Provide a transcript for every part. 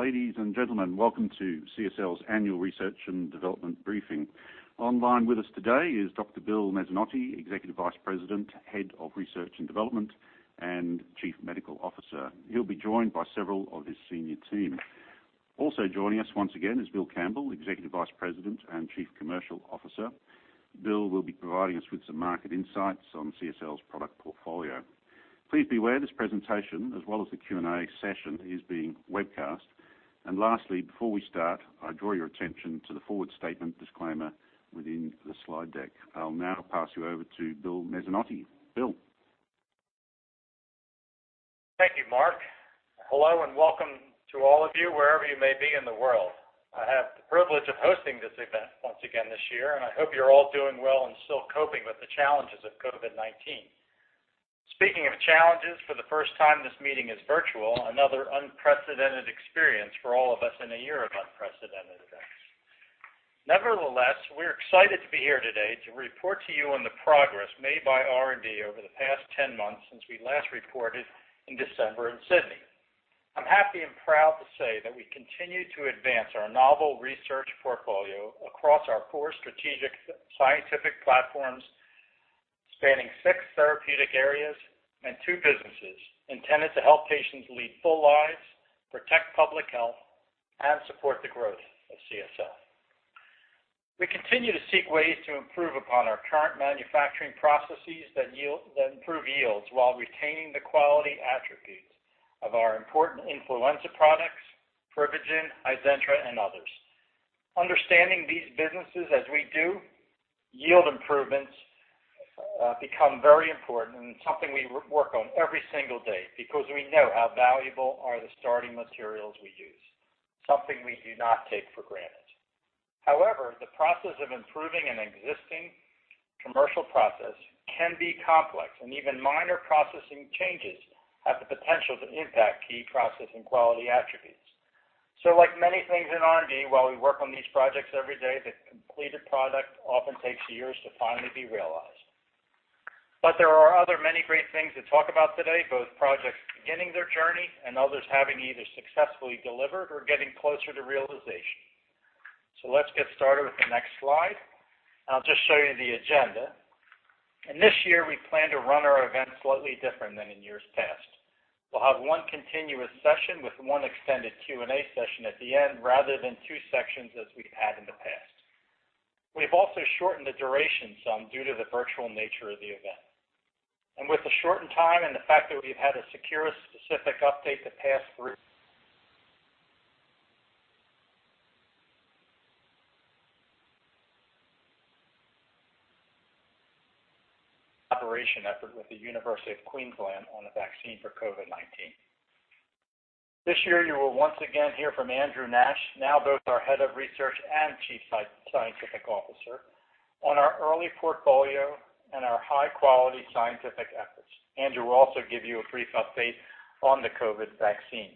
Ladies and gentlemen, welcome to CSL's Annual Research and Development Briefing. Online with us today is Dr. Bill Mezzanotte, Executive Vice President, Head of Research and Development, and Chief Medical Officer. He'll be joined by several of his senior team. Also joining us once again is Bill Campbell, Executive Vice President and Chief Commercial Officer. Bill will be providing us with some market insights on CSL's product portfolio. Please be aware this presentation, as well as the Q&A session, is being webcast. Lastly, before we start, I draw your attention to the forward statement disclaimer within the slide deck. I'll now pass you over to Bill Mezzanotte. Bill? Thank you, Mark. Hello and welcome to all of you, wherever you may be in the world. I have the privilege of hosting this event once again this year, and I hope you're all doing well and still coping with the challenges of COVID-19. Speaking of challenges, for the first time, this meeting is virtual, another unprecedented experience for all of us in a year of unprecedented events. Nevertheless, we're excited to be here today to report to you on the progress made by R&D over the past 10 months since we last reported in December in Sydney. I'm happy and proud to say that we continue to advance our novel research portfolio across our core strategic scientific platforms, spanning six therapeutic areas and two businesses intended to help patients lead full lives, protect public health, and support the growth of CSL. We continue to seek ways to improve upon our current manufacturing processes that improve yields while retaining the quality attributes of our important influenza products, PRIVIGEN, HIZENTRA, and others. Understanding these businesses as we do, yield improvements become very important and something we work on every single day because we know how valuable are the starting materials we use, something we do not take for granted. The process of improving an existing commercial process can be complex, and even minor processing changes have the potential to impact key processing quality attributes. Like many things in R&D, while we work on these projects every day, the completed product often takes years to finally be realized. There are other many great things to talk about today, both projects beginning their journey and others having either successfully delivered or getting closer to realization. Let's get started with the next slide. I'll just show you the agenda. This year, we plan to run our event slightly different than in years past. We'll have one continuous session with one extended Q&A session at the end, rather than two sections as we've had in the past. We've also shortened the duration some due to the virtual nature of the event. With the shortened time and the fact that we've had a Seqirus specific update to pass through collaboration effort with the University of Queensland on a vaccine for COVID-19. This year, you will once again hear from Andrew Nash, now both our Head of Research and Chief Scientific Officer, on our early portfolio and our high-quality scientific efforts. Andrew will also give you a brief update on the COVID vaccine.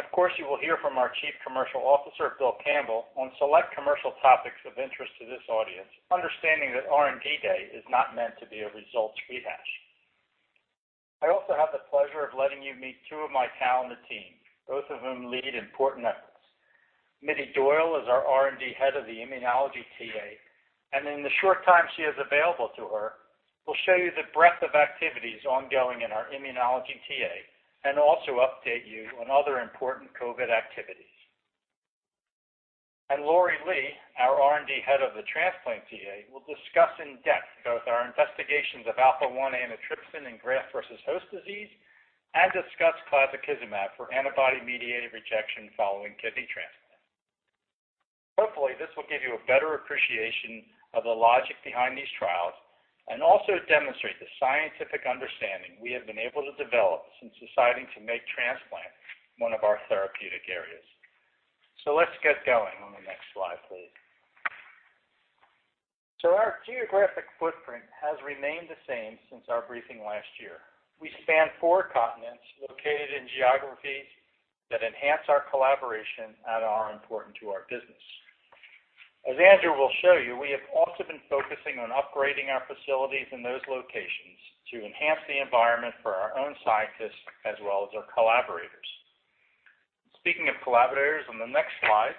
Of course, you will hear from our Chief Commercial Officer, Bill Campbell, on select commercial topics of interest to this audience, understanding that R&D Day is not meant to be a results rehash. I also have the pleasure of letting you meet two of my talented team, both of whom lead important efforts. Mittie Doyle is our R&D Head of the Immunology TA, and in the short time she has available to her, will show you the breadth of activities ongoing in our Immunology TA and also update you on other important COVID activities. Laurie Lee, our R&D Head of the Transplant TA, will discuss in depth both our investigations of alpha-1 antitrypsin and Graft-Versus-Host-Disease and discuss clazakizumab for antibody-mediated rejection following kidney transplant. Hopefully, this will give you a better appreciation of the logic behind these trials and also demonstrate the scientific understanding we have been able to develop since deciding to make transplant one of our therapeutic areas. Let's get going on the next slide, please. Our geographic footprint has remained the same since our briefing last year. We span four continents located in geographies that enhance our collaboration and are important to our business. As Andrew will show you, we have also been focusing on upgrading our facilities in those locations to enhance the environment for our own scientists as well as our collaborators. Speaking of collaborators, on the next slide,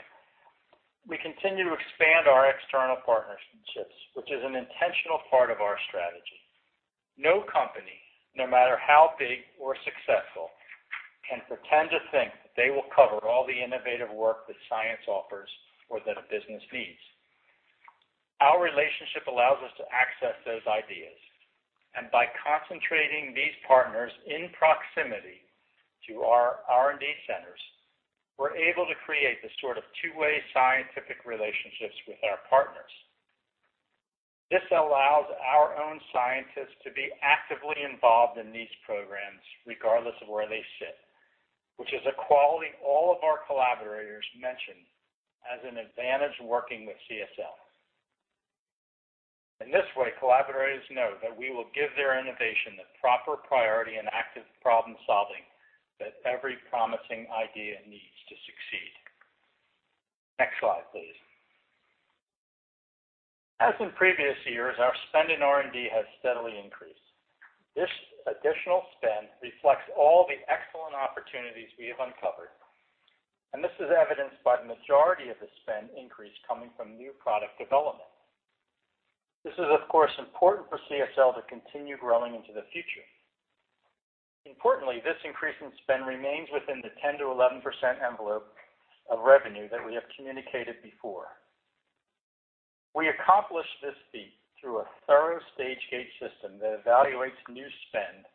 we continue to expand our external partnerships, which is an intentional part of our strategy. No company, no matter how big or successful, can pretend to think they will cover all the innovative work that science offers or that a business needs. Our relationship allows us to access those ideas, and by concentrating these partners in proximity to our R&D centers, we're able to create the sort of two-way scientific relationships with our partners. This allows our own scientists to be actively involved in these programs regardless of where they sit, which is a quality all of our collaborators mention as an advantage working with CSL. In this way, collaborators know that we will give their innovation the proper priority and active problem-solving that every promising idea needs to succeed. Next slide, please. As in previous years, our spend in R&D has steadily increased. This additional spend reflects all the excellent opportunities we have uncovered. This is evidenced by the majority of the spend increase coming from new product development. This is, of course, important for CSL to continue growing into the future. Importantly, this increase in spend remains within the 10%-11% envelope of revenue that we have communicated before. We accomplish this feat through a thorough stage gate system that evaluates new spend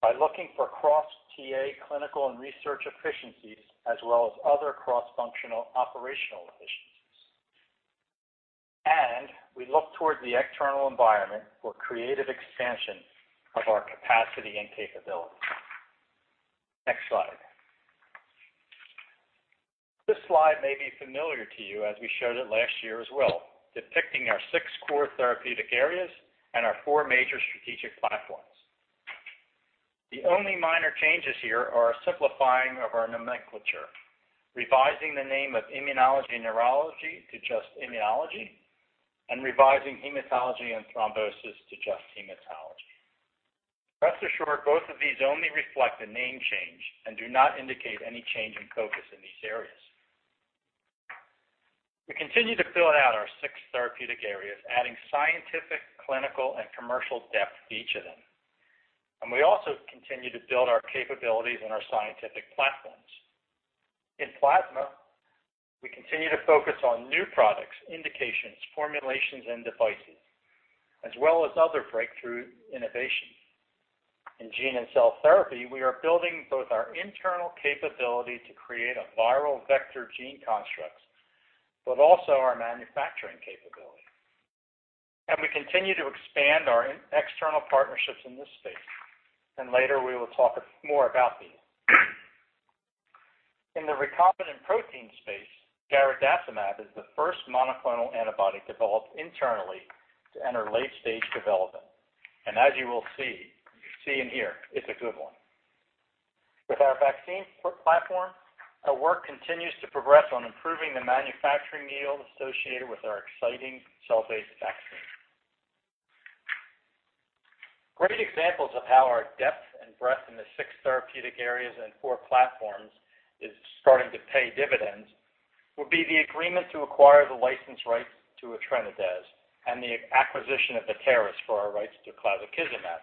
by looking for cross TA clinical and research efficiencies, as well as other cross-functional operational efficiencies. We look toward the external environment for creative expansion of our capacity and capability. Next slide. This slide may be familiar to you as we showed it last year as well, depicting our six core therapeutic areas and our four major strategic platforms. The only minor changes here are a simplifying of our nomenclature, revising the name of Immunology and Neurology to just Immunology, and revising Hematology and Thrombosis to just Hematology. Rest assured, both of these only reflect a name change and do not indicate any change in focus in these areas. We continue to build out our six therapeutic areas, adding scientific, clinical, and commercial depth to each of them, and we also continue to build our capabilities in our scientific platforms. In plasma, we continue to focus on new products, indications, formulations, and devices, as well as other breakthrough innovations. In gene and cell therapy, we are building both our internal capability to create a viral vector gene constructs, but also our manufacturing capability. We continue to expand our external partnerships in this space, and later we will talk more about these. In the recombinant protein space, garadacimab is the first monoclonal antibody developed internally to enter late-stage development. As you will see and hear, it's a good one. With our vaccine platform, our work continues to progress on improving the manufacturing yield associated with our exciting cell-based vaccine. Great examples of how our depth and breadth in the six therapeutic areas and four platforms is starting to pay dividends would be the agreement to acquire the license rights to etranacogene dezaparvovec and the acquisition of Vitaeris for our rights to clazakizumab.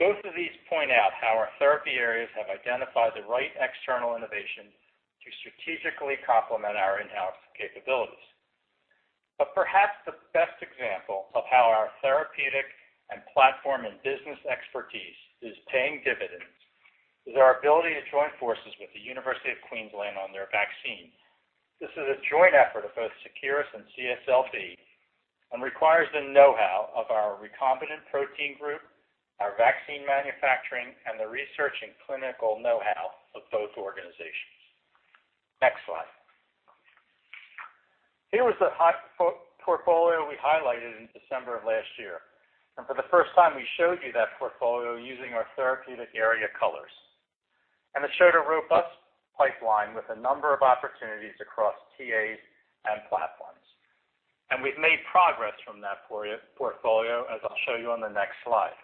Both of these point out how our therapy areas have identified the right external innovation to strategically complement our in-house capabilities. Perhaps the best example of how our therapeutic and platform and business expertise is paying dividends is our ability to join forces with the University of Queensland on their vaccine. This is a joint effort of both Seqirus and CSL and requires the know-how of our recombinant protein group, our vaccine manufacturing, the research and clinical know-how of both organizations. Next slide. Here was the portfolio we highlighted in December of last year. For the first time, we showed you that portfolio using our therapeutic area colors. It showed a robust pipeline with a number of opportunities across TAs and platforms. We've made progress from that portfolio, as I'll show you on the next slide.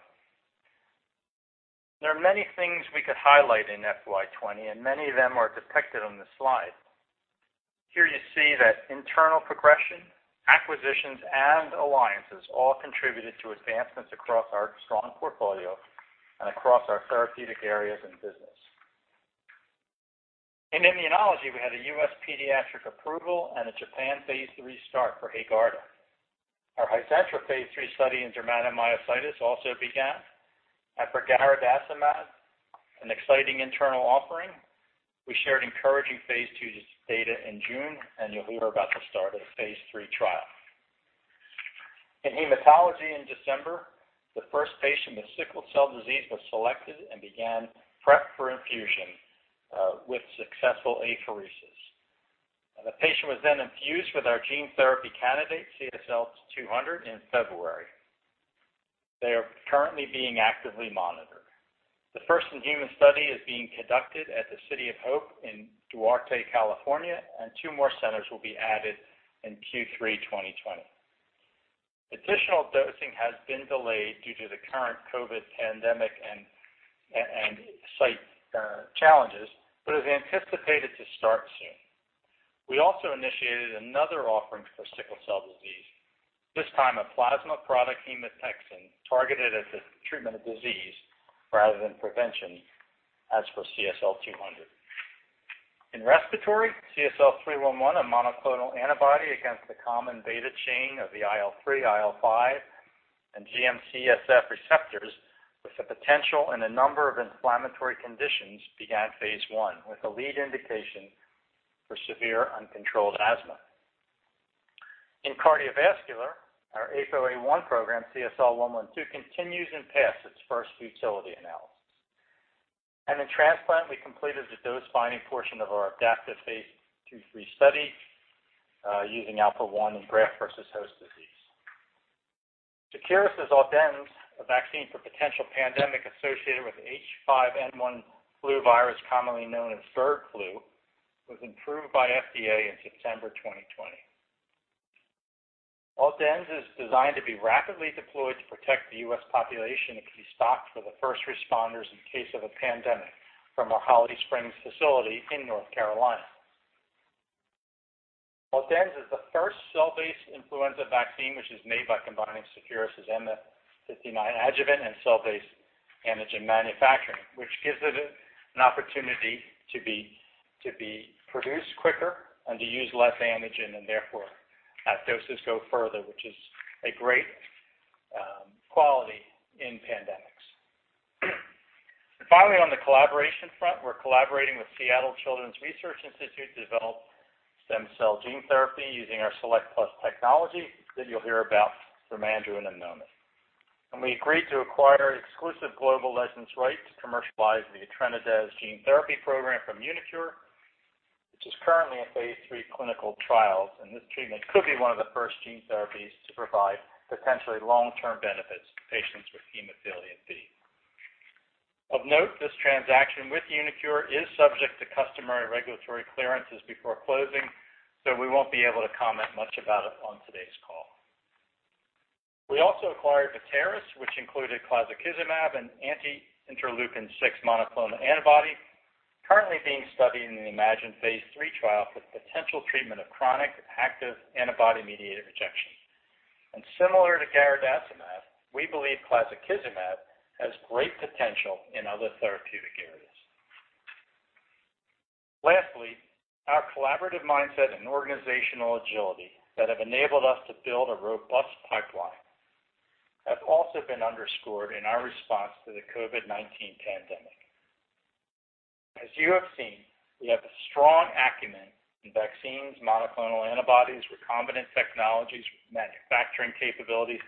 There are many things we could highlight in FY 2020. Many of them are depicted on this slide. Here you see that internal progression, acquisitions, alliances all contributed to advancements across our strong portfolio across our therapeutic areas and business. In Immunology, we had a U.S. pediatric approval and a Japan phase III start for HAEGARDA. Our HIZENTRA phase III study in dermatomyositis also began. For garadacimab, an exciting internal offering, we shared encouraging phase II data in June, and you'll hear about the start of the phase III trial. In Hematology in December, the first patient with sickle cell disease was selected and began prep for infusion, with successful apheresis. The patient was then infused with our gene therapy candidate, CSL200, in February. They are currently being actively monitored. The first in-human study is being conducted at the City of Hope in Duarte, California, and two more centers will be added in Q3 2020. Additional dosing has been delayed due to the current COVID pandemic and site challenges but is anticipated to start soon. We also initiated another offering for sickle cell disease, this time a plasma product, hemopexin, targeted at the treatment of disease rather than prevention, as for CSL200. In Respiratory, CSL311, a monoclonal antibody against the common beta chain of the IL-3, IL-5, and GM-CSF receptors with a potential in a number of inflammatory conditions, began phase I with a lead indication for severe uncontrolled asthma. In Cardiovascular, our ApoA-I program, CSL112, continues and passed its first utility analysis. In transplant, we completed the dose-finding portion of our adaptive phase II/phase III study, using alpha-1 antitrypsin in Graft-versus-Host Disease. Seqirus' AUDENZ, a vaccine for potential pandemic associated with H5N1 flu virus, commonly known as bird flu, was approved by FDA in September 2020. AUDENZ is designed to be rapidly deployed to protect the U.S. population and can be stocked for the first responders in case of a pandemic from our Holly Springs facility in North Carolina. AUDENZ is the first cell-based influenza vaccine, which is made by combining Seqirus' MF59 adjuvant and cell-based antigen manufacturing, which gives it an opportunity to be produced quicker and to use less antigen and therefore, doses go further, which is a great quality in pandemics. Finally, on the collaboration front, we're collaborating with Seattle Children's Research Institute to develop stem cell gene therapy using our Select+ technology that you'll hear about from Andrew. [inaudible] We agreed to acquire exclusive global license right to commercialize the etranacogene dezaparvovec gene therapy program from uniQure, which is currently in phase III clinical trials, and this treatment could be one of the first gene therapies to provide potentially long-term benefits to patients with hemophilia B. Of note, this transaction with uniQure is subject to customary regulatory clearances before closing, so we won't be able to comment much about it on today's call. We also acquired Vitaeris, which included clazakizumab, an anti-interleukin-6 monoclonal antibody currently being studied in the IMAGINE Phase III trial for the potential treatment of chronic active antibody-mediated rejection. Similar to garadacimab, we believe clazakizumab has great potential in other therapeutic areas. Lastly, our collaborative mindset and organizational agility that have enabled us to build a robust pipeline have also been underscored in our response to the COVID-19 pandemic. As you have seen, we have a strong acumen in vaccines, monoclonal antibodies, recombinant technologies, manufacturing capabilities,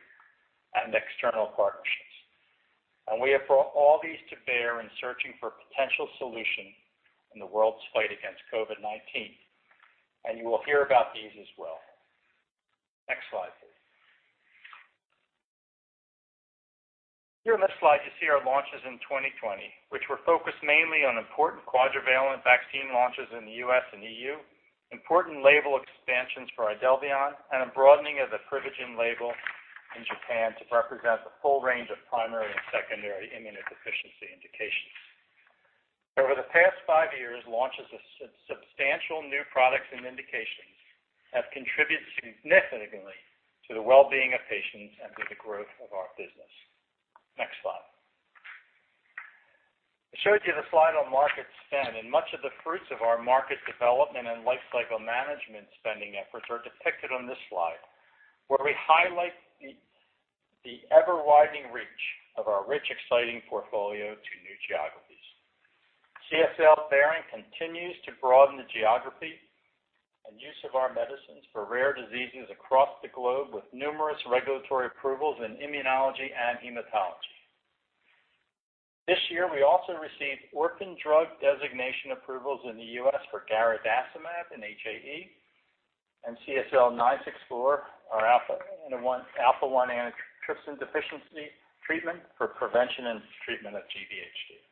and external partnerships. We have brought all these to bear in searching for potential solutions in the world's fight against COVID-19. You will hear about these as well. Next slide, please. Here in this slide, you see our launches in 2020, which were focused mainly on important quadrivalent vaccine launches in the U.S. and EU, important label expansions for IDELVION, and a broadening of the PRIVIGEN label in Japan to represent the full range of primary and secondary immunodeficiency indications. Over the past five years, launches of substantial new products and indications have contributed significantly to the well-being of patients and to the growth of our business. Next slide. I showed you the slide on market spend. Much of the fruits of our market development and life cycle management spending efforts are depicted on this slide, where we highlight the ever-widening reach of our rich, exciting portfolio to new geographies. CSL Behring continues to broaden the geography and use of our medicines for rare diseases across the globe, with numerous regulatory approvals in immunology and hematology. This year, we also received orphan drug designation approvals in the U.S. for garadacimab in HAE and CSL964, our alpha-1 antitrypsin deficiency treatment for prevention and treatment of GvHD.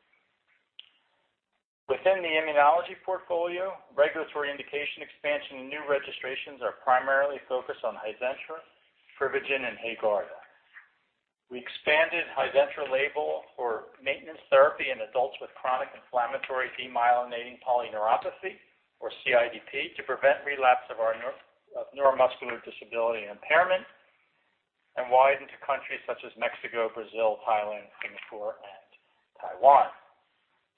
Within the immunology portfolio, regulatory indication expansion and new registrations are primarily focused on HIZENTRA, PRIVIGEN, and HAEGARDA. We expanded HIZENTRA label for maintenance therapy in adults with chronic inflammatory demyelinating polyneuropathy, or CIDP, to prevent relapse of neuromuscular disability impairment and widened to countries such as Mexico, Brazil, Thailand, Singapore, and Taiwan.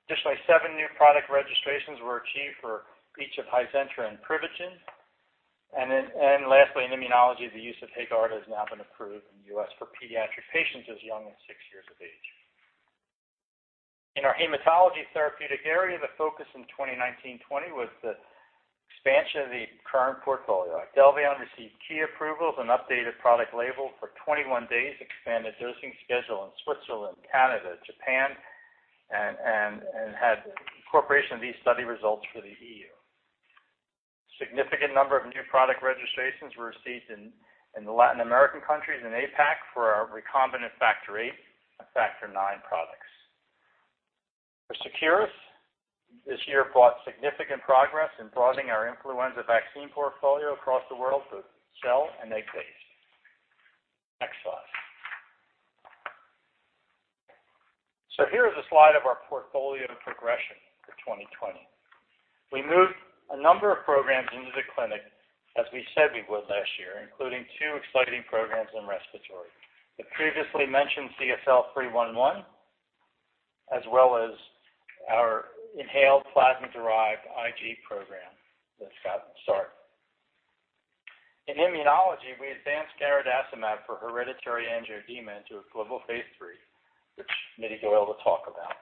Additionally, seven new product registrations were achieved for each of HIZENTRA and PRIVIGEN. Lastly, in immunology, the use of HAEGARDA has now been approved in the U.S. for pediatric patients as young as six years of age. In our hematology therapeutic area, the focus in 2019-20 was the expansion of the current portfolio. IDELVION received key approvals, an updated product label for 21 days, expanded dosing schedule in Switzerland, Canada, Japan, and had incorporation of these study results for the EU. Significant number of new product registrations were received in the Latin American countries and APAC for our recombinant Factor VIII and Factor IX products. For Seqirus, this year brought significant progress in broadening our influenza vaccine portfolio across the world of cell- and egg-based. Next slide. Here is a slide of our portfolio progression for 2020. We moved a number of programs into the clinic, as we said we would last year, including two exciting programs in respiratory. The previously mentioned CSL311, as well as our inhaled plasma-derived IG program that's got a start. In immunology, we advanced garadacimab for hereditary angioedema into a global phase III, which Mittie will be able to talk about,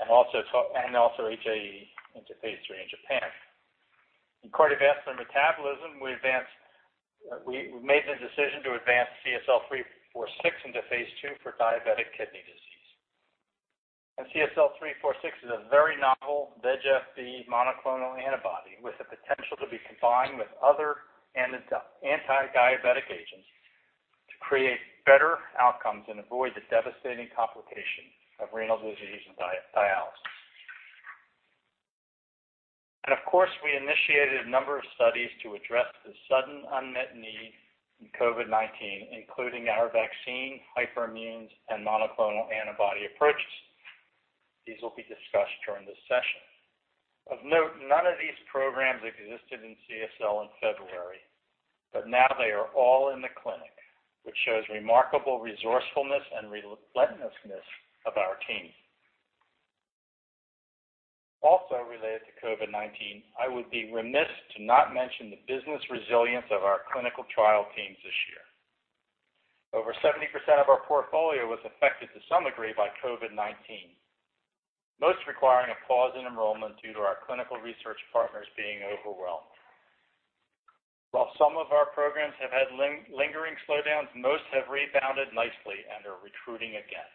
and also HAE into phase III in Japan. In cardiovascular metabolism, we made the decision to advance CSL346 into phase II for diabetic kidney disease. CSL346 is a very novel VEGF-B monoclonal antibody with the potential to be combined with other anti-diabetic agents to create better outcomes and avoid the devastating complication of renal disease and dialysis. Of course, we initiated a number of studies to address the sudden unmet need in COVID-19, including our vaccine, hyperimmunes, and monoclonal antibody approaches. These will be discussed during this session. Of note, none of these programs existed in CSL in February, but now they are all in the clinic, which shows remarkable resourcefulness and relentlessness of our team. Also related to COVID-19, I would be remiss to not mention the business resilience of our clinical trial teams this year. Over 70% of our portfolio was affected to some degree by COVID-19, most requiring a pause in enrollment due to our clinical research partners being overwhelmed. While some of our programs have had lingering slowdowns, most have rebounded nicely and are recruiting again.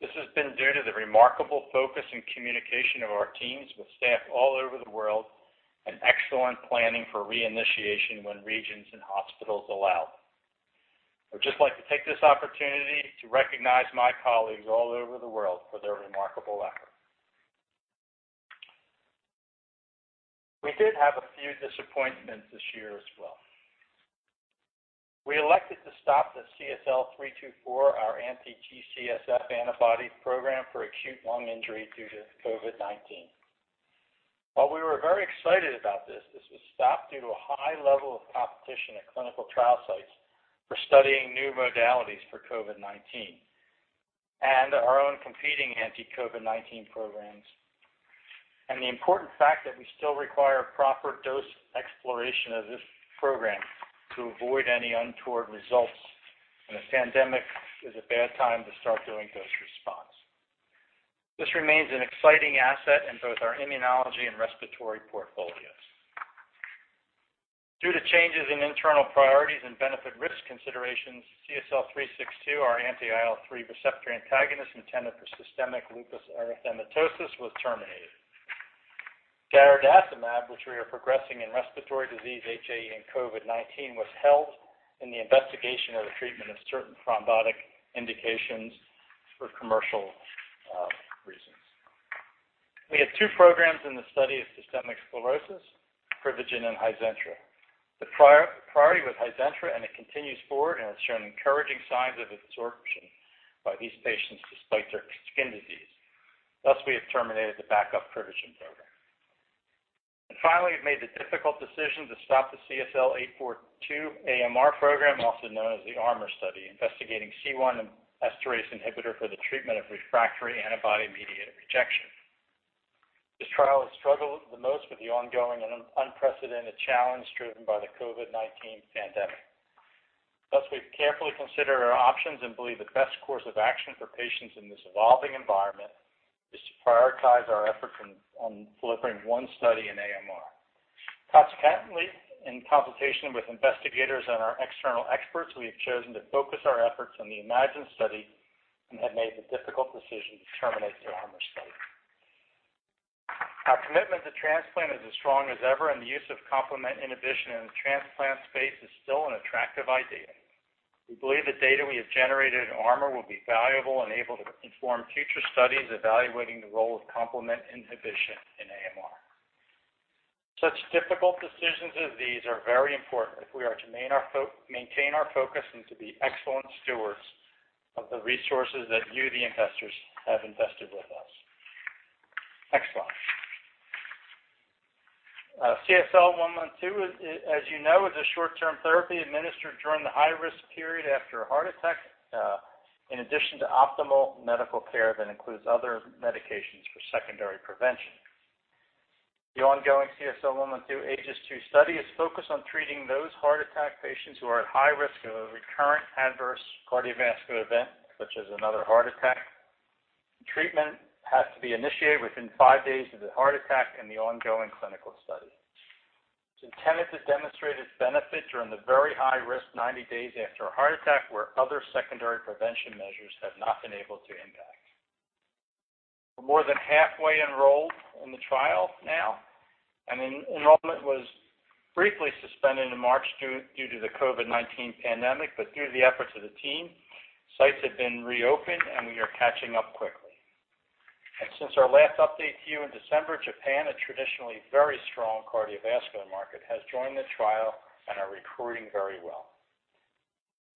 This has been due to the remarkable focus and communication of our teams with staff all over the world and excellent planning for reinitiation when regions and hospitals allow. I would just like to take this opportunity to recognize my colleagues all over the world for their remarkable effort. We did have a few disappointments this year as well. We elected to stop the CSL324, our anti-G-CSF antibody program for acute lung injury due to COVID-19. While we were very excited about this was stopped due to a high level of competition at clinical trial sites for studying new modalities for COVID-19, and our own competing anti-COVID-19 programs, and the important fact that we still require proper dose exploration of this program to avoid any untoward results, and a pandemic is a bad time to start doing dose response. This remains an exciting asset in both our immunology and respiratory portfolios. Due to changes in internal priorities and benefit/risk considerations, CSL362, our anti-IL-3 receptor antagonist intended for systemic lupus erythematosus, was terminated. garadacimab, which we are progressing in respiratory disease, HAE, and COVID-19, was held in the investigation of the treatment of certain thrombotic indications for commercial reasons. We have two programs in the study of systemic sclerosis, PRIVIGEN and HIZENTRA. The priority was HIZENTRA. It continues forward and has shown encouraging signs of absorption by these patients despite their skin disease. We have terminated the backup Privigen program. Finally, we've made the difficult decision to stop the CSL842 AMR program, also known as the ARMOR study, investigating C1 esterase inhibitor for the treatment of refractory antibody-mediated rejection. This trial has struggled the most with the ongoing and unprecedented challenge driven by the COVID-19 pandemic. We've carefully considered our options and believe the best course of action for patients in this evolving environment is to prioritize our efforts on delivering one study in AMR. In consultation with investigators and our external experts, we have chosen to focus our efforts on the IMAGINE study and have made the difficult decision to terminate the ARMOR study. Our commitment to transplant is as strong as ever, and the use of complement inhibition in the transplant space is still an attractive idea. We believe the data we have generated in ARMOR will be valuable and able to inform future studies evaluating the role of complement inhibition in AMR. Such difficult decisions as these are very important if we are to maintain our focus and to be excellent stewards of the resources that you, the investors, have invested with us. Next slide. CSL112, as you know, is a short-term therapy administered during the high-risk period after a heart attack, in addition to optimal medical care that includes other medications for secondary prevention. The ongoing CSL112 AEGIS-II study is focused on treating those heart attack patients who are at high risk of a recurrent adverse cardiovascular event, such as another heart attack. Treatment has to be initiated within five days of the heart attack in the ongoing clinical study. It's intended to demonstrate its benefit during the very high-risk 90 days after a heart attack, where other secondary prevention measures have not been able to impact. We're more than halfway enrolled in the trial now. Enrollment was briefly suspended in March due to the COVID-19 pandemic. Through the efforts of the team, sites have been reopened. We are catching up quickly. Since our last update to you in December, Japan, a traditionally very strong cardiovascular market, has joined the trial and are recruiting very well.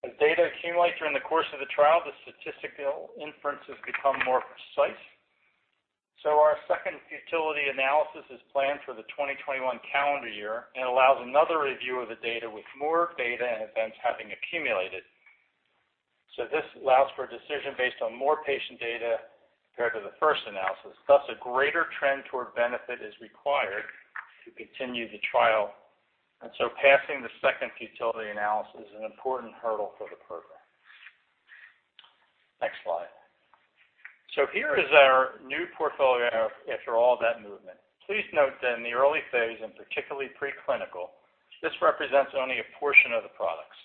As data accumulate during the course of the trial, the statistical inferences become more precise. Our second futility analysis is planned for the 2021 calendar year and allows another review of the data with more data and events having accumulated. This allows for a decision based on more patient data compared to the first analysis. A greater trend toward benefit is required to continue the trial, passing the second futility analysis is an important hurdle for the program. Next slide. Here is our new portfolio after all that movement. Please note that in the early phase, and particularly preclinical, this represents only a portion of the products.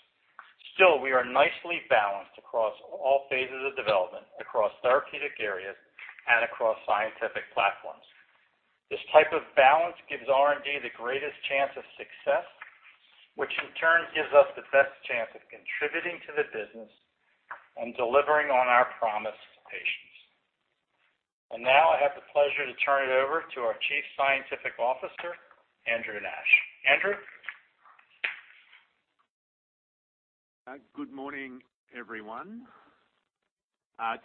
Still, we are nicely balanced across all phases of development, across therapeutic areas, and across scientific platforms. This type of balance gives R&D the greatest chance of success, which in turn gives us the best chance of contributing to the business and delivering on our promise to patients. Now I have the pleasure to turn it over to our Chief Scientific Officer, Andrew Nash. Andrew? Good morning, everyone.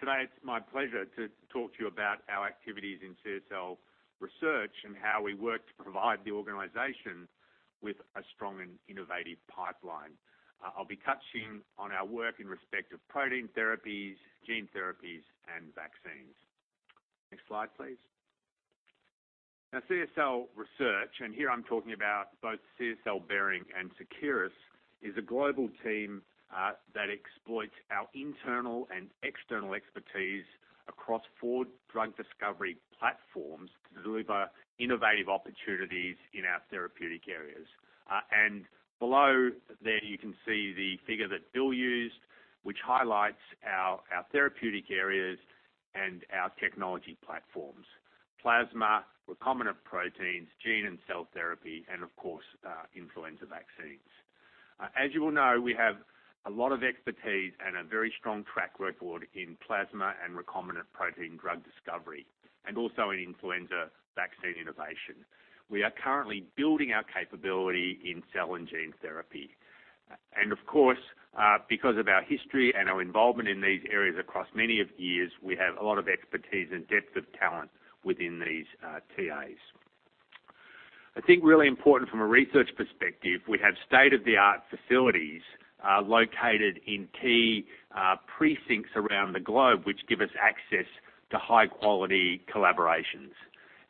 Today it's my pleasure to talk to you about our activities in CSL Research, and how we work to provide the organization with a strong and innovative pipeline. I'll be touching on our work in respect of protein therapies, gene therapies, and vaccines. Next slide, please. CSL Research, and here I'm talking about both CSL Behring and Seqirus, is a global team that exploits our internal and external expertise across four drug discovery platforms to deliver innovative opportunities in our therapeutic areas. Below there you can see the figure that Bill used, which highlights our therapeutic areas and our technology platforms. Plasma, recombinant proteins, gene and cell therapy, and of course, influenza vaccines. As you all know, we have a lot of expertise and a very strong track record in plasma and recombinant protein drug discovery, and also in influenza vaccine innovation. We are currently building our capability in cell and gene therapy. Of course, because of our history and our involvement in these areas across many of years, we have a lot of expertise and depth of talent within these TAs. I think really important from a research perspective, we have state-of-the-art facilities located in key precincts around the globe, which give us access to high-quality collaborations.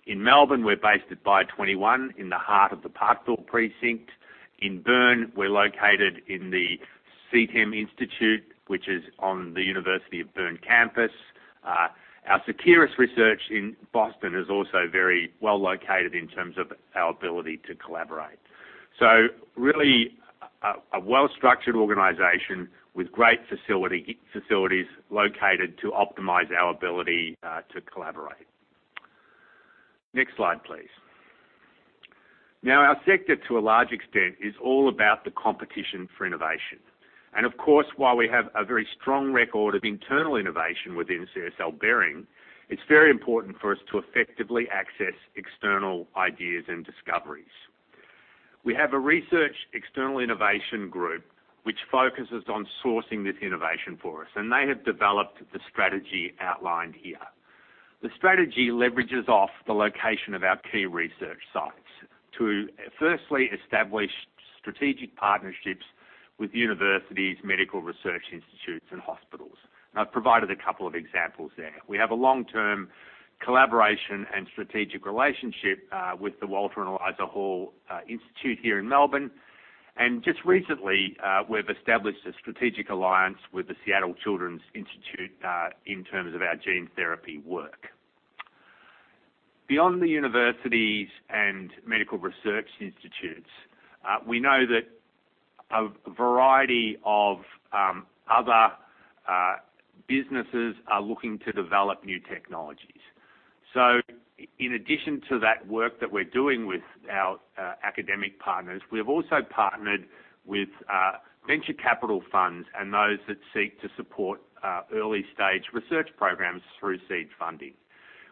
In Melbourne, we're based at Bio21 in the heart of the Parkville precinct. In Bern, we're located in the sitem-insel, which is on the University of Bern campus. Our Seqirus research in Boston is also very well located in terms of our ability to collaborate. Really, a well-structured organization with great facilities located to optimize our ability to collaborate. Next slide, please. Our sector, to a large extent, is all about the competition for innovation. Of course, while we have a very strong record of internal innovation within CSL Behring, it's very important for us to effectively access external ideas and discoveries. We have a research external innovation group which focuses on sourcing this innovation for us, and they have developed the strategy outlined here. The strategy leverages off the location of our key research sites to firstly establish strategic partnerships with universities, medical research institutes, and hospitals. I've provided a couple of examples there. We have a long-term collaboration and strategic relationship with the Walter and Eliza Hall Institute here in Melbourne, and just recently, we've established a strategic alliance with the Seattle Children's Research Institute in terms of our gene therapy work. Beyond the universities and medical research institutes, we know that a variety of other businesses are looking to develop new technologies. In addition to that work that we're doing with our academic partners, we've also partnered with venture capital funds and those that seek to support early-stage research programs through seed funding.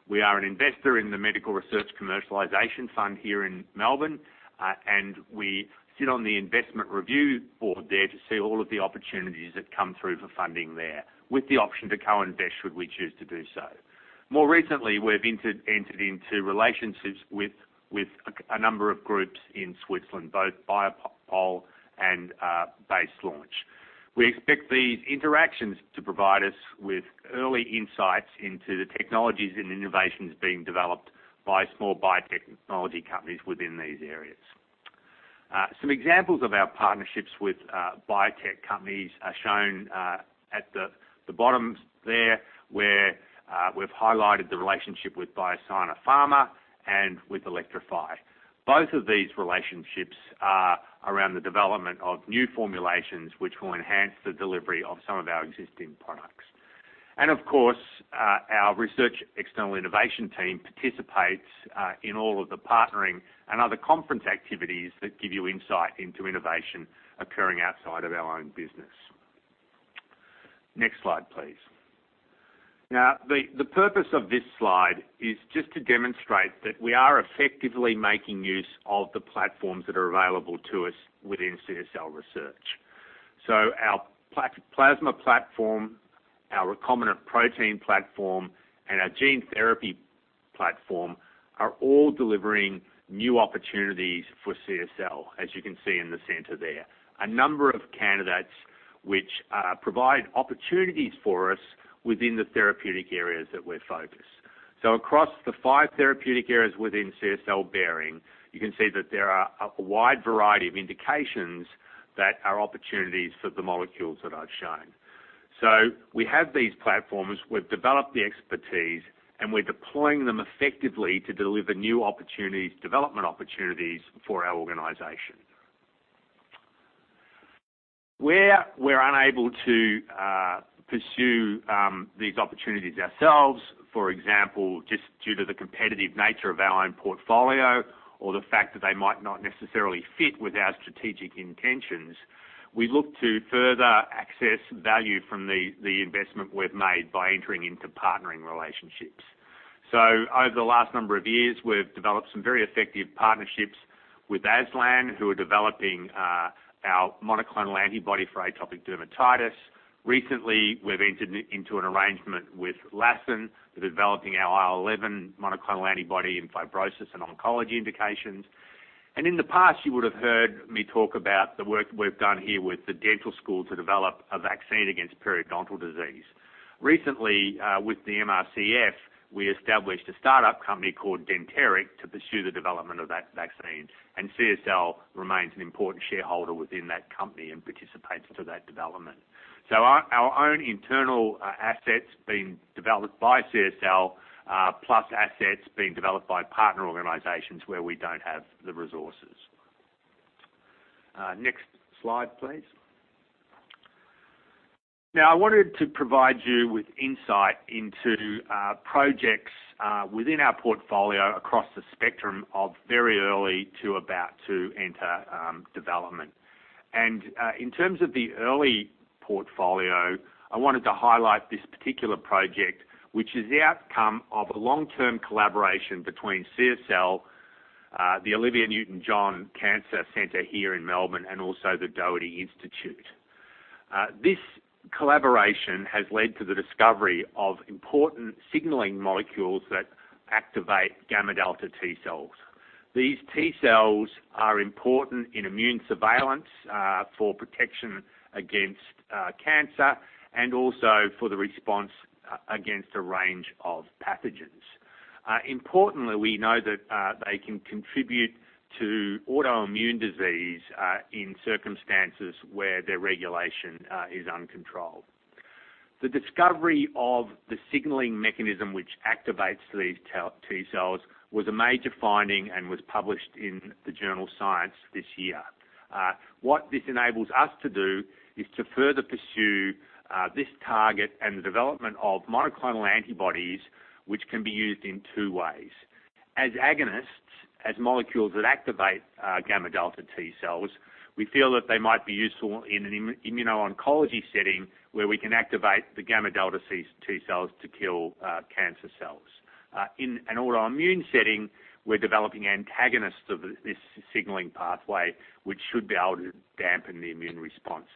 We are an investor in the Medical Research Commercialisation Fund here in Melbourne, and we sit on the investment review board there to see all of the opportunities that come through for funding there, with the option to co-invest, should we choose to do so. More recently, we've entered into relationships with a number of groups in Switzerland, both Biopôlee and BaseLaunch. We expect these interactions to provide us with early insights into the technologies and innovations being developed by small biotech technology companies within these areas. Some examples of our partnerships with biotech companies are shown at the bottom there, where we've highlighted the relationship with Biosynex Pharma and with Electrofi. Both of these relationships are around the development of new formulations, which will enhance the delivery of some of our existing products. Of course, our research external innovation team participates in all of the partnering and other conference activities that give you insight into innovation occurring outside of our own business. Next slide, please. The purpose of this slide is just to demonstrate that we are effectively making use of the platforms that are available to us within CSL Research. Our plasma platform, our recombinant protein platform, and our gene therapy platform are all delivering new opportunities for CSL, as you can see in the center there. A number of candidates which provide opportunities for us within the therapeutic areas that we're focused. Across the five therapeutic areas within CSL Behring, you can see that there are a wide variety of indications that are opportunities for the molecules that I've shown. We have these platforms, we've developed the expertise, and we're deploying them effectively to deliver new development opportunities for our organization. Where we're unable to pursue these opportunities ourselves, for example, just due to the competitive nature of our own portfolio or the fact that they might not necessarily fit with our strategic intentions, we look to further access value from the investment we've made by entering into partnering relationships. Over the last number of years, we've developed some very effective partnerships with ASLAN, who are developing our monoclonal antibody for atopic dermatitis. Recently, we've entered into an arrangement with Lassen. We're developing our IL-11 monoclonal antibody in fibrosis and oncology indications. In the past, you would've heard me talk about the work we've done here with the dental school to develop a vaccine against periodontal disease. Recently, with the MRCF, we established a startup company called Denteric to pursue the development of that vaccine, and CSL remains an important shareholder within that company and participates to that development. Our own internal assets being developed by CSL, plus assets being developed by partner organizations where we don't have the resources. Next slide, please. I wanted to provide you with insight into projects within our portfolio across the spectrum of very early to about to enter development. In terms of the early portfolio, I wanted to highlight this particular project, which is the outcome of a long-term collaboration between CSL, the Olivia Newton-John Cancer Research Institute here in Melbourne, and also the Doherty Institute. This collaboration has led to the discovery of important signaling molecules that activate gamma delta T-cells. These T-cells are important in immune surveillance, for protection against cancer, and also for the response against a range of pathogens. Importantly, we know that they can contribute to autoimmune disease in circumstances where their regulation is uncontrolled. The discovery of the signaling mechanism which activates these T-cells was a major finding and was published in the journal "Science" this year. What this enables us to do is to further pursue this target and the development of monoclonal antibodies, which can be used in two ways. As agonists, as molecules that activate gamma delta T-cells, we feel that they might be useful in an immuno-oncology setting where we can activate the gamma delta T-cells to kill cancer cells. In an autoimmune setting, we're developing antagonists of this signaling pathway, which should be able to dampen the immune response.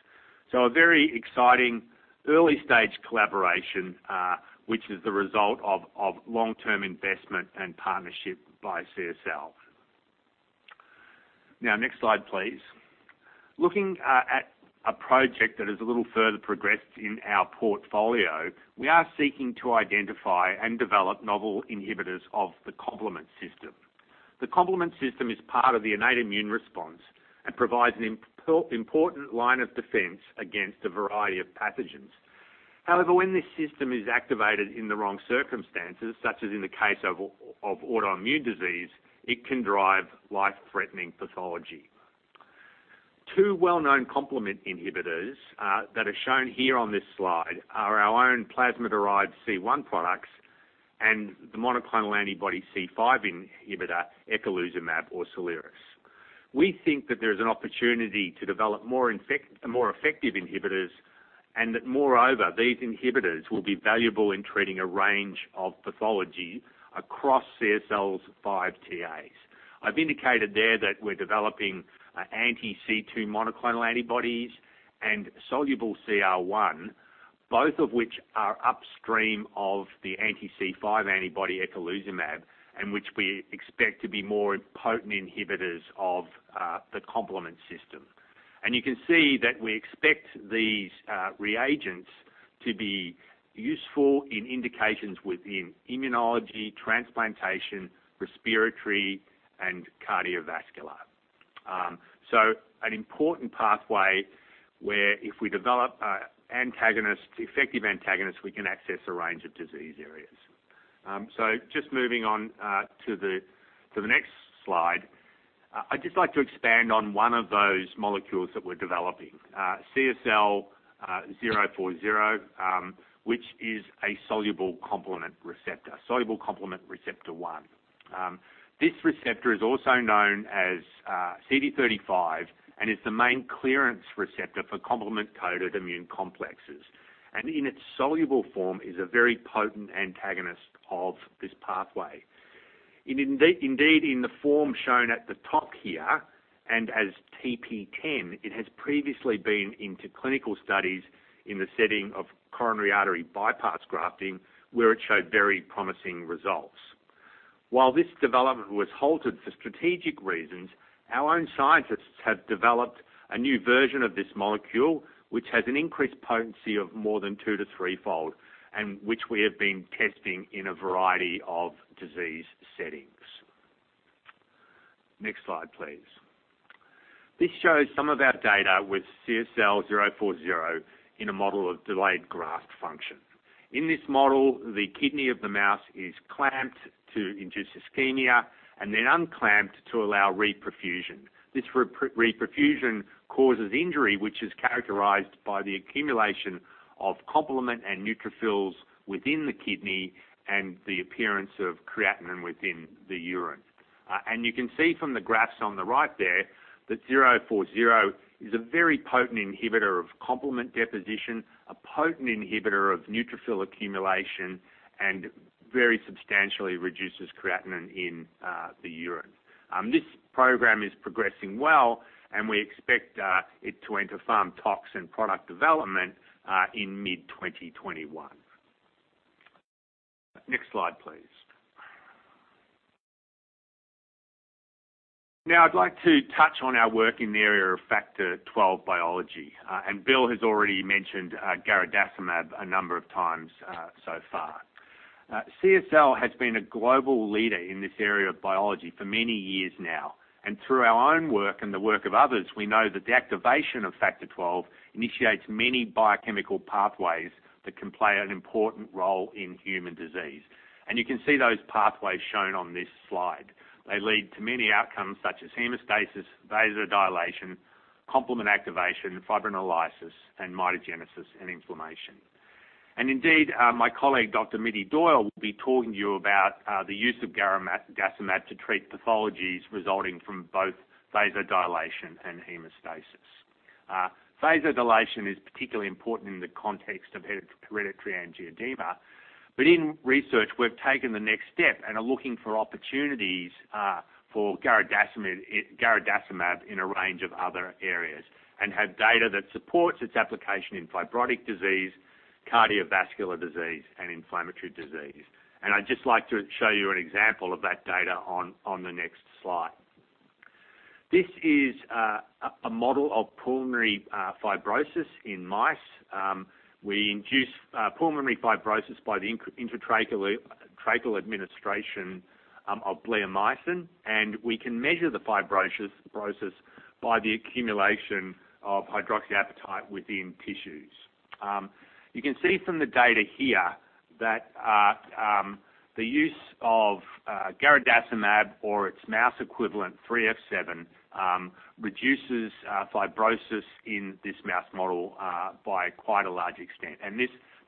A very exciting early-stage collaboration, which is the result of long-term investment and partnership by CSL. Next slide, please. Looking at a project that is a little further progressed in our portfolio, we are seeking to identify and develop novel inhibitors of the complement system. The complement system is part of the innate immune response and provides an important line of defense against a variety of pathogens. When this system is activated in the wrong circumstances, such as in the case of autoimmune disease, it can drive life-threatening pathology. Two well-known complement inhibitors that are shown here on this slide are our own plasma-derived C1 products and the monoclonal antibody C5 inhibitor, eculizumab or Soliris. We think that there's an opportunity to develop more effective inhibitors and that moreover, these inhibitors will be valuable in treating a range of pathologies across CSL's five TAs. I've indicated there that we're developing anti-C2 monoclonal antibodies and soluble CR1, both of which are upstream of the anti-C5 antibody eculizumab, and which we expect to be more potent inhibitors of the complement system. You can see that we expect these reagents to be useful in indications within immunology, transplantation, respiratory, and cardiovascular. An important pathway where if we develop effective antagonists, we can access a range of disease areas. Just moving on to the next slide. I'd just like to expand on one of those molecules that we're developing. CSL040, which is a soluble complement receptor, soluble complement receptor 1. This receptor is also known as CD35 and is the main clearance receptor for complement-coated immune complexes. In its soluble form is a very potent antagonist of this pathway. Indeed in the form shown at the top here, and as TP10, it has previously been into clinical studies in the setting of coronary artery bypass grafting, where it showed very promising results. While this development was halted for strategic reasons, our own scientists have developed a new version of this molecule, which has an increased potency of more than two to threefold, and which we have been testing in a variety of disease settings. Next slide, please. This shows some of our data with CSL040 in a model of delayed graft function. In this model, the kidney of the mouse is clamped to induce ischemia and then unclamped to allow reperfusion. This reperfusion causes injury, which is characterized by the accumulation of complement and neutrophils within the kidney and the appearance of creatinine within the urine. You can see from the graphs on the right there that CSL040 is a very potent inhibitor of complement deposition, a potent inhibitor of neutrophil accumulation, and very substantially reduces creatinine in the urine. This program is progressing well, and we expect it to enter pharm tox and product development in mid-2021. Next slide, please. Now I'd like to touch on our work in the area of Factor XII biology. Bill has already mentioned garadacimab a number of times so far. CSL has been a global leader in this area of biology for many years now, through our own work and the work of others, we know that the activation of Factor XII initiates many biochemical pathways that can play an important role in human disease. You can see those pathways shown on this slide. They lead to many outcomes such as hemostasis, vasodilation, complement activation, fibrinolysis, and mitogenesis and inflammation. Indeed, my colleague, Dr. Mittie Doyle, will be talking to you about the use of garadacimab to treat pathologies resulting from both vasodilation and hemostasis. Vasodilation is particularly important in the context of hereditary angioedema, but in research, we've taken the next step and are looking for opportunities for garadacimab in a range of other areas, have data that supports its application in fibrotic disease, cardiovascular disease, and inflammatory disease. I'd just like to show you an example of that data on the next slide. This is a model of pulmonary fibrosis in mice. We induce pulmonary fibrosis by the intratracheal administration of bleomycin, and we can measure the fibrosis process by the accumulation of hydroxyproline within tissues. You can see from the data here that the use of garadacimab or its mouse equivalent, 3F7, reduces fibrosis in this mouse model by quite a large extent.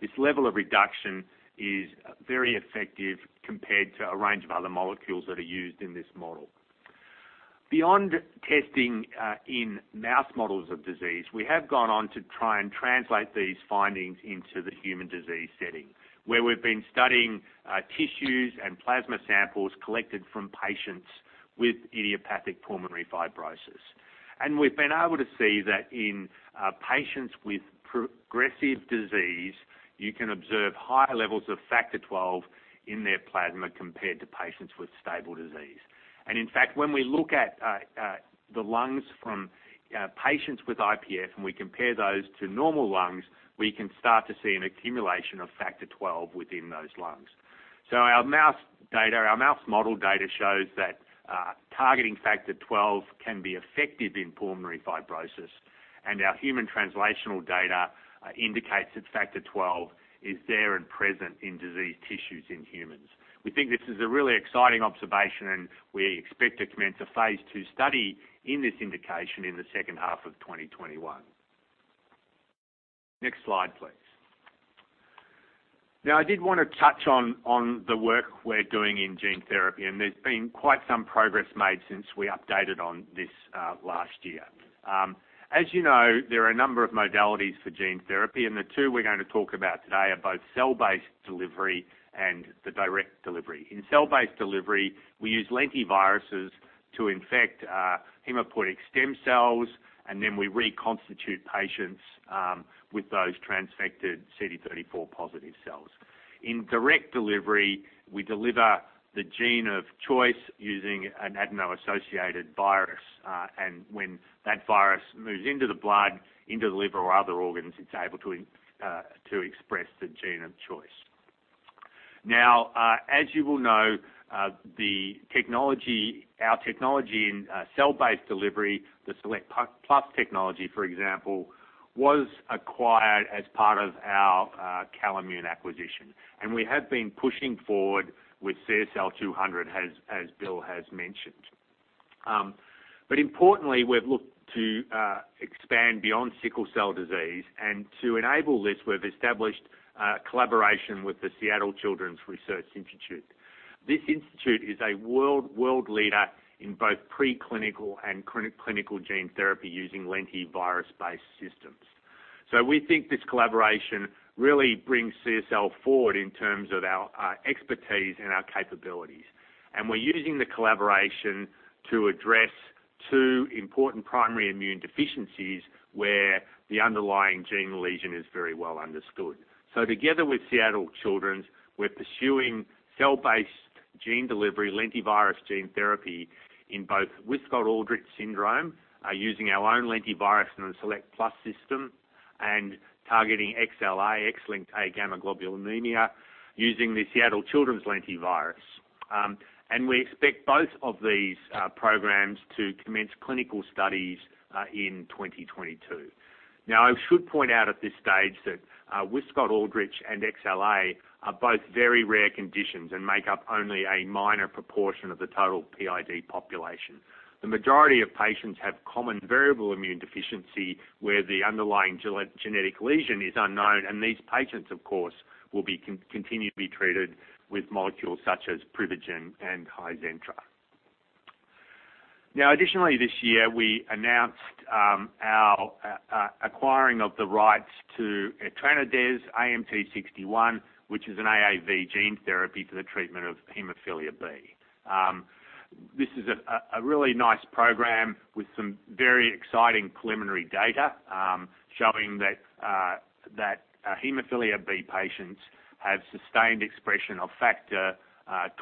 This level of reduction is very effective compared to a range of other molecules that are used in this model. Beyond testing in mouse models of disease, we have gone on to try and translate these findings into the human disease setting, where we've been studying tissues and plasma samples collected from patients with idiopathic pulmonary fibrosis. We've been able to see that in patients with progressive disease, you can observe higher levels of Factor XII in their plasma compared to patients with stable disease. In fact, when we look at the lungs from patients with IPF, and we compare those to normal lungs, we can start to see an accumulation of Factor XII within those lungs. Our mouse model data shows that targeting Factor XII can be effective in pulmonary fibrosis, and our human translational data indicates that Factor XII is there and present in diseased tissues in humans. We think this is a really exciting observation, and we expect to commence a phase II study in this indication in the second half of 2021. Next slide, please. Now, I did want to touch on the work we're doing in gene therapy, and there's been quite some progress made since we updated on this last year. As you know, there are a number of modalities for gene therapy, and the two we're going to talk about today are both cell-based delivery and the direct delivery. In cell-based delivery, we use lentiviruses to infect hematopoietic stem cells, and then we reconstitute patients with those transfected CD34 positive cells. In direct delivery, we deliver the gene of choice using an adeno-associated virus, and when that virus moves into the blood, into the liver or other organs, it's able to express the gene of choice. Now, as you will know, our technology in cell-based delivery, the Select+ technology, for example, was acquired as part of our Calimmune acquisition, and we have been pushing forward with CSL200, as Bill has mentioned. Importantly, we've looked to expand beyond sickle cell disease, and to enable this, we've established a collaboration with the Seattle Children's Research Institute. This institute is a world leader in both preclinical and clinical gene therapy using lentivirus-based systems. We think this collaboration really brings CSL forward in terms of our expertise and our capabilities. We're using the collaboration to address two important primary immune deficiencies where the underlying gene lesion is very well understood. Together with Seattle Children's, we're pursuing cell-based gene delivery, lentivirus gene therapy in both Wiskott-Aldrich syndrome, using our own lentivirus in the Select+ system. Targeting XLA, X-linked agammaglobulinemia, using the Seattle Children's lentivirus. We expect both of these programs to commence clinical studies in 2022. I should point out at this stage that Wiskott-Aldrich and XLA are both very rare conditions and make up only a minor proportion of the total PID population. The majority of patients have common variable immune deficiency, where the underlying genetic lesion is unknown, and these patients, of course, will be continually treated with molecules such as PRIVIGEN and HIZENTRA. This year, we announced our acquiring of the rights to etranacogene dezaparvovec AMT-061, which is an AAV gene therapy for the treatment of hemophilia B. This is a really nice program with some very exciting preliminary data showing that hemophilia B patients have sustained expression of Factor IX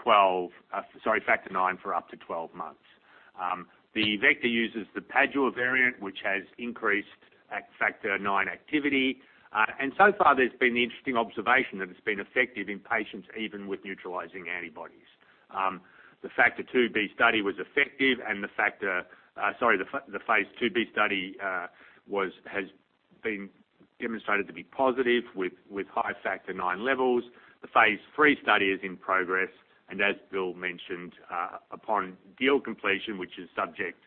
for up to 12 months. The vector uses the Padua variant, which has increased Factor IX activity. There's been the interesting observation that it's been effective in patients even with neutralizing antibodies. The phase IIb study was effective, the phase IIb study has been demonstrated to be positive with high Factor IX levels. The phase III study is in progress, as Bill mentioned, upon deal completion, which is subject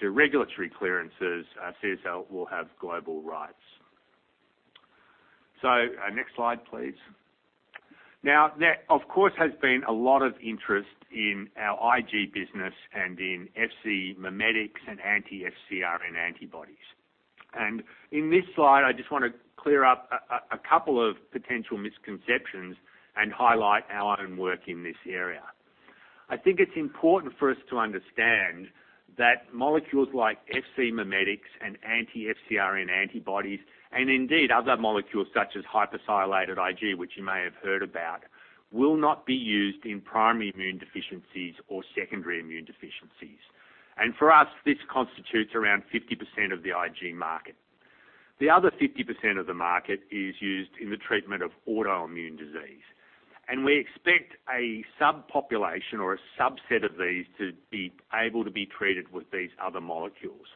to regulatory clearances, CSL will have global rights. Next slide, please. There of course has been a lot of interest in our IG business and in Fc mimetics and anti-FcRn antibodies. In this slide, I just want to clear up a couple of potential misconceptions and highlight our own work in this area. I think it is important for us to understand that molecules like Fc mimetics and anti-FcRn antibodies, and indeed other molecules such as hypersialylated IG, which you may have heard about, will not be used in primary immune deficiencies or secondary immune deficiencies. For us, this constitutes around 50% of the IG market. The other 50% of the market is used in the treatment of autoimmune disease. We expect a subpopulation or a subset of these to be able to be treated with these other molecules.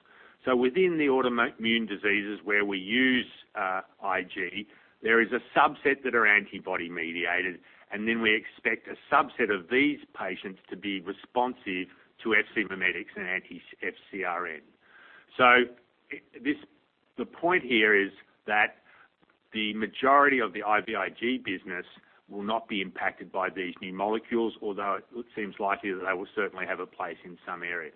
Within the autoimmune diseases where we use IG, there is a subset that are antibody-mediated, and then we expect a subset of these patients to be responsive to Fc mimetics and anti-FcRn. The point here is that the majority of the IVIG business will not be impacted by these new molecules, although it seems likely that they will certainly have a place in some areas.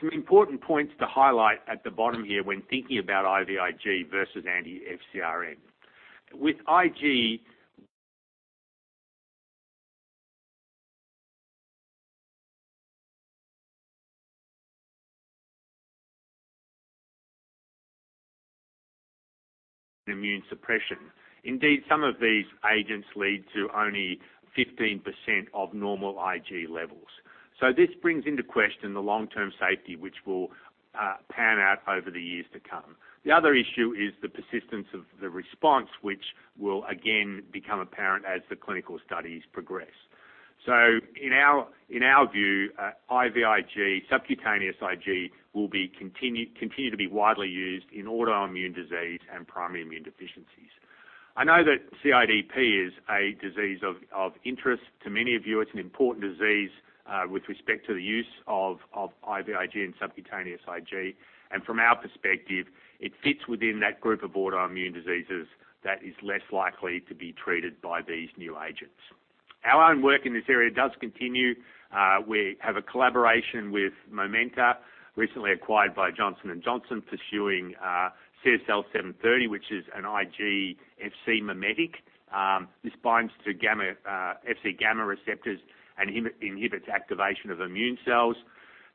Some important points to highlight at the bottom here when thinking about IVIG versus anti-FcRn. With IG, immune suppression. Indeed, some of these agents lead to only 15% of normal IG levels. This brings into question the long-term safety, which will pan out over the years to come. The other issue is the persistence of the response, which will again become apparent as the clinical studies progress. In our view, IVIg, subcutaneous Ig will continue to be widely used in autoimmune disease and primary immune deficiencies. I know that CIDP is a disease of interest to many of you. It's an important disease with respect to the use of IVIg and subcutaneous Ig. From our perspective, it fits within that group of autoimmune diseases that is less likely to be treated by these new agents. Our own work in this area does continue. We have a collaboration with Momenta, recently acquired by Johnson & Johnson, pursuing CSL730, which is an Ig Fc mimetic. This binds to Fc gamma receptors and inhibits activation of immune cells.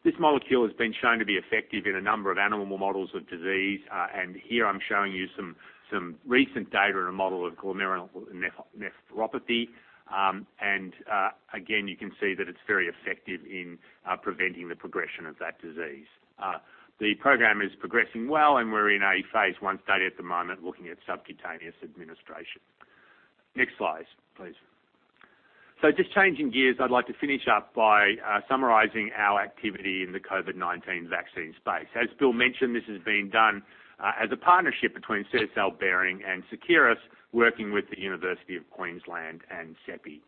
This molecule has been shown to be effective in a number of animal models of disease. Here I'm showing you some recent data in a model of glomerulonephropathy. Again, you can see that it's very effective in preventing the progression of that disease. The program is progressing well, and we're in a phase I study at the moment looking at subcutaneous administration. Next slide, please. Just changing gears, I'd like to finish up by summarizing our activity in the COVID-19 vaccine space. As Bill mentioned, this is being done as a partnership between CSL Behring and Seqirus, working with the University of Queensland and CEPI.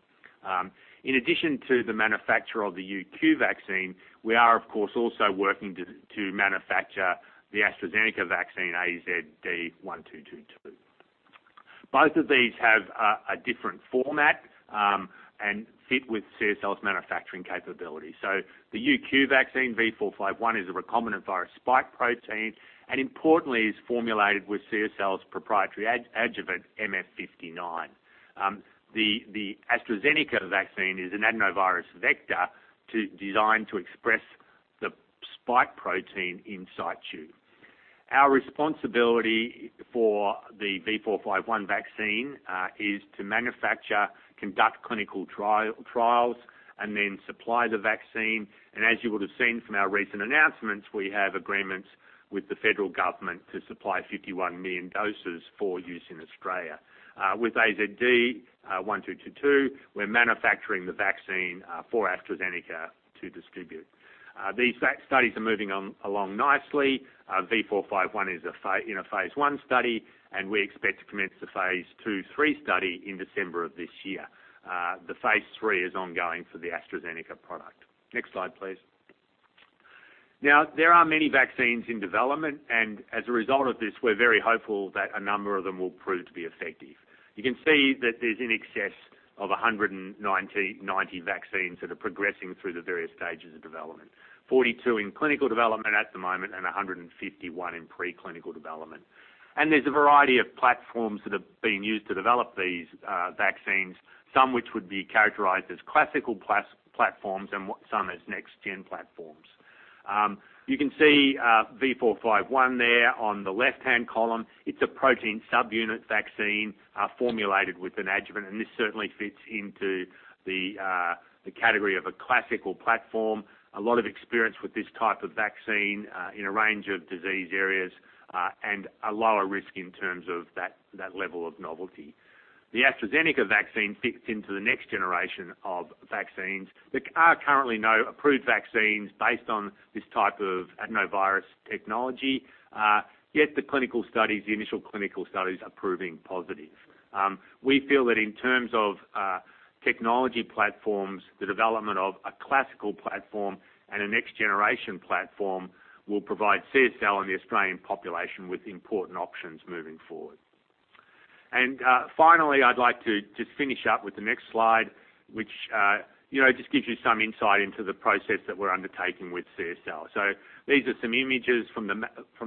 In addition to the manufacture of the UQ vaccine, we are, of course, also working to manufacture the AstraZeneca vaccine, AZD1222. Both of these have a different format and fit with CSL's manufacturing capability. The UQ vaccine, V451, is a recombinant virus spike protein, and importantly, is formulated with CSL's proprietary adjuvant, MF59. The AstraZeneca vaccine is an adenovirus vector designed to express the spike protein in situ. Our responsibility for the V451 vaccine is to manufacture, conduct clinical trials, and then supply the vaccine. As you would've seen from our recent announcements, we have agreements with the federal government to supply 51 million doses for use in Australia. With AZD1222, we're manufacturing the vaccine for AstraZeneca to distribute. These studies are moving along nicely. V451 is in a phase I study, and we expect to commence the phase II/III study in December of this year. The phase III is ongoing for the AstraZeneca product. Next slide, please. There are many vaccines in development, and as a result of this, we're very hopeful that a number of them will prove to be effective. You can see that there's in excess of 190 vaccines that are progressing through the various stages of development. 42 in clinical development at the moment, and 151 in pre-clinical development. There's a variety of platforms that have been used to develop these vaccines, some which would be characterized as classical platforms and some as next-gen platforms. You can see V451 there on the left-hand column. It's a protein subunit vaccine formulated with an adjuvant, and this certainly fits into the category of a classical platform. A lot of experience with this type of vaccine, in a range of disease areas, and a lower risk in terms of that level of novelty. The AstraZeneca vaccine fits into the next generation of vaccines. There are currently no approved vaccines based on this type of adenovirus technology. The initial clinical studies are proving positive. We feel that in terms of technology platforms, the development of a classical platform and a next-generation platform will provide CSL and the Australian population with important options moving forward. Finally, I'd like to finish up with the next slide, which just gives you some insight into the process that we're undertaking with CSL. These are some images from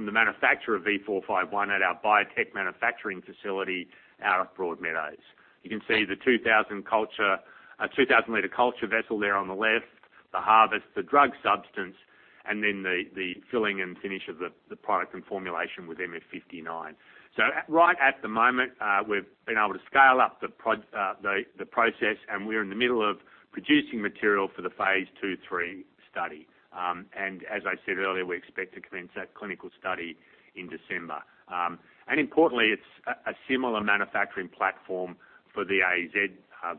the manufacture of V451 at our biotech manufacturing facility out at Broadmeadows. You can see the 2,000-liter culture vessel there on the left, the harvest, the drug substance, and then the filling and finish of the product and formulation with MF59. Right at the moment, we've been able to scale up the process, and we're in the middle of producing material for the phase II/III study. As I said earlier, we expect to commence that clinical study in December. Importantly, it's a similar manufacturing platform for the AZ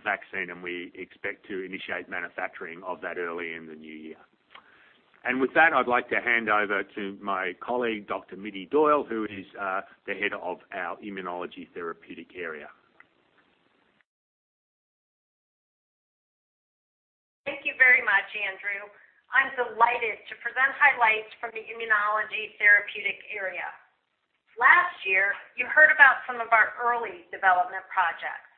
vaccine, and we expect to initiate manufacturing of that early in the new year. With that, I'd like to hand over to my colleague, Dr. Mittie Doyle, who is the head of our Immunology Therapeutic Area. Thank you very much, Andrew. I'm delighted to present highlights from the immunology therapeutic area. Last year, you heard about some of our early development projects.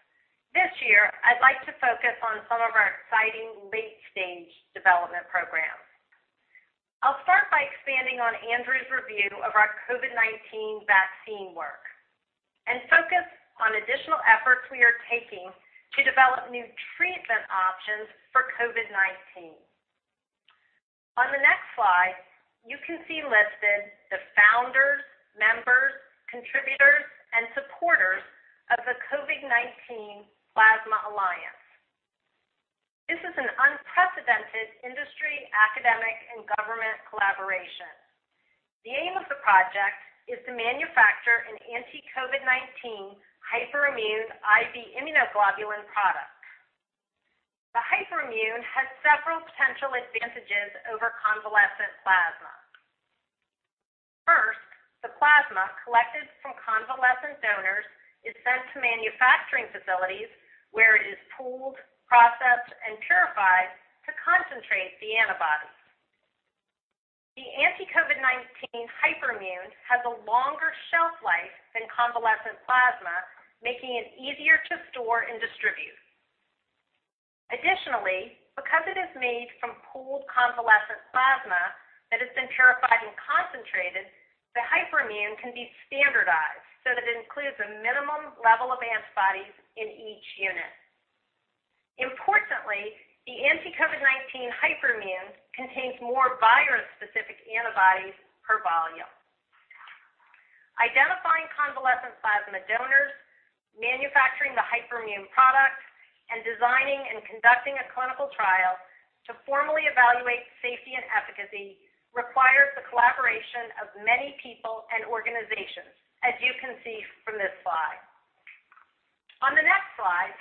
This year, I'd like to focus on some of our exciting late-stage development programs. I'll start by expanding on Andrew's review of our COVID-19 vaccine work and focus on additional efforts we are taking to develop new treatment options for COVID-19. On the next slide, you can see listed the founders, members, contributors, and supporters of the CoVIg-19 Plasma Alliance. This is an unprecedented industry, academic, and government collaboration. The aim of the project is to manufacture an anti-COVID-19 hyperimmune IV immunoglobulin product. The hyperimmune has several potential advantages over convalescent plasma. First, the plasma collected from convalescent donors is sent to manufacturing facilities where it is pooled, processed, and purified to concentrate the antibodies. The anti-COVID-19 hyperimmune has a longer shelf life than convalescent plasma, making it easier to store and distribute. Additionally, because it is made from pooled convalescent plasma that has been purified and concentrated, the hyperimmune can be standardized so that it includes a minimum level of antibodies in each unit. Importantly, the anti-COVID-19 hyperimmune contains more virus-specific antibodies per volume. Identifying convalescent plasma donors, manufacturing the hyperimmune product, and designing and conducting a clinical trial to formally evaluate safety and efficacy requires the collaboration of many people and organizations, as you can see from this slide. On the next slide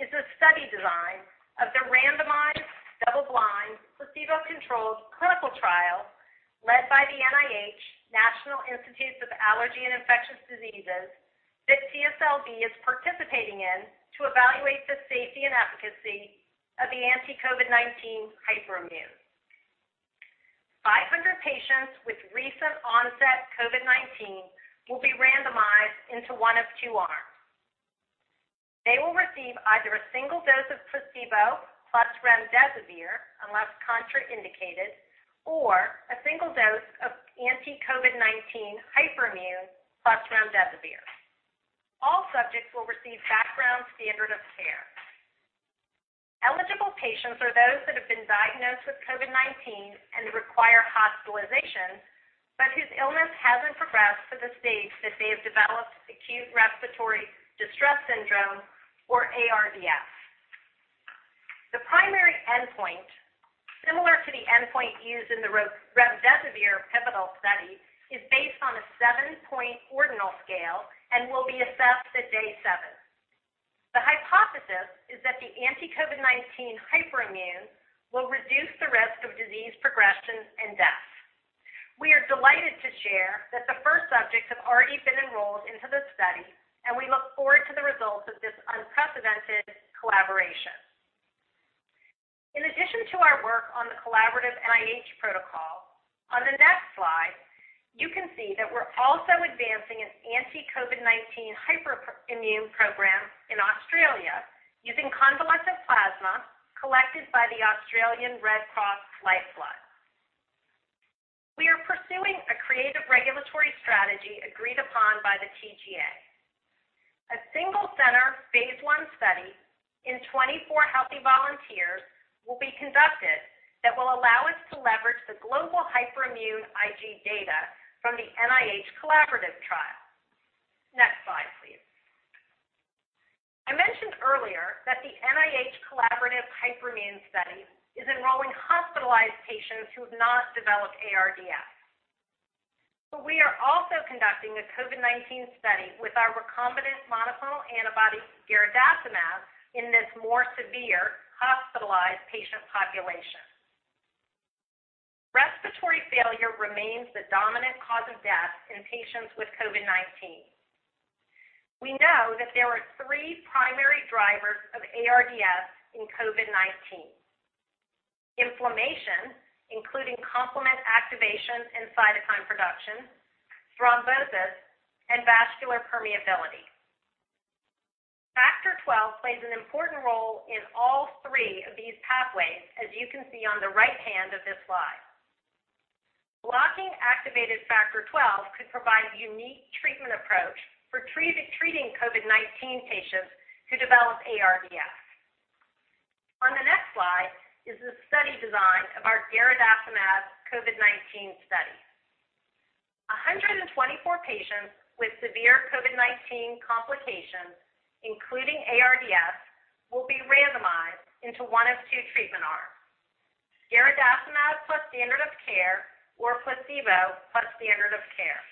is a study design of the randomized, double-blind, placebo-controlled clinical trial led by the NIH, National Institute of Allergy and Infectious Diseases, that CSLB is participating in to evaluate the safety and efficacy of the anti-COVID-19 hyperimmune. 500 patients with recent onset COVID-19 will be randomized into one of two arms. They will receive either a single dose of placebo plus remdesivir, unless contraindicated, or a single dose of anti-COVID-19 hyperimmune plus remdesivir. All subjects will receive background standard of care. Patients are those that have been diagnosed with COVID-19 and require hospitalization, but whose illness hasn't progressed to the stage that they have developed acute respiratory distress syndrome or ARDS. The primary endpoint, similar to the endpoint used in the remdesivir pivotal study, is based on a seven-point ordinal scale and will be assessed at day seven. The hypothesis is that the anti-COVID-19 hyperimmune will reduce the risk of disease progression and death. We are delighted to share that the first subjects have already been enrolled into the study, and we look forward to the results of this unprecedented collaboration. In addition to our work on the collaborative NIH protocol, on the next slide, you can see that we're also advancing an anti-COVID-19 hyperimmune program in Australia using convalescent plasma collected by the Australian Red Cross Lifeblood. We are pursuing a creative regulatory strategy agreed upon by the TGA. A single-center phase I study in 24 healthy volunteers will be conducted that will allow us to leverage the global hyperimmune IG data from the NIH collaborative trial. Next slide, please. I mentioned earlier that the NIH collaborative hyperimmune study is enrolling hospitalized patients who have not developed ARDS. We are also conducting a COVID-19 study with our recombinant monoclonal antibody, garadacimab, in this more severe hospitalized patient population. Respiratory failure remains the dominant cause of death in patients with COVID-19. We know that there are three primary drivers of ARDS in COVID-19: inflammation, including complement activation and cytokine production, thrombosis, and vascular permeability. Factor XII plays an important role in all three of these pathways, as you can see on the right hand of this slide. Blocking activated Factor XII could provide a unique treatment approach for treating COVID-19 patients who develop ARDS. On the next slide is the study design of our garadacimab COVID-19 study. 124 patients with severe COVID-19 complications, including ARDS, will be randomized into one of two treatment arms, garadacimab plus standard of care or placebo plus standard of care.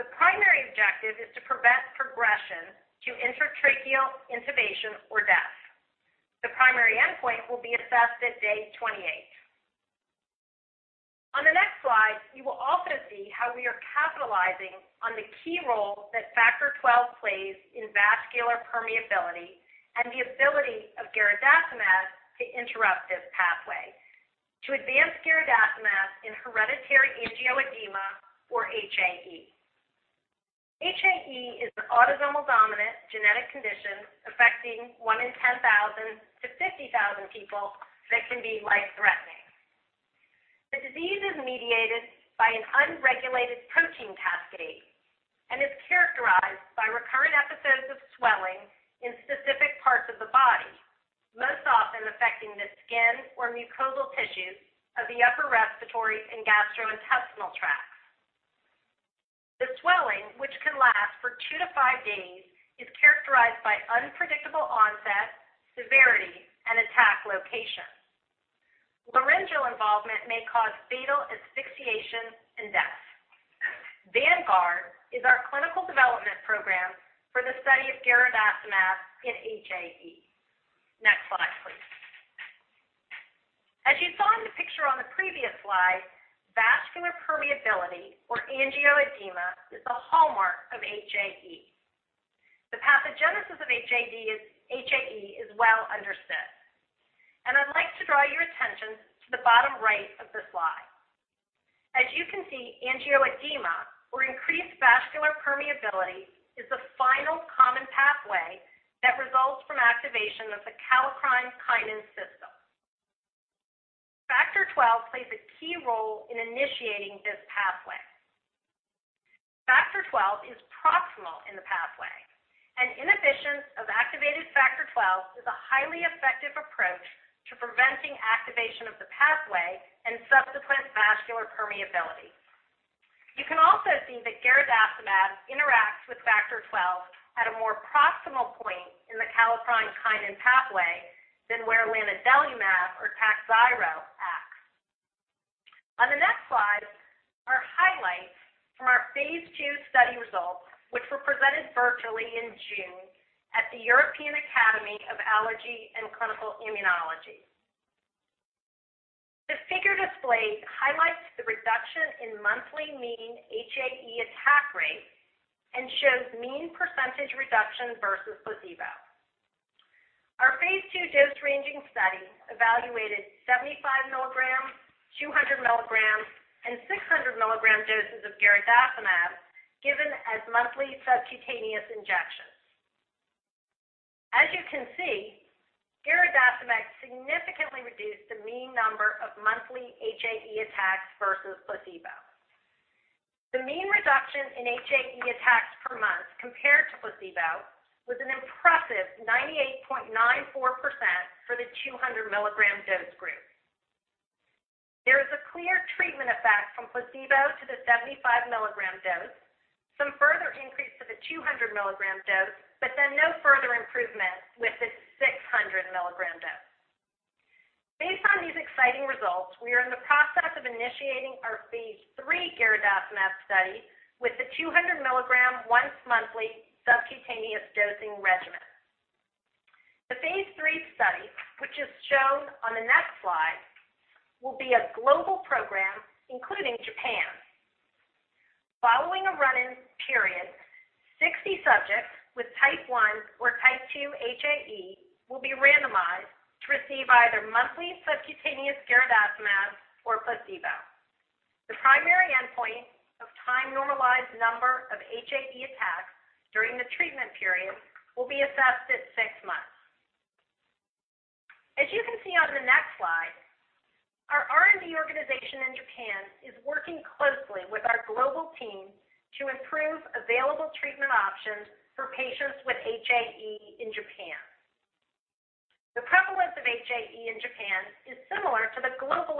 The primary objective is to prevent progression to endotracheal intubation or death. The primary endpoint will be assessed at day 28. On the next slide, you will also see how we are capitalizing on the key role that Factor XII plays in vascular permeability and the ability of garadacimab to interrupt this pathway to advance garadacimab in hereditary angioedema or HAE. HAE is an autosomal dominant genetic condition affecting one in 10,000 to 50,000 people that can be life-threatening. The disease is mediated by an unregulated protein cascade and is characterized by recurrent episodes of swelling in specific parts of the body, most often affecting the skin or mucosal tissues of the upper respiratory and gastrointestinal tracts. The swelling, which can last for two to five days, is characterized by unpredictable onset, severity, and attack location. Laryngeal involvement may cause fatal asphyxiation and death. VANGUARD is our clinical development program for the study of garadacimab in HAE. Next slide, please. As you saw in the picture on the previous slide, vascular permeability or angioedema is a hallmark of HAE. The pathogenesis of HAE is well understood. I'd like to draw your attention to the bottom right of the slide. As you can see, angioedema or increased vascular permeability is the final common pathway that results from activation of the kallikrein-kinin system. Factor XII plays a key role in initiating this pathway. Factor XII is proximal in the pathway. Inhibition of activated Factor XII is a highly effective approach to preventing activation of the pathway and subsequent vascular permeability. You can also see that garadacimab interacts with Factor XII at a more proximal point in the kallikrein-kinin pathway than where lanadelumab or TAKHZYRO acts. On the next slide are highlights from our phase II study results, which were presented virtually in June at the European Academy of Allergy and Clinical Immunology. The figure displayed highlights the reduction in monthly mean HAE attack rate and shows mean % reduction versus placebo. Our phase II dose-ranging study evaluated 75 milligrams, 200 milligrams, and 600 milligram doses of garadacimab given as monthly subcutaneous injections. As you can see, garadacimab significantly. The mean reduction in HAE attacks per month compared to placebo was an impressive 98.94% for the 200 milligram dose group. There is a clear treatment effect from placebo to the 75 milligram dose, some further increase to the 200 milligram dose, but then no further improvement with the 600 milligram dose. Based on these exciting results, we are in the process of initiating our phase III garadacimab study with the 200 milligram once monthly subcutaneous dosing regimen. The phase III study, which is shown on the next slide, will be a global program, including Japan. Following a run-in period, 60 subjects with type 1 or type 2 HAE will be randomized to receive either monthly subcutaneous garadacimab or placebo. The primary endpoint of time-normalized number of HAE attacks during the treatment period will be assessed at six months. As you can see on the next slide, our R&D organization in Japan is working closely with our global team to improve available treatment options for patients with HAE in Japan. The prevalence of HAE in Japan is similar to the global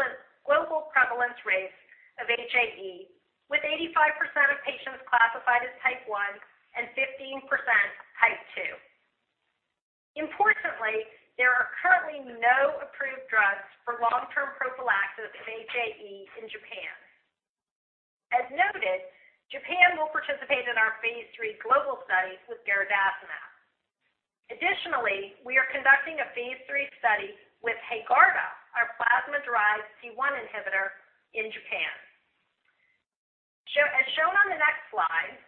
prevalence rates of HAE, with 85% of patients classified as type 1 and 15% type 2. Importantly, there are currently no approved drugs for long-term prophylaxis of HAE in Japan. As noted, Japan will participate in our phase III global studies with garadacimab. Additionally, we are conducting a phase III study with HAEGARDA, our plasma-derived C1 esterase inhibitor in Japan. As shown on the next slide,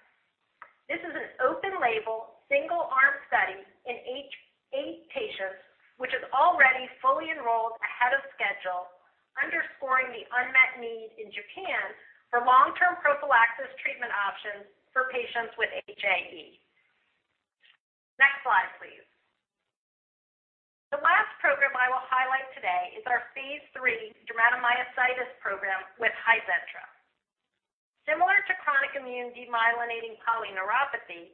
this is an open-label, single-arm study in eight patients, which is already fully enrolled ahead of schedule, underscoring the unmet need in Japan for long-term prophylaxis treatment options for patients with HAE. Next slide, please. The last program I will highlight today is our phase III dermatomyositis program with HIZENTRA. Similar to chronic inflammatory demyelinating polyneuropathy,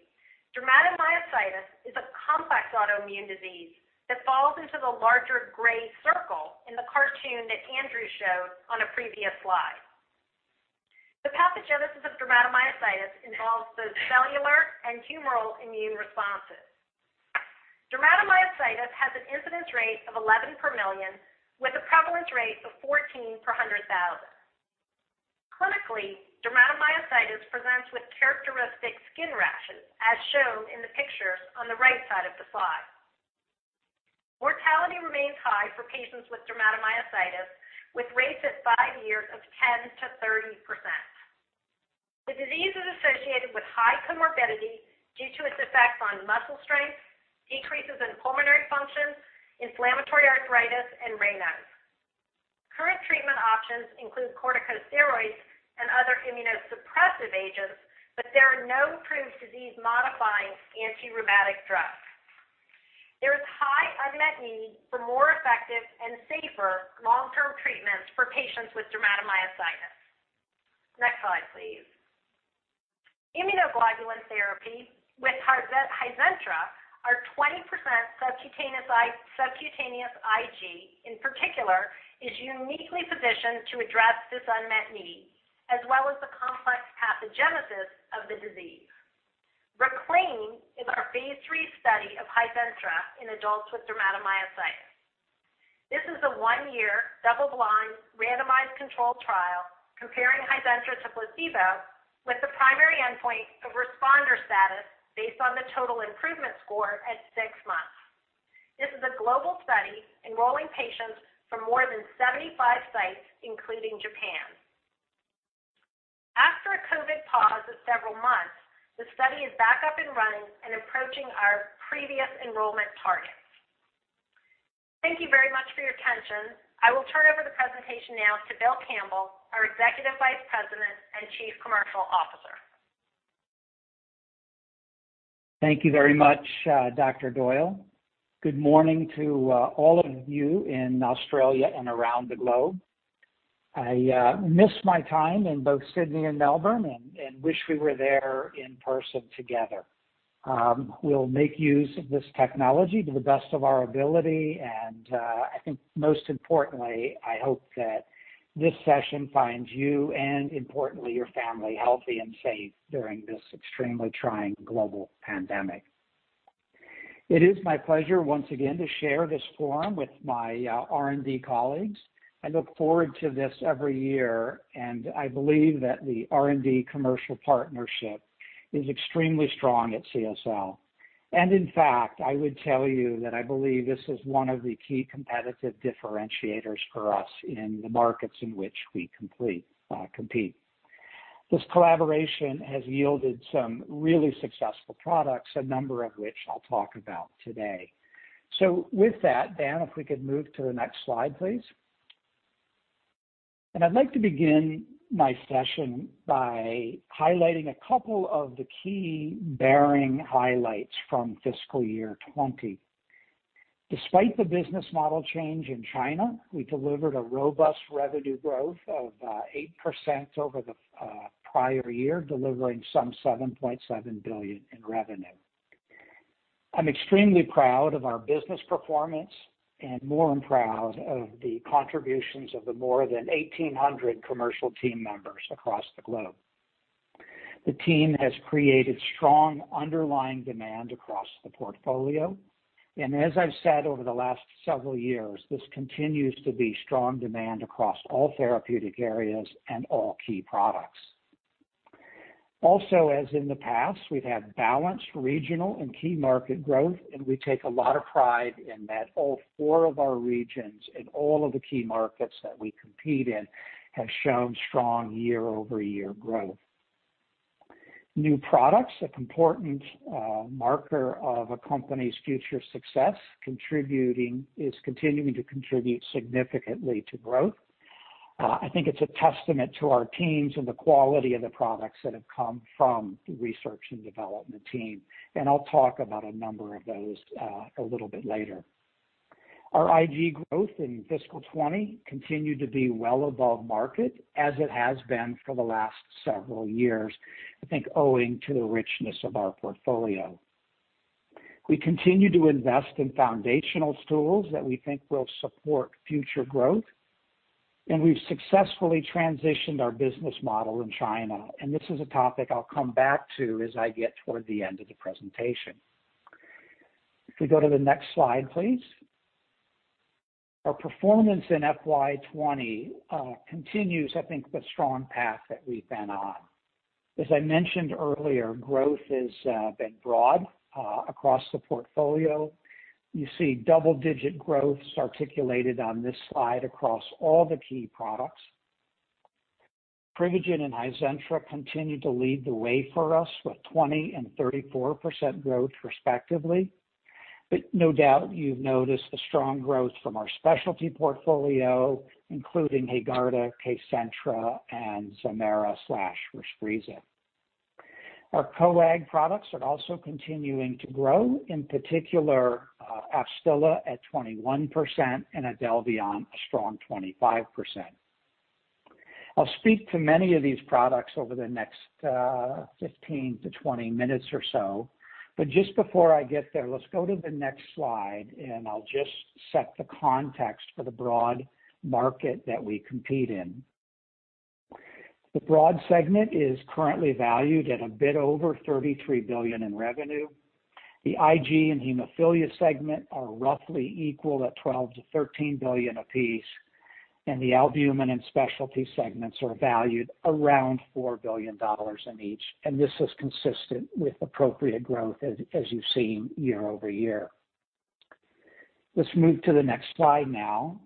dermatomyositis is a complex autoimmune disease that falls into the larger gray circle in the cartoon that Andrew showed on a previous slide. The pathogenesis of dermatomyositis involves both cellular and humoral immune responses. Dermatomyositis has an incidence rate of 11 per million, with a prevalence rate of 14 per 100,000. Clinically, dermatomyositis presents with characteristic skin rashes, as shown in the picture on the right side of the slide. Mortality remains high for patients with dermatomyositis, with rates at five years of 10%-30%. The disease is associated with high comorbidity due to its effects on muscle strength, decreases in pulmonary function, inflammatory arthritis, and Raynaud's. Current treatment options include corticosteroids and other immunosuppressive agents. There are no approved disease-modifying anti-rheumatic drugs. There is high unmet need for more effective and safer long-term treatments for patients with dermatomyositis. Next slide, please. Immunoglobulin therapy with HIZENTRA are 20% subcutaneous IG, in particular, is uniquely positioned to address this unmet need, as well as the complex pathogenesis of the disease. RECLAIIM is our phase III study of HIZENTRA in adults with dermatomyositis. This is a 1-year, double-blind, randomized controlled trial comparing HIZENTRA to placebo with the primary endpoint of responder status based on the total improvement score at 6 months. This is a global study enrolling patients from more than 75 sites, including Japan. After a COVID pause of several months, the study is back up and running and approaching our previous enrollment targets. Thank you very much for your attention. I will turn over the presentation now to Bill Campbell, our Executive Vice President and Chief Commercial Officer. Thank you very much, Dr. Doyle. Good morning to all of you in Australia and around the globe. I miss my time in both Sydney and Melbourne and wish we were there in person together. We'll make use of this technology to the best of our ability, and I think most importantly, I hope that this session finds you and importantly, your family, healthy and safe during this extremely trying global pandemic. It is my pleasure once again to share this forum with my R&D colleagues. I look forward to this every year, and I believe that the R&D commercial partnership is extremely strong at CSL. In fact, I would tell you that I believe this is one of the key competitive differentiators for us in the markets in which we compete. This collaboration has yielded some really successful products, a number of which I'll talk about today. With that, Dan, if we could move to the next slide, please. I'd like to begin my session by highlighting a couple of the key Behring highlights from FY 2020. Despite the business model change in China, we delivered a robust revenue growth of 8% over the prior year, delivering some $7.7 billion in revenue. I'm extremely proud of our business performance, and more I'm proud of the contributions of the more than 1,800 commercial team members across the globe. The team has created strong underlying demand across the portfolio. As I've said over the last several years, this continues to be strong demand across all therapeutic areas and all key products. As in the past, we've had balanced regional and key market growth. We take a lot of pride in that all 4 of our regions and all of the key markets that we compete in have shown strong year-over-year growth. New products, an important marker of a company's future success, is continuing to contribute significantly to growth. I think it's a testament to our teams and the quality of the products that have come from the research and development team. I'll talk about a number of those a little bit later. Our IG growth in fiscal 2020 continued to be well above market, as it has been for the last several years, I think owing to the richness of our portfolio. We continue to invest in foundational tools that we think will support future growth, and we've successfully transitioned our business model in China, and this is a topic I'll come back to as I get toward the end of the presentation. If we go to the next slide, please. Our performance in FY 2020 continues, I think, the strong path that we've been on. As I mentioned earlier, growth has been broad across the portfolio. You see double-digit growth articulated on this slide across all the key products. PRIVIGEN and HIZENTRA continue to lead the way for us with 20% and 34% growth respectively. No doubt you've noticed the strong growth from our specialty portfolio, including HAEGARDA, KCENTRA, and ZEMAIRA/Respreeza. Our coag products are also continuing to grow, in particular, AFSTYLA at 21% and IDELVION a strong 25%. I'll speak to many of these products over the next 15 to 20 minutes or so. Just before I get there, let's go to the next slide, and I'll just set the context for the broad market that we compete in. The broad segment is currently valued at a bit over 33 billion in revenue. The IG and hemophilia segment are roughly equal at 12 billion to 13 billion apiece, and the albumin and specialty segments are valued around 4 billion dollars in each. This is consistent with appropriate growth as you've seen year-over-year. Let's move to the next slide now.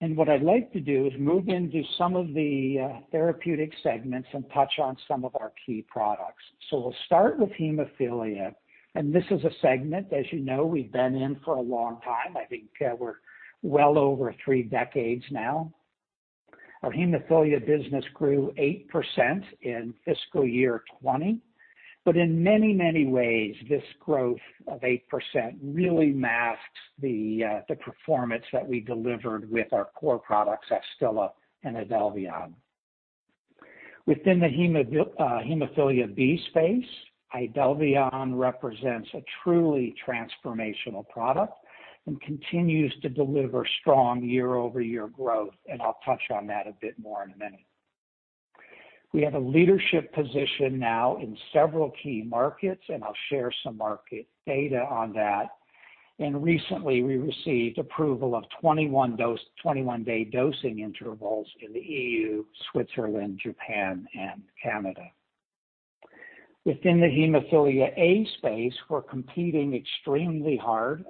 What I'd like to do is move into some of the therapeutic segments and touch on some of our key products. We'll start with hemophilia, and this is a segment, as you know, we've been in for a long time. I think we're well over three decades now. Our hemophilia business grew 8% in fiscal year 2020. In many ways, this growth of 8% really masks the performance that we delivered with our core products, AFSTYLA and IDELVION. Within the hemophilia B space, IDELVION represents a truly transformational product and continues to deliver strong year-over-year growth, and I'll touch on that a bit more in a minute. We have a leadership position now in several key markets, and I'll share some market data on that. Recently, we received approval of 21-day dosing intervals in the EU, Switzerland, Japan, and Canada. Within the hemophilia A space, we're competing extremely hard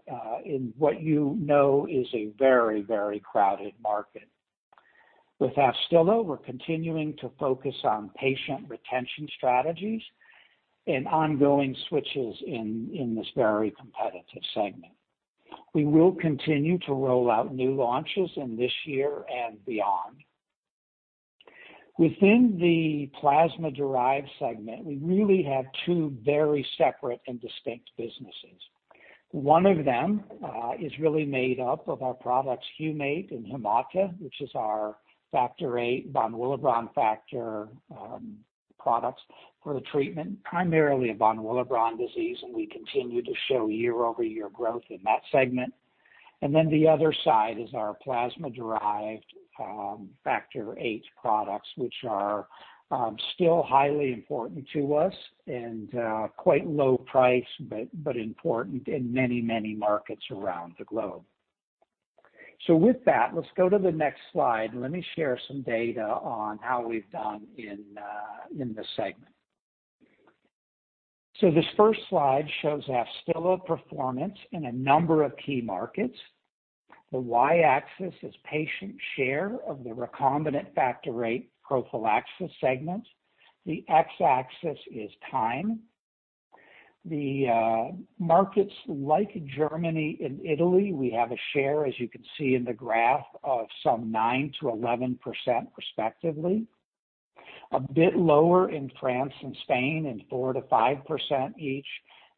in what you know is a very crowded market. With AFSTYLA, we're continuing to focus on patient retention strategies and ongoing switches in this very competitive segment. We will continue to roll out new launches in this year and beyond. Within the plasma-derived segment, we really have two very separate and distinct businesses. One of them is really made up of our products HUMATE-P and Haemate, which is our Factor VIII von Willebrand factor products for the treatment primarily of von Willebrand disease, and we continue to show year-over-year growth in that segment. The other side is our plasma-derived Factor VIII products, which are still highly important to us and quite low price, but important in many markets around the globe. With that, let's go to the next slide, and let me share some data on how we've done in this segment. This first slide shows AFSTYLA performance in a number of key markets. The Y-axis is patient share of the recombinant Factor VIII prophylaxis segment. The X-axis is time. The markets like Germany and Italy, we have a share, as you can see in the graph, of some 9%-11% respectively. A bit lower in France and Spain in 4%-5% each,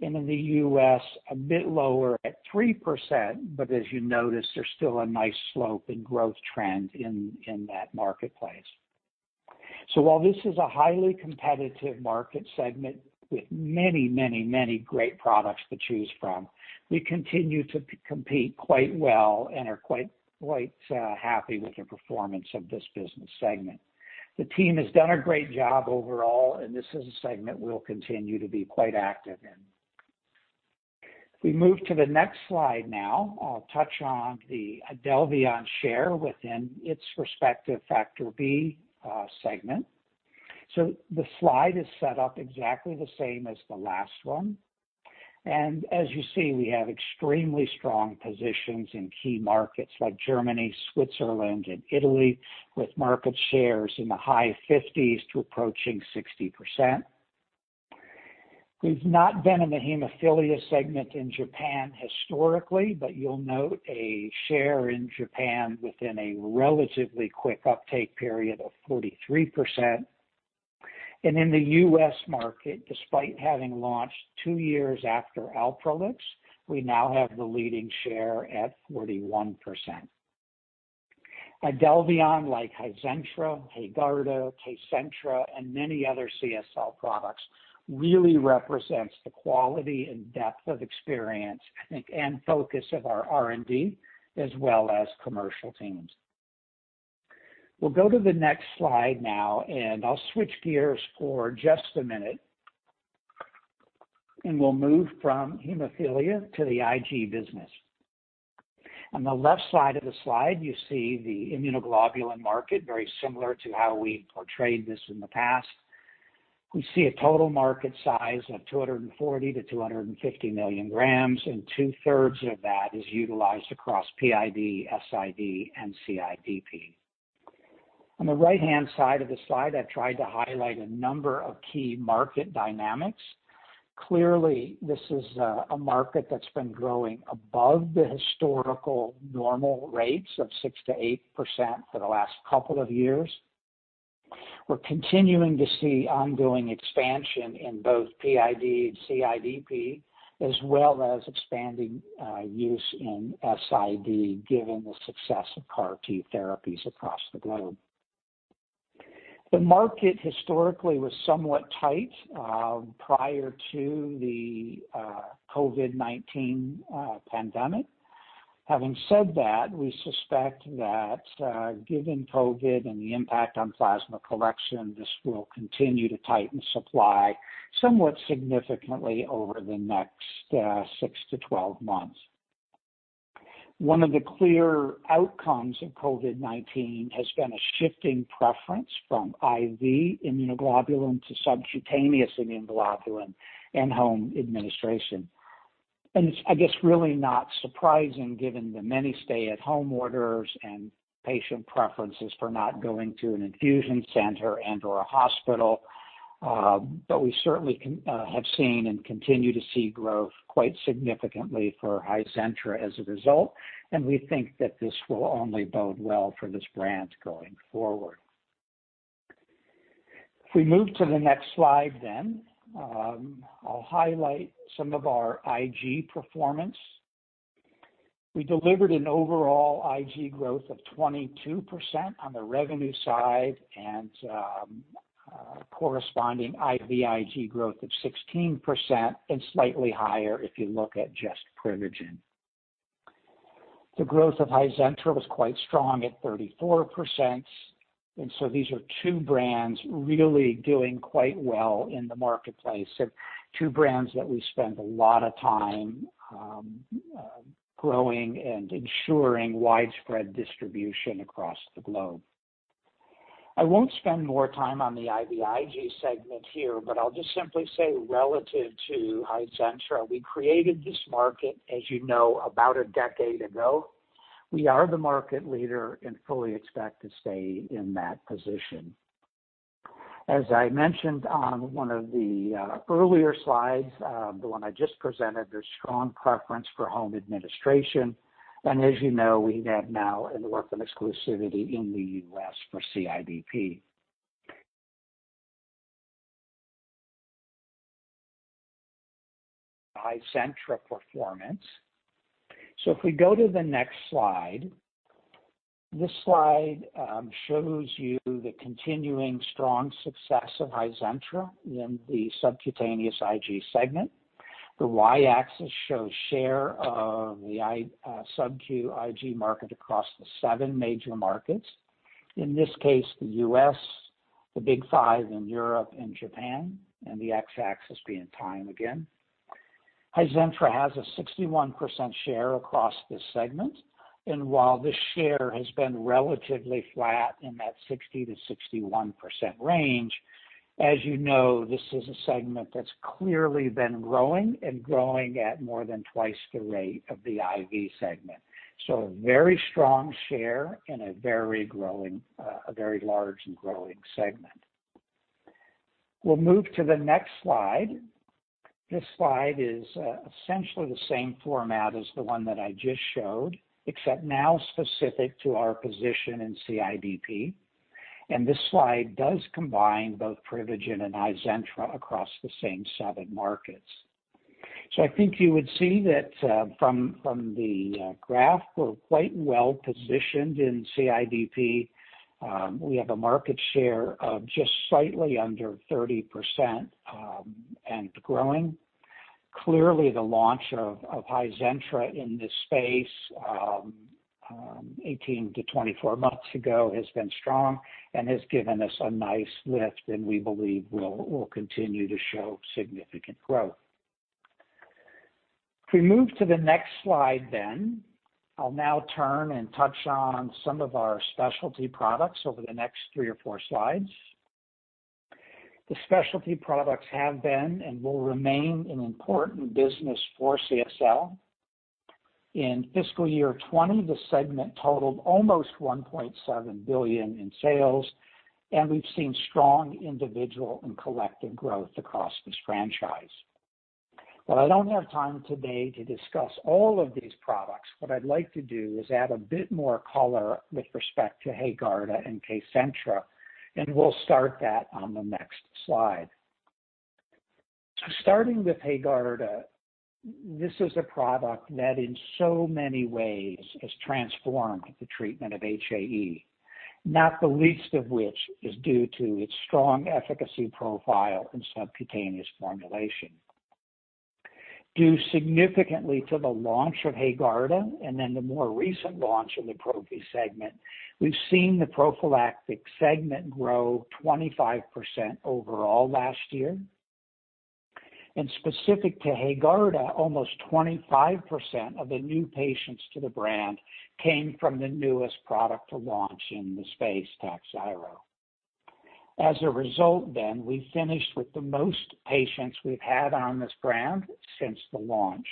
and in the U.S., a bit lower at 3%. As you notice, there's still a nice slope and growth trend in that marketplace. While this is a highly competitive market segment with many great products to choose from, we continue to compete quite well and are quite happy with the performance of this business segment. The team has done a great job overall, and this is a segment we'll continue to be quite active in. If we move to the next slide now, I'll touch on the IDELVION share within its respective Factor IX segment. The slide is set up exactly the same as the last one. As you see, we have extremely strong positions in key markets like Germany, Switzerland, and Italy, with market shares in the high 50s to approaching 60%. We have not been in the hemophilia segment in Japan historically, you will note a share in Japan within a relatively quick uptake period of 43%. In the U.S. market, despite having launched two years after ALPROLIX, we now have the leading share at 41%. IDELVION, like HIZENTRA, HAEGARDA, KCENTRA, and many other CSL products, really represents the quality and depth of experience, I think, and focus of our R&D as well as commercial teams. We will go to the next slide now, I will switch gears for just a minute, we will move from hemophilia to the IG business. On the left side of the slide, you see the immunoglobulin market, very similar to how we portrayed this in the past. We see a total market size of 240-250 million grams, and two-thirds of that is utilized across PID, SID, and CIDP. On the right-hand side of the slide, I've tried to highlight a number of key market dynamics. Clearly, this is a market that's been growing above the historical normal rates of 6%-8% for the last couple of years. We're continuing to see ongoing expansion in both PID and CIDP, as well as expanding use in SID given the success of CAR T therapies across the globe. The market historically was somewhat tight prior to the COVID-19 pandemic. Having said that, we suspect that given COVID and the impact on plasma collection, this will continue to tighten supply somewhat significantly over the next six to 12 months. One of the clear outcomes of COVID-19 has been a shift in preference from IV immunoglobulin to subcutaneous immunoglobulin and home administration. It's, I guess, really not surprising given the many stay-at-home orders and patient preferences for not going to an infusion center and/or a hospital. We certainly have seen and continue to see growth quite significantly for HIZENTRA as a result. We think that this will only bode well for this brand going forward. If we move to the next slide, I'll highlight some of our IG performance. We delivered an overall IG growth of 22% on the revenue side and a corresponding IVIG growth of 16% and slightly higher if you look at just PRIVIGEN. The growth of HIZENTRA was quite strong at 34%. These are two brands really doing quite well in the marketplace and two brands that we spent a lot of time growing and ensuring widespread distribution across the globe. I won't spend more time on the IVIg segment here, but I'll just simply say, relative to HIZENTRA, we created this market, as you know, about a decade ago. We are the market leader and fully expect to stay in that position. As I mentioned on one of the earlier slides, the one I just presented, there's strong preference for home administration. As you know, we have now an orphan exclusivity in the U.S. for CIDP. HIZENTRA performance. If we go to the next slide, this slide shows you the continuing strong success of HIZENTRA in the subcutaneous Ig segment. The Y-axis shows share of the sub-Q IG market across the seven major markets, in this case, the U.S., the Big Five in Europe, and Japan, and the X-axis being time again. HIZENTRA has a 61% share across this segment. While this share has been relatively flat in that 60%-61% range, as you know, this is a segment that's clearly been growing and growing at more than twice the rate of the IV segment. A very strong share in a very large and growing segment. We'll move to the next slide. This slide is essentially the same format as the one that I just showed, except now specific to our position in CIDP. This slide does combine both PRIVIGEN and HIZENTRA across the same seven markets. I think you would see that from the graph, we're quite well-positioned in CIDP. We have a market share of just slightly under 30% and growing. Clearly, the launch of HIZENTRA in this space 18 to 24 months ago has been strong and has given us a nice lift, and we believe will continue to show significant growth. I'll now turn and touch on some of our specialty products over the next three or four slides. The specialty products have been and will remain an important business for CSL. In FY 2020, the segment totaled almost 1.7 billion in sales, and we've seen strong individual and collective growth across this franchise. While I don't have time today to discuss all of these products, what I'd like to do is add a bit more color with respect to HAEGARDA and KCENTRA, and we'll start that on the next slide. Starting with HAEGARDA, this is a product that in so many ways has transformed the treatment of HAE, not the least of which is due to its strong efficacy profile and subcutaneous formulation. Due significantly to the launch of HAEGARDA and then the more recent launch in the Prophy segment, we've seen the prophylactic segment grow 25% overall last year. Specific to HAEGARDA, almost 25% of the new patients to the brand came from the newest product to launch in the space, TAKHZYRO. As a result, we finished with the most patients we've had on this brand since the launch.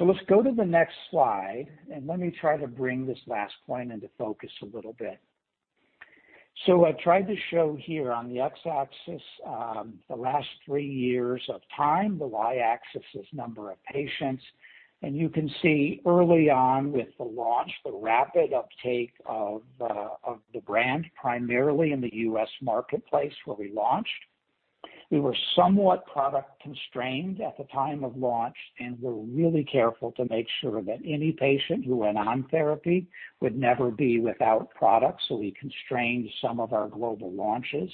Let's go to the next slide, and let me try to bring this last point into focus a little bit. I've tried to show here on the X-axis, the last three years of time. The Y-axis is number of patients. You can see early on with the launch, the rapid uptake of the brand, primarily in the U.S. marketplace where we launched. We were somewhat product-constrained at the time of launch, and were really careful to make sure that any patient who went on therapy would never be without product. We constrained some of our global launches.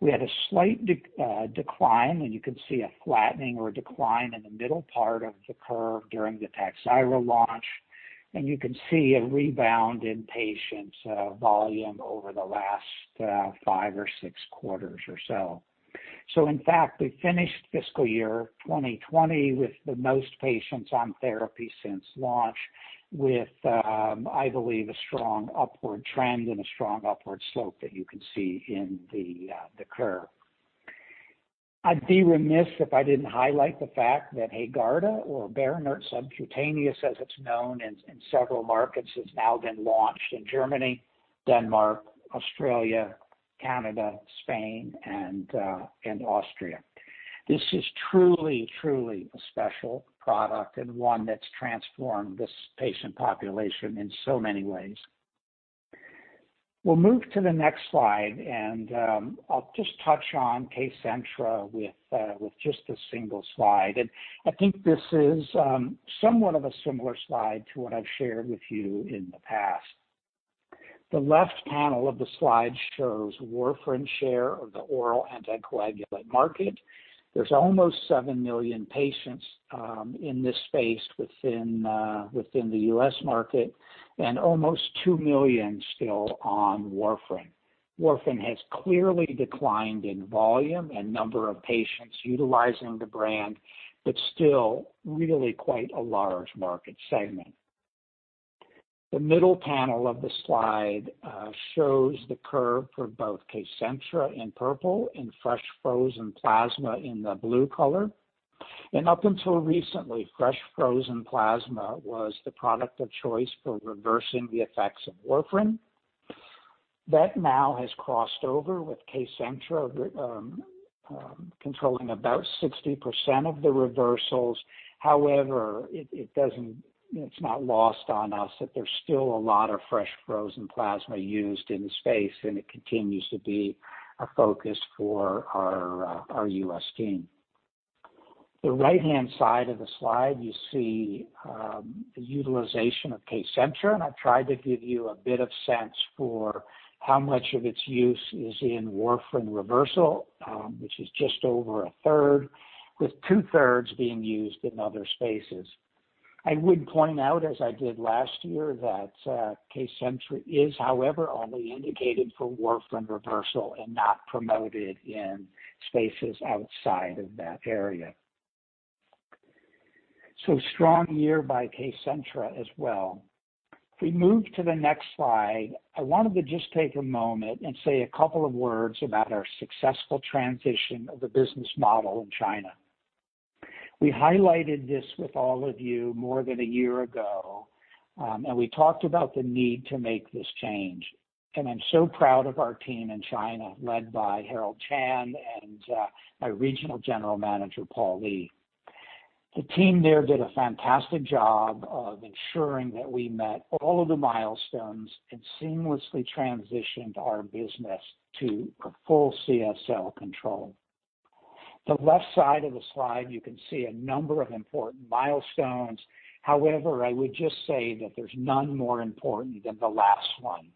We had a slight decline, you can see a flattening or a decline in the middle part of the curve during the TAKHZYRO launch. You can see a rebound in patients volume over the last five or six quarters or so. In fact, we finished fiscal year 2020 with the most patients on therapy since launch with, I believe, a strong upward trend and a strong upward slope that you can see in the curve. I'd be remiss if I didn't highlight the fact that HAEGARDA, or BERINERT Subcutaneous as it's known in several markets, has now been launched in Germany, Denmark, Australia, Canada, Spain, and Austria. This is truly a special product and one that's transformed this patient population in so many ways. We'll move to the next slide, and I'll just touch on KCENTRA with just a single slide. I think this is somewhat of a similar slide to what I've shared with you in the past. The left panel of the slide shows warfarin share of the oral anticoagulant market. There's almost 7 million patients in this space within the U.S. market, and almost 2 million still on warfarin. Warfarin has clearly declined in volume and number of patients utilizing the brand, but still really quite a large market segment. The middle panel of the slide shows the curve for both KCENTRA in purple and fresh frozen plasma in the blue color. Up until recently, fresh frozen plasma was the product of choice for reversing the effects of warfarin. That now has crossed over with KCENTRA controlling about 60% of the reversals. It's not lost on us that there's still a lot of fresh frozen plasma used in the space, and it continues to be a focus for our U.S. team. The right-hand side of the slide, you see the utilization of KCENTRA, and I've tried to give you a bit of sense for how much of its use is in warfarin reversal, which is just over a third, with two-thirds being used in other spaces. I would point out, as I did last year, that KCENTRA is however, only indicated for warfarin reversal and not promoted in spaces outside of that area. Strong year by KCENTRA as well. If we move to the next slide, I wanted to just take a moment and say a couple of words about our successful transition of the business model in China. We highlighted this with all of you more than a year ago, and we talked about the need to make this change, and I'm so proud of our team in China, led by Harold Chan and our regional general manager, Paul Lee. The team there did a fantastic job of ensuring that we met all of the milestones and seamlessly transitioned our business to a full CSL control. The left side of the slide, you can see a number of important milestones. I would just say that there's none more important than the last one.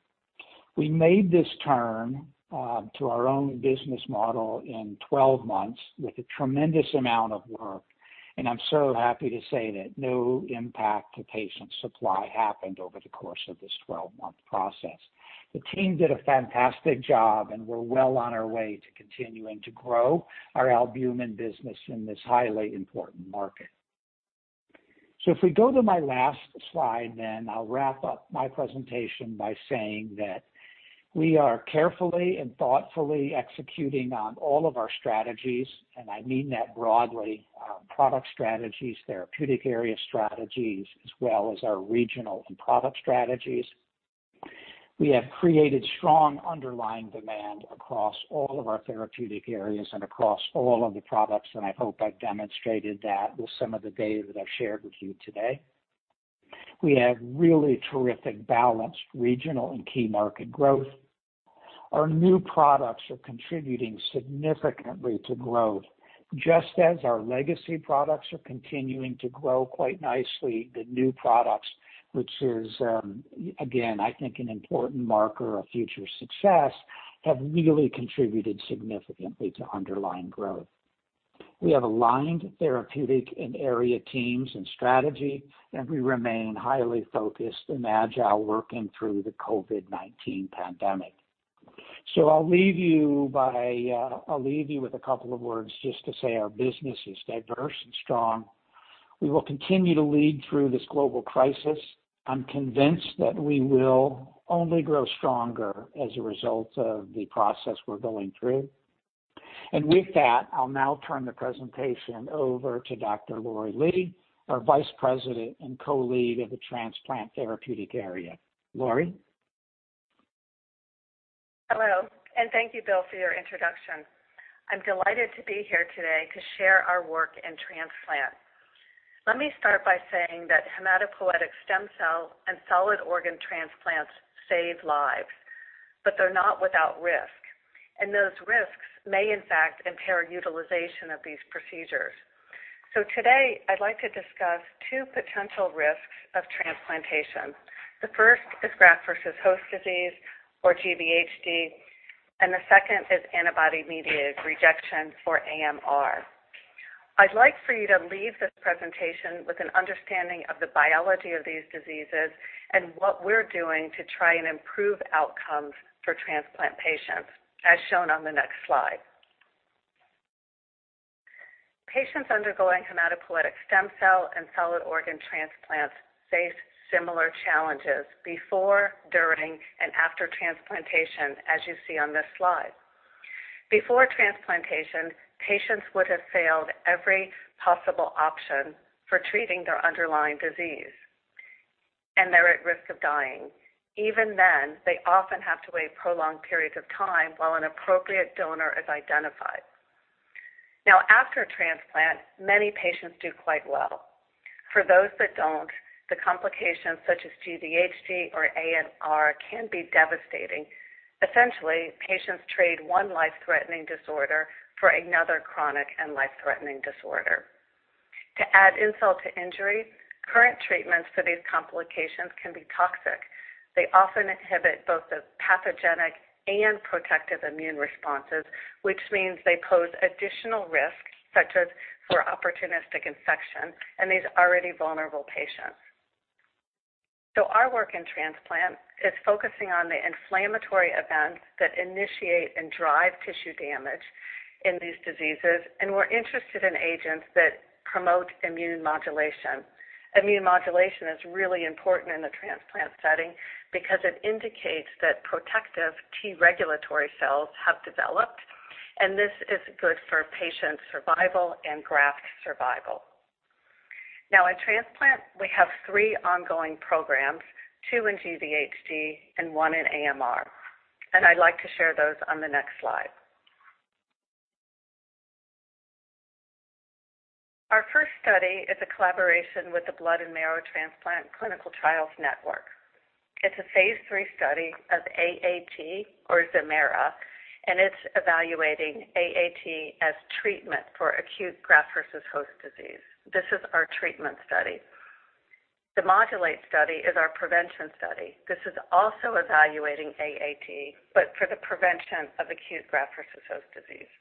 We made this turn to our own business model in 12 months with a tremendous amount of work, and I'm so happy to say that no impact to patient supply happened over the course of this 12-month process. The team did a fantastic job, and we're well on our way to continuing to grow our albumin business in this highly important market. If we go to my last slide, then I'll wrap up my presentation by saying that we are carefully and thoughtfully executing on all of our strategies, and I mean that broadly, product strategies, therapeutic area strategies, as well as our regional and product strategies. We have created strong underlying demand across all of our therapeutic areas and across all of the products, and I hope I've demonstrated that with some of the data that I've shared with you today. We have really terrific balanced regional and key market growth. Our new products are contributing significantly to growth. Just as our legacy products are continuing to grow quite nicely, the new products, which is, again, I think an important marker of future success, have really contributed significantly to underlying growth. We have aligned therapeutic and area teams and strategy, and we remain highly focused and agile working through the COVID-19 pandemic. I'll leave you with a couple of words just to say our business is diverse and strong. We will continue to lead through this global crisis. I'm convinced that we will only grow stronger as a result of the process we're going through. With that, I'll now turn the presentation over to Dr. Laurie Lee, our Vice President and co-lead of the transplant therapeutic area. Laurie? Hello, thank you, Bill, for your introduction. I'm delighted to be here today to share our work in transplant. Let me start by saying that hematopoietic stem cell and solid organ transplants save lives, but they're not without risk, and those risks may in fact impair utilization of these procedures. Today, I'd like to discuss two potential risks of transplantation. The first is Graft-versus-Host Disease disease, or GvHD, and the second is antibody-mediated rejection, or AMR. I'd like for you to leave this presentation with an understanding of the biology of these diseases and what we're doing to try and improve outcomes for transplant patients, as shown on the next slide. Patients undergoing hematopoietic stem cell and solid organ transplants face similar challenges before, during, and after transplantation as you see on this slide. Before transplantation, patients would have failed every possible option for treating their underlying disease, and they're at risk of dying. Even then, they often have to wait prolonged periods of time while an appropriate donor is identified. Now, after a transplant, many patients do quite well. For those that don't, the complications such as GvHD or AMR can be devastating. Essentially, patients trade one life-threatening disorder for another chronic and life-threatening disorder. To add insult to injury, current treatments for these complications can be toxic. They often inhibit both the pathogenic and protective immune responses, which means they pose additional risks, such as for opportunistic infection in these already vulnerable patients. Our work in transplant is focusing on the inflammatory events that initiate and drive tissue damage in these diseases, and we're interested in agents that promote immune modulation. Immune modulation is really important in the transplant setting because it indicates that protective T-regulatory cells have developed, and this is good for patient survival and graft survival. In transplant, we have three ongoing programs, two in GvHD and one in AMR, and I'd like to share those on the next slide. Our first study is a collaboration with the Blood and Marrow Transplant Clinical Trials Network. It's a phase III study of AAT, or ZEMAIRA, and it's evaluating AAT as treatment for acute Graft-versus-Host Disease. This is our treatment study. The MODULATE study is our prevention study. This is also evaluating AAT, but for the prevention of acute Graft-versus-Host Disease.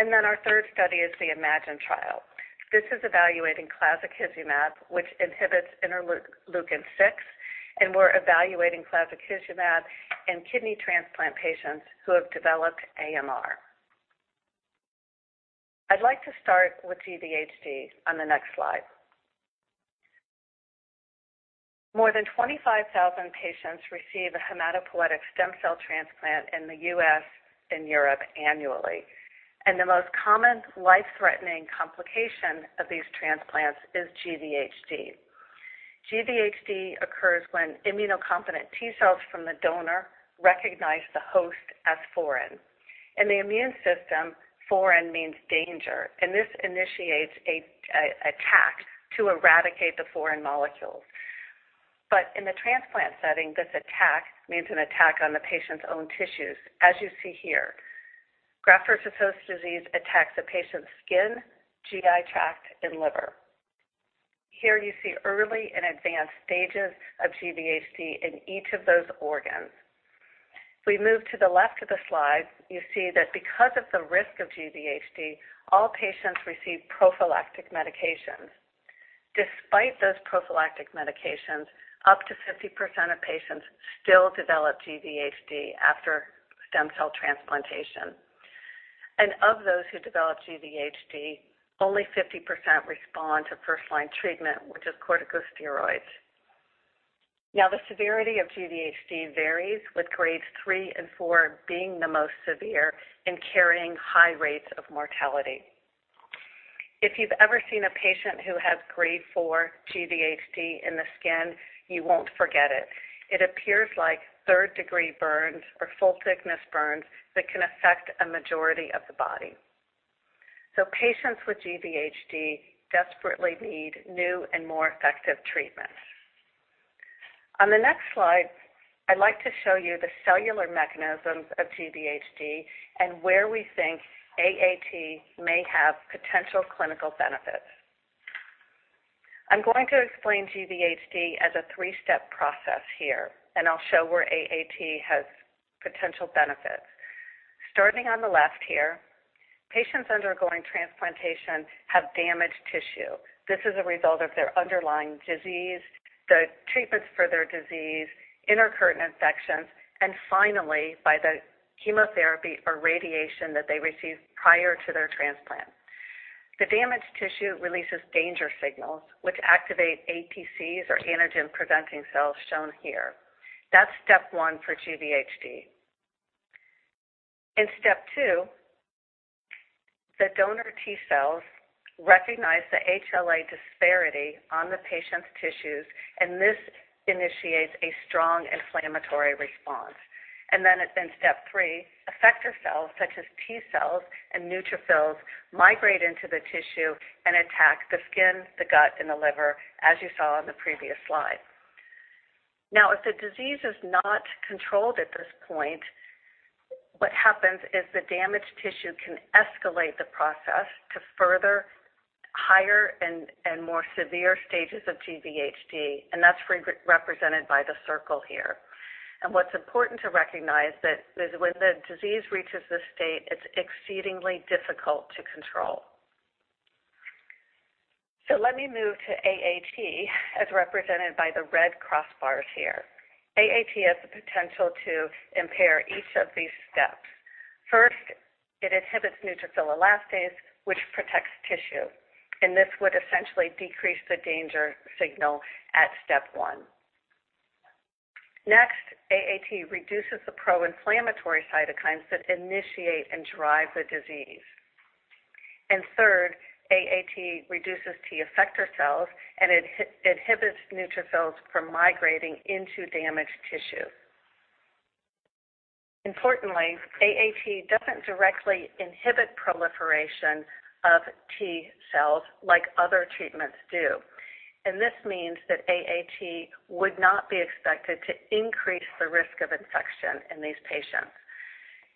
Our third study is the IMAGINE trial. This is evaluating clazakizumab, which inhibits interleukin-6, and we're evaluating clazakizumab in kidney transplant patients who have developed AMR. I'd like to start with GvHD on the next slide. More than 25,000 patients receive a hematopoietic stem cell transplant in the U.S. and Europe annually. The most common life-threatening complication of these transplants is GvHD. GvHD occurs when immunocompetent T-cells from the donor recognize the host as foreign. In the immune system, foreign means danger, and this initiates an attack to eradicate the foreign molecules. In the transplant setting, this attack means an attack on the patient's own tissues, as you see here. Graft-versus-Host disease attacks a patient's skin, GI tract, and liver. Here you see early and advanced stages of GvHD in each of those organs. We move to the left of the slide, you see that because of the risk of GvHD, all patients receive prophylactic medications. Despite those prophylactic medications, up to 50% of patients still develop GvHD after stem cell transplantation. Of those who develop GvHD, only 50% respond to first-line treatment, which is corticosteroids. The severity of GvHD varies, with Grades III and Grade IV being the most severe and carrying high rates of mortality. You've ever seen a patient who has Grade IV GvHD in the skin, you won't forget it. It appears like third-degree burns or full-thickness burns that can affect a majority of the body. Patients with GvHD desperately need new and more effective treatments. On the next slide, I'd like to show you the cellular mechanisms of GvHD and where we think AAT may have potential clinical benefits. I'm going to explain GvHD as a three-step process here, and I'll show where AAT has potential benefits. Starting on the left here, patients undergoing transplantation have damaged tissue. This is a result of their underlying disease, the treatments for their disease, intercurrent infections, and finally, by the chemotherapy or radiation that they receive prior to their transplant. The damaged tissue releases danger signals, which activate APCs or antigen-presenting cells shown here. That's step 1 for GvHD. In step 2, the donor T-cells recognize the HLA disparity on the patient's tissues, this initiates a strong inflammatory response. In step 3, effector cells such as T-cells and neutrophils migrate into the tissue and attack the skin, the gut, and the liver, as you saw on the previous slide. If the disease is not controlled at this point, what happens is the damaged tissue can escalate the process to further, higher, and more severe stages of GvHD, and that's represented by the circle here. What's important to recognize that when the disease reaches this state, it's exceedingly difficult to control. Let me move to AAT, as represented by the red cross bars here. AAT has the potential to impair each of these steps. First, it inhibits neutrophil elastase, which protects tissue, and this would essentially decrease the danger signal at step 1. Next, AAT reduces the pro-inflammatory cytokines that initiate and drive the disease. Third, AAT reduces T effector cells and it inhibits neutrophils from migrating into damaged tissue. Importantly, AAT doesn't directly inhibit proliferation of T-cells like other treatments do, and this means that AAT would not be expected to increase the risk of infection in these patients.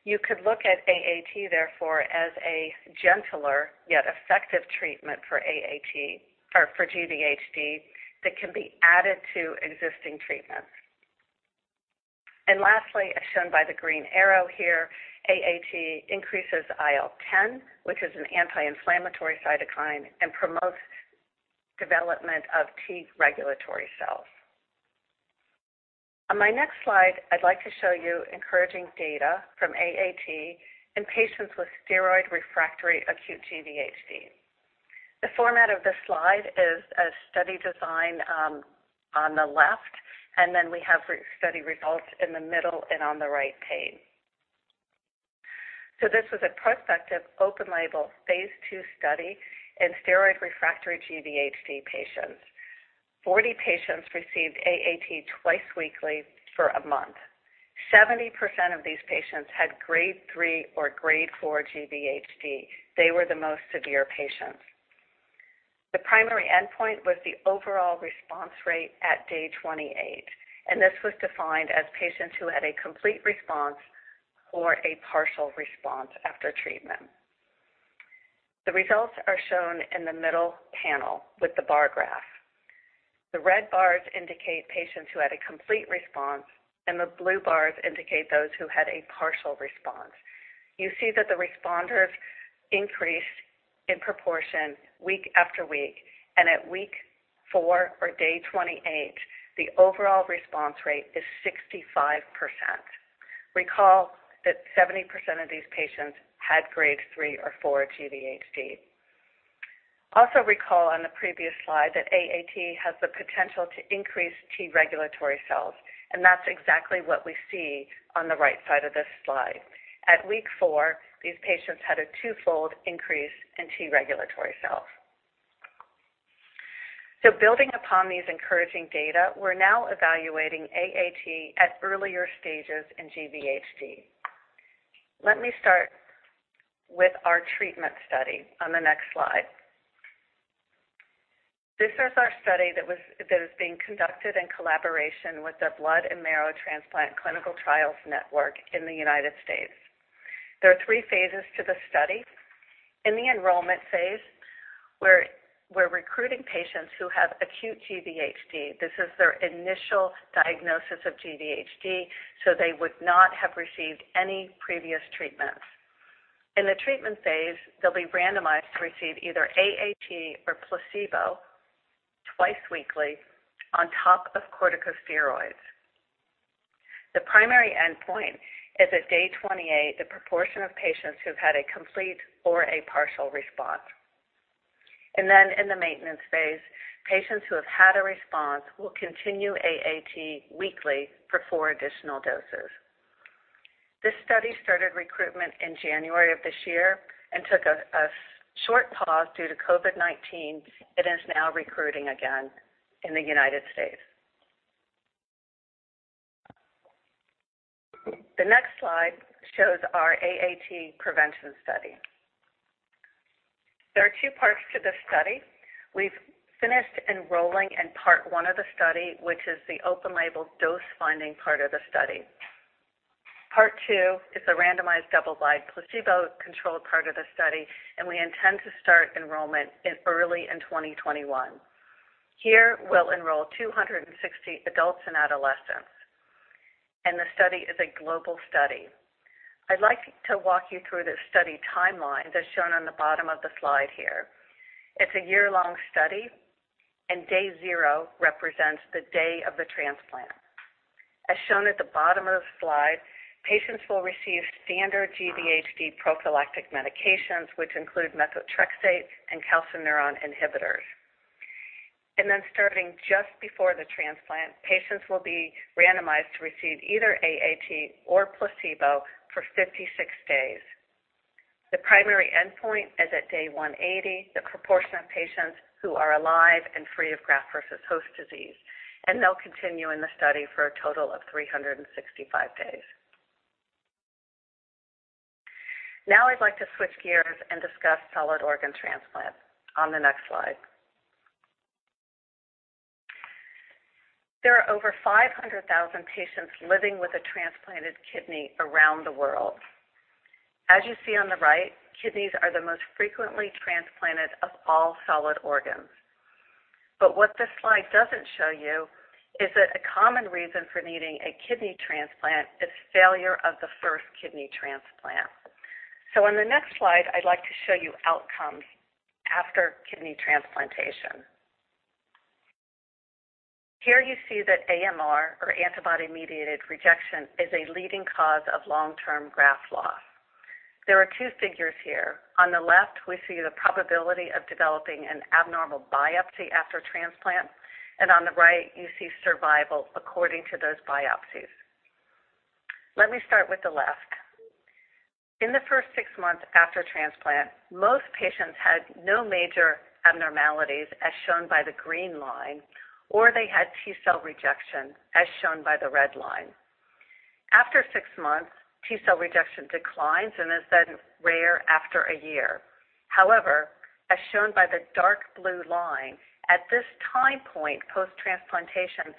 You could look at AAT, therefore, as a gentler yet effective treatment for GvHD that can be added to existing treatments. Lastly, as shown by the green arrow here, AAT increases IL-10, which is an anti-inflammatory cytokine and promotes development of T regulatory cells. On my next slide, I'd like to show you encouraging data from AAT in patients with steroid-refractory acute GvHD. The format of this slide is a study design on the left, and then we have study results in the middle and on the right pane. This was a prospective, open-label, phase II study in steroid-refractory GvHD patients. 40 patients received AAT twice weekly for a month. 70% of these patients had Grade 3 or Grade 4 GvHD. They were the most severe patients. The primary endpoint was the overall response rate at day 28, and this was defined as patients who had a complete response or a partial response after treatment. The results are shown in the middle panel with the bar graph. The red bars indicate patients who had a complete response, and the blue bars indicate those who had a partial response. You see that the responders increase in proportion week after week, and at week four or day 28, the overall response rate is 65%. Recall that 70% of these patients had Grade 3 or Grade 4 GvHD. Also recall on the previous slide that AAT has the potential to increase T regulatory cells, and that's exactly what we see on the right side of this slide. At week four, these patients had a twofold increase in T regulatory cells. Building upon these encouraging data, we're now evaluating AAT at earlier stages in GvHD. Let me start with our treatment study on the next slide. This is our study that is being conducted in collaboration with the Blood and Marrow Transplant Clinical Trials Network in the U.S. There are three phases to the study. In the enrollment phase, we're recruiting patients who have acute GvHD. This is their initial diagnosis of GvHD, they would not have received any previous treatments. In the treatment phase, they'll be randomized to receive either AAT or placebo twice weekly on top of corticosteroids. The primary endpoint is at day 28, the proportion of patients who've had a complete or a partial response. Then in the maintenance phase, patients who have had a response will continue AAT weekly for four additional doses. This study started recruitment in January of this year and took a short pause due to COVID-19. It is now recruiting again in the United States. The next slide shows our AAT prevention study. There are two parts to this study. We've finished enrolling in Part 1 of the study, which is the open label dose finding part of the study. Part 2 is a randomized, double-blind, placebo-controlled part of the study, and we intend to start enrollment early in 2021. Here, we'll enroll 260 adults and adolescents, and the study is a global study. I'd like to walk you through the study timeline that's shown on the bottom of the slide here. It's a year-long study, and day zero represents the day of the transplant. As shown at the bottom of the slide, patients will receive standard GvHD prophylactic medications, which include methotrexate and calcineurin inhibitors. Then starting just before the transplant, patients will be randomized to receive either AAT or placebo for 56 days. The primary endpoint is at day 180, the proportion of patients who are alive and free of GvHD. They'll continue in the study for a total of 365 days. Now I'd like to switch gears and discuss solid organ transplant on the next slide. There are over 500,000 patients living with a transplanted kidney around the world. As you see on the right, kidneys are the most frequently transplanted of all solid organs. What this slide doesn't show you is that a common reason for needing a kidney transplant is failure of the first kidney transplant. On the next slide, I'd like to show you outcomes after kidney transplantation. Here you see that AMR, or antibody-mediated rejection, is a leading cause of long-term graft loss. There are two figures here. On the left, we see the probability of developing an abnormal biopsy after transplant, and on the right, you see survival according to those biopsies. Let me start with the left. In the first six months after transplant, most patients had no major abnormalities, as shown by the green line, or they had T-cell rejection, as shown by the red line. After six months, T-cell rejection declines and is then rare after a year. However, as shown by the dark blue line, at this time point post-transplantation,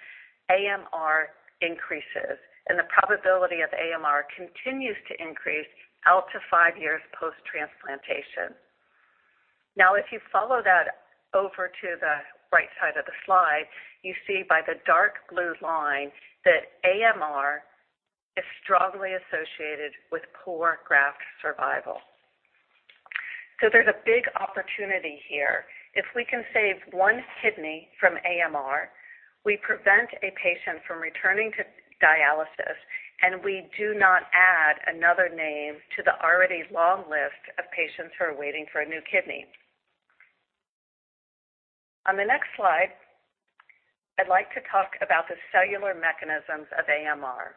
AMR increases, and the probability of AMR continues to increase out to five years post-transplantation. If you follow that over to the right side of the slide, you see by the dark blue line that AMR is strongly associated with poor graft survival. There's a big opportunity here. If we can save one kidney from AMR, we prevent a patient from returning to dialysis, and we do not add another name to the already long list of patients who are waiting for a new kidney. On the next slide, I'd like to talk about the cellular mechanisms of AMR.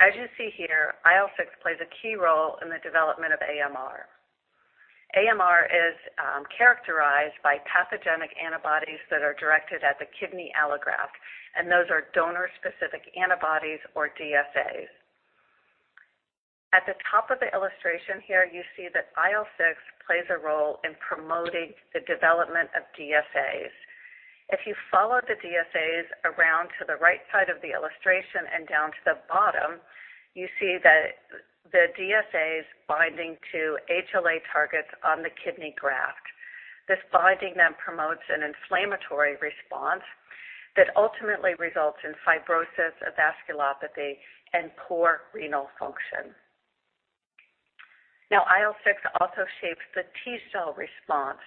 You see here, IL-6 plays a key role in the development of AMR. AMR is characterized by pathogenic antibodies that are directed at the kidney allograft, and those are donor-specific antibodies or DSAs. At the top of the illustration here, you see that IL-6 plays a role in promoting the development of DSAs. If you follow the DSAs around to the right side of the illustration and down to the bottom, you see the DSAs binding to HLA targets on the kidney graft. This binding then promotes an inflammatory response that ultimately results in fibrosis, vasculopathy, and poor renal function. Now, IL-6 also shapes the T-cell response.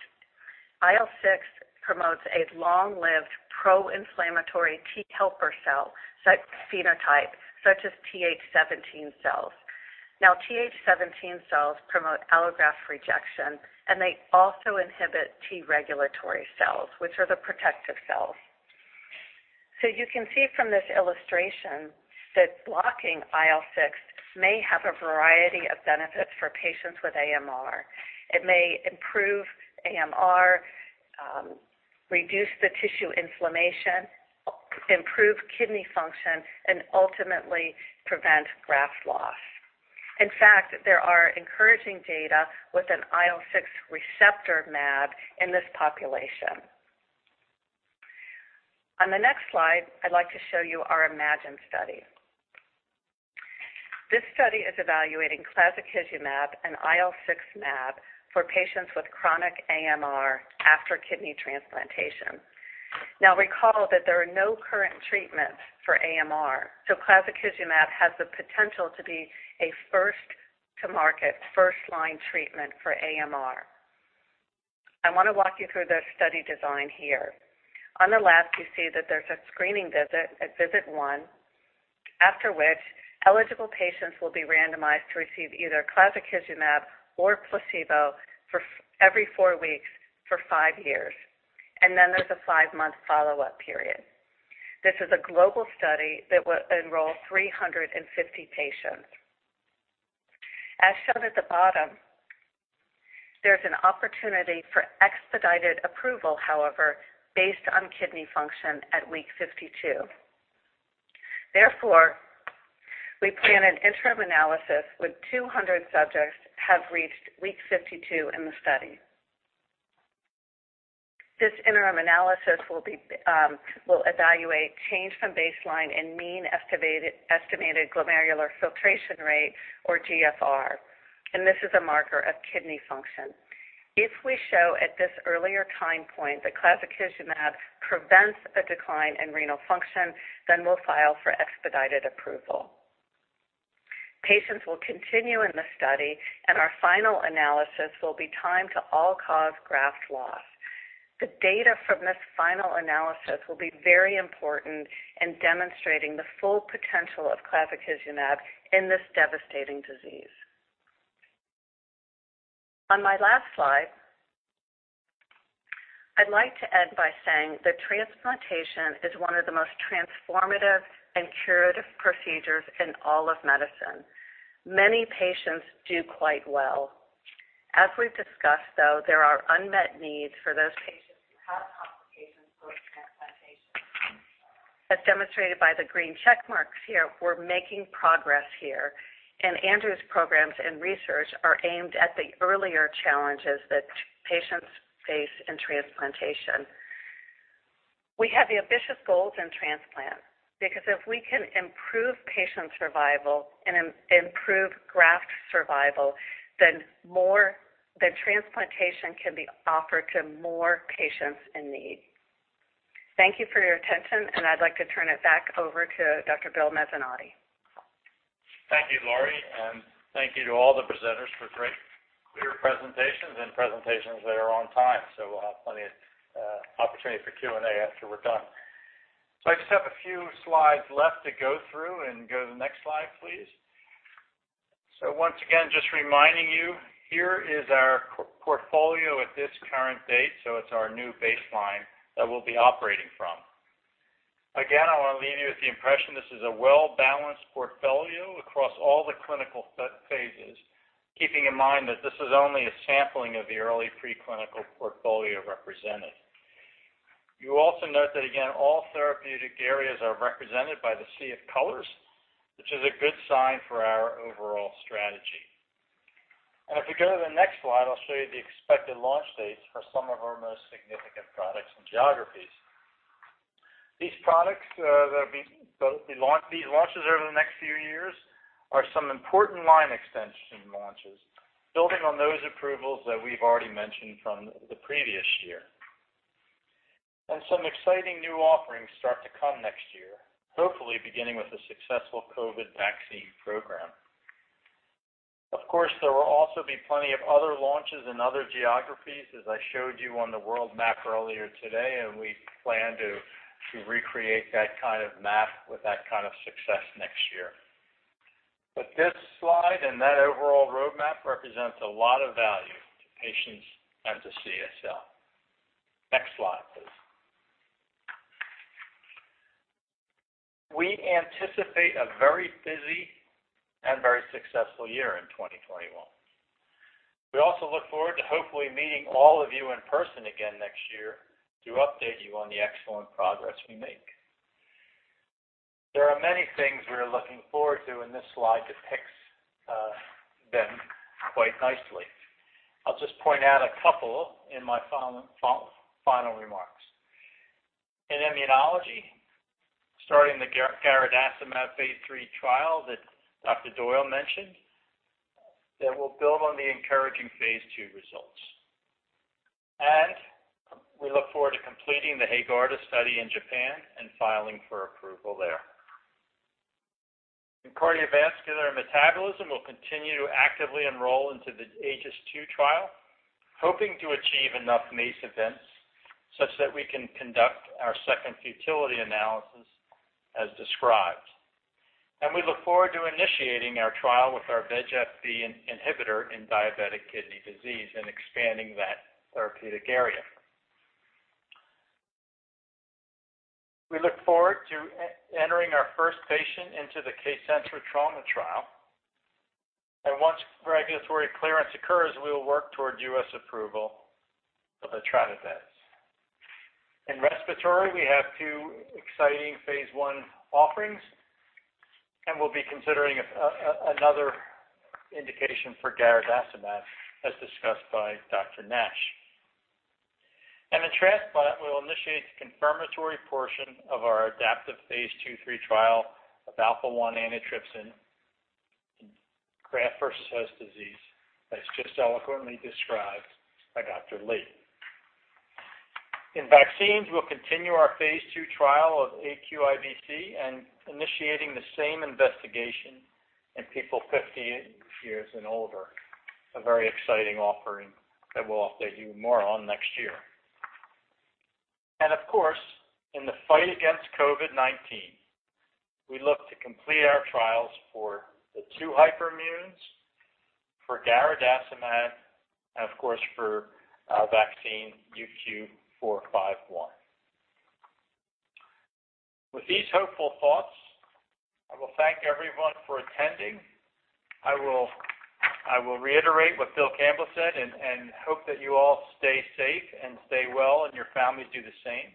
IL-6 promotes a long-lived pro-inflammatory T helper cell such phenotype, such as TH17 cells. Now, TH17 cells promote allograft rejection, and they also inhibit T regulatory cells, which are the protective cells. You can see from this illustration that blocking IL-6 may have a variety of benefits for patients with AMR. It may improve AMR, reduce the tissue inflammation, improve kidney function, and ultimately prevent graft loss. In fact, there are encouraging data with an IL-6 receptor mAb in this population. On the next slide, I'd like to show you our IMAGINE study. This study is evaluating clazakizumab, an IL-6 mAb for patients with chronic AMR after kidney transplantation. Recall that there are no current treatments for AMR, so clazakizumab has the potential to be a first-to-market, first-line treatment for AMR. I want to walk you through the study design here. On the left, you see that there's a screening visit at visit one, after which eligible patients will be randomized to receive either clazakizumab or placebo for every four weeks for five years. There's a five-month follow-up period. This is a global study that will enroll 350 patients. As shown at the bottom, there's an opportunity for expedited approval, however, based on kidney function at week 52. We plan an interim analysis when 200 subjects have reached week 52 in the study. This interim analysis will evaluate change from baseline and mean estimated glomerular filtration rate, or GFR. This is a marker of kidney function. If we show at this earlier time point that clazakizumab prevents a decline in renal function, then we'll file for expedited approval. Patients will continue in the study, and our final analysis will be timed to all-cause graft loss. The data from this final analysis will be very important in demonstrating the full potential of clazakizumab in this devastating disease. On my last slide, I'd like to end by saying that transplantation is one of the most transformative and curative procedures in all of medicine. Many patients do quite well. As we've discussed, though, there are unmet needs for those patients who have complications post-transplantation. As demonstrated by the green check marks here, we're making progress here, and Andrew's programs and research are aimed at the earlier challenges that patients face in transplantation. We have the ambitious goals in transplant because if we can improve patient survival and improve graft survival, then transplantation can be offered to more patients in need. Thank you for your attention, and I'd like to turn it back over to Dr. Bill Mezzanotte. Thank you, Laurie, and thank you to all the presenters for great clear presentations and presentations that are on time. We'll have plenty of opportunity for Q&A after we're done. I just have a few slides left to go through and go to the next slide, please. Once again, just reminding you, here is our portfolio at this current date, so it's our new baseline that we'll be operating from. Again, I want to leave you with the impression this is a well-balanced portfolio across all the clinical phases, keeping in mind that this is only a sampling of the early preclinical portfolio represented. You also note that, again, all therapeutic areas are represented by the sea of colors, which is a good sign for our overall strategy. If you go to the next slide, I'll show you the expected launch dates for some of our most significant products and geographies. These products that'll be launches over the next few years are some important line extension launches, building on those approvals that we've already mentioned from the previous year. Some exciting new offerings start to come next year, hopefully beginning with a successful COVID vaccine program. Of course, there will also be plenty of other launches in other geographies, as I showed you on the world map earlier today, and we plan to recreate that kind of map with that kind of success next year. This slide and that overall roadmap represents a lot of value to patients and to CSL. Next slide, please. We anticipate a very busy and very successful year in 2021. We also look forward to hopefully meeting all of you in person again next year to update you on the excellent progress we make. There are many things we're looking forward to, and this slide depicts them quite nicely. I'll just point out a couple in my final remarks. In immunology, starting the garadacimab phase III trial that Dr. Doyle mentioned, that will build on the encouraging phase II results. We look forward to completing the HAEGARDA study in Japan and filing for approval there. In Cardiovascular and Metabolism, we'll continue to actively enroll into the AEGIS-II trial, hoping to achieve enough MACE events such that we can conduct our second futility analysis as described. We look forward to initiating our trial with our VEGF-B inhibitor in diabetic kidney disease and expanding that therapeutic area. We look forward to entering our first patient into the KCENTRA trauma trial. Once regulatory clearance occurs, we will work toward U.S. approval of etranacogene dezaparvovec. In respiratory, we have two exciting phase I offerings, and we will be considering another indication for garadacimab, as discussed by Dr. Nash. In transplant, we will initiate the confirmatory portion of our adaptive phase II/phase III trial of alpha-1 antitrypsin in Graft-versus-Host Disease disease, as just eloquently described by Dr. Lee. In vaccines, we will continue our phase II trial of aQIVc and initiating the same investigation in people 50 years and older. A very exciting offering that we will update you more on next year. Of course, in the fight against COVID-19, we look to complete our trials for the two hyperimmunes, for garadacimab, and of course, for vaccine UQ451. With these hopeful thoughts, I will thank everyone for attending. I will reiterate what Bill Campbell said and hope that you all stay safe and stay well, and your families do the same.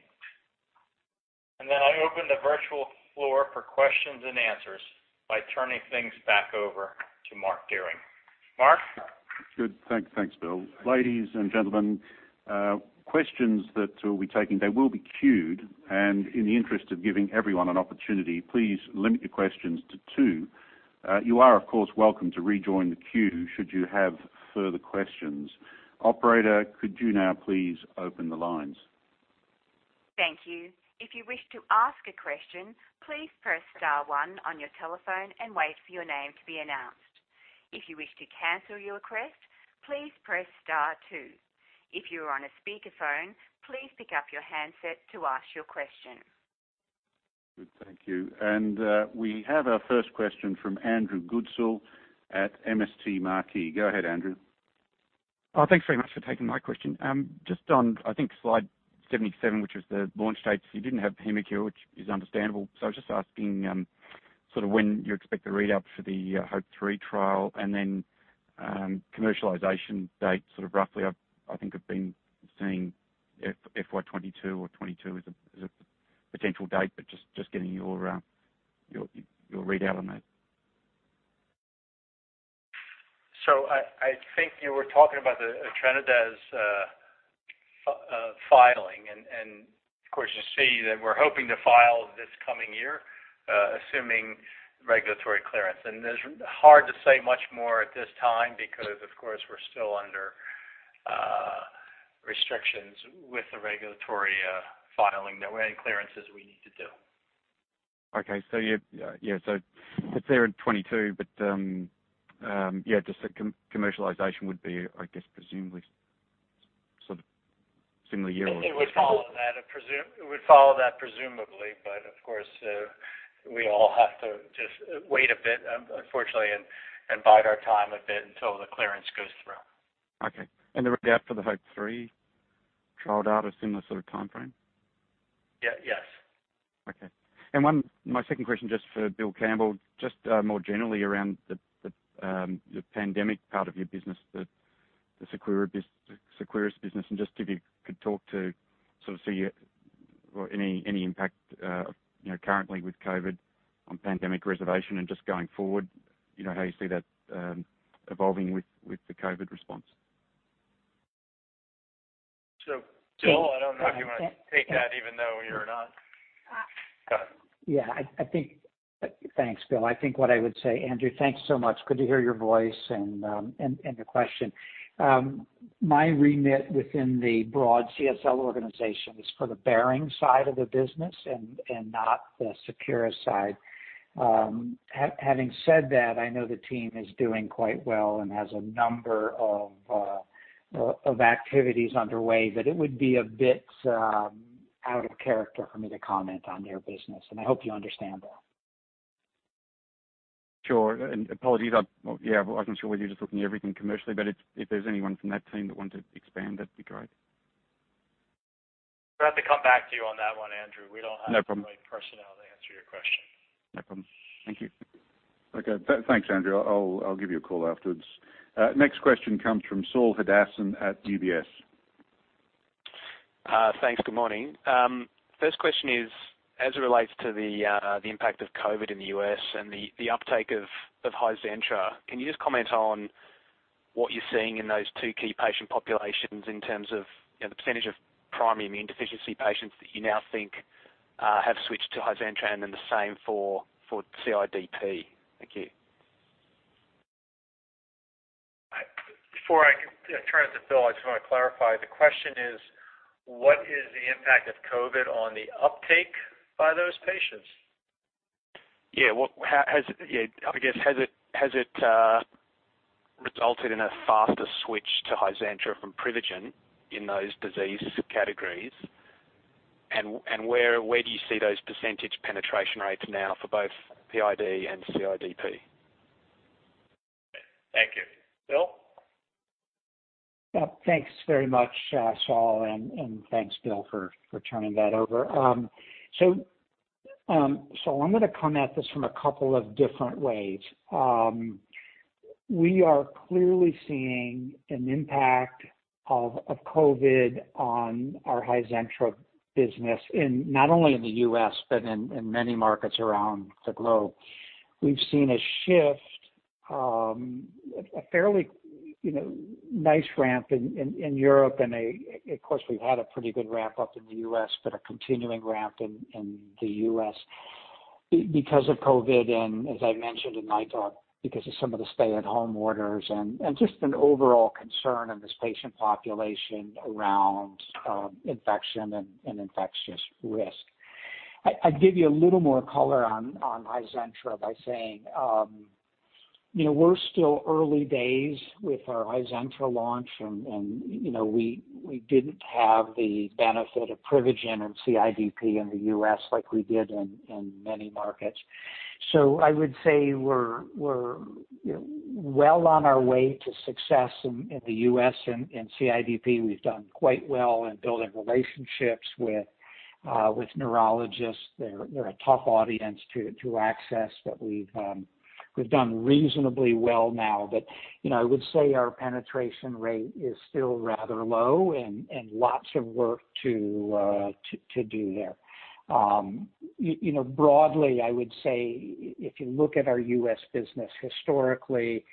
I'll open the virtual floor for questions and answers by turning things back over to Mark Dehring. Mark? Good. Thanks, Bill. Ladies and gentlemen, questions that we'll be taking, they will be queued. In the interest of giving everyone an opportunity, please limit your questions to two. You are, of course, welcome to rejoin the queue should you have further questions. Operator, could you now please open the lines? Thank you. If you wish to ask a question, please press star one on your telephone and wait for your name to be announced. If you wish to cancel your request, please press star two. If you are on a speakerphone, please pick up your handset to ask your question. Good, thank you. We have our first question from Andrew Goodsall at MST Marquee. Go ahead, Andrew. Oh, thanks very much for taking my question. Just on, I think slide 77, which was the launch dates, you didn't have HEMGENIX, which is understandable. I was just asking when you expect the readout for the HOPE-B trial, and then commercialization date roughly. I think I've been seeing FY 2022 or FY 2022 as a potential date, but just getting your readout on that. I think you were talking about the etranacogene dezaparvovec filing. Of course, you see that we're hoping to file this coming year, assuming regulatory clearance. It's hard to say much more at this time because, of course, we're still under restrictions with the regulatory filing and any clearances we need to do. Okay. It's there in 2022, but just the commercialization would be, I guess, presumably sort of similar. It would follow that, presumably. Of course, we all have to just wait a bit, unfortunately, and bide our time a bit until the clearance goes through. Okay. The readout for the HOPE-B trial data, similar sort of timeframe? Yes. Okay. My second question, just for Bill Campbell, just more generally around the pandemic part of your business, the Seqirus business, and just if you could talk to any impact currently with COVID on pandemic reservation and just going forward, how you see that evolving with the COVID response? Bill, I don't know if you want to take that even though you're not. Go ahead. Thanks, Bill. I think what I would say, Andrew, thanks so much. Good to hear your voice and your question. My remit within the broad CSL organization is for the Behring side of the business and not the Seqirus side. Having said that, I know the team is doing quite well and has a number of activities underway that it would be a bit out of character for me to comment on their business, and I hope you understand that. Sure. Apologies. Yeah, I wasn't sure whether you're just looking at everything commercially, but if there's anyone from that team that wants to expand, that'd be great. We'll have to come back to you on that one, Andrew. No problem. The right personnel to answer your question. No problem. Thank you. Okay. Thanks, Andrew. I'll give you a call afterwards. Next question comes from Saul Hadassin at UBS. Thanks. Good morning. First question is, as it relates to the impact of COVID in the U.S. and the uptake of HIZENTRA, can you just comment on what you're seeing in those two key patient populations in terms of the percentage of primary immunodeficiency patients that you now think have switched to HIZENTRA and then the same for CIDP? Thank you. Before I turn it to Bill, I just want to clarify. The question is: what is the impact of COVID on the uptake by those patients? Yeah. I guess, has it resulted in a faster switch to HIZENTRA from PRIVIGEN in those disease categories? Where do you see those percentage penetration rates now for both PID and CIDP? Thank you. Bill? Yeah. Thanks very much, Saul, and thanks, Bill, for turning that over. I'm going to come at this from a couple of different ways. We are clearly seeing an impact of COVID on our HIZENTRA business in not only the U.S. but in many markets around the globe. We've seen a shift, a fairly nice ramp in Europe and, of course, we've had a pretty good ramp-up in the U.S., but a continuing ramp in the U.S. because of COVID and, as I mentioned in my talk, because of some of the stay-at-home orders and just an overall concern in this patient population around infection and infectious risk. I'd give you a little more color on HIZENTRA by saying we're still early days with our HIZENTRA launch, and we didn't have the benefit of PRIVIGEN and CIDP in the U.S. like we did in many markets. I would say we're well on our way to success in the U.S. In CIDP, we've done quite well in building relationships with neurologists. They're a tough audience to access, but we've done reasonably well now. I would say our penetration rate is still rather low and lots of work to do there. Broadly, I would say if you look at our U.S. business historically,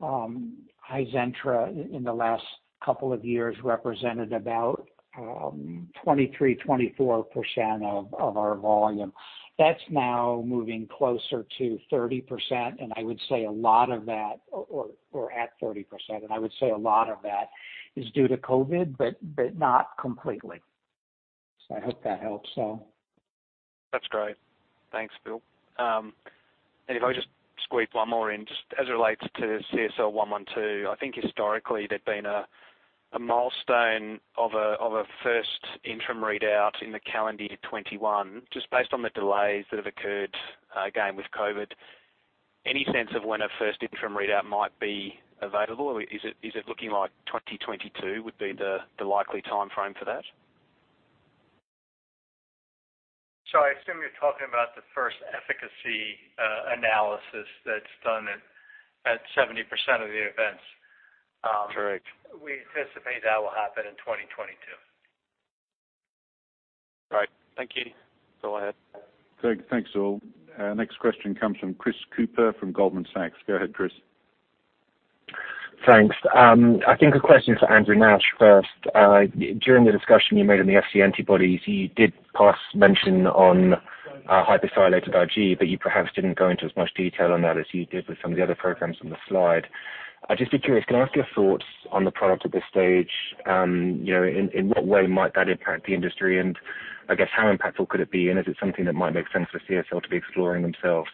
HIZENTRA in the last couple of years represented about 23%, 24% of our volume. That's now moving closer to 30%, and I would say at 30%, and I would say a lot of that is due to COVID, but not completely. I hope that helps, Saul. That's great. Thanks, Bill. If I could just squeeze one more in, just as it relates to CSL112, I think historically there'd been a milestone of a first interim readout in the calendar 2021. Just based on the delays that have occurred, again, with COVID, any sense of when a first interim readout might be available? Or is it looking like 2022 would be the likely timeframe for that? I assume you're talking about the first efficacy analysis that's done at 70% of the events. Correct. We anticipate that will happen in 2022. Right. Thank you. Go ahead. Thanks, Saul. Next question comes from Chris Cooper from Goldman Sachs. Go ahead, Chris. Thanks. I think a question for Andrew Nash first. During the discussion you made on the Fc antibodies, you did pass mention on Hyper-sialylated IgG, you perhaps didn't go into as much detail on that as you did with some of the other programs on the slide. I'd just be curious, can I ask your thoughts on the product at this stage? In what way might that impact the industry, I guess how impactful could it be, is it something that might make sense for CSL to be exploring themselves?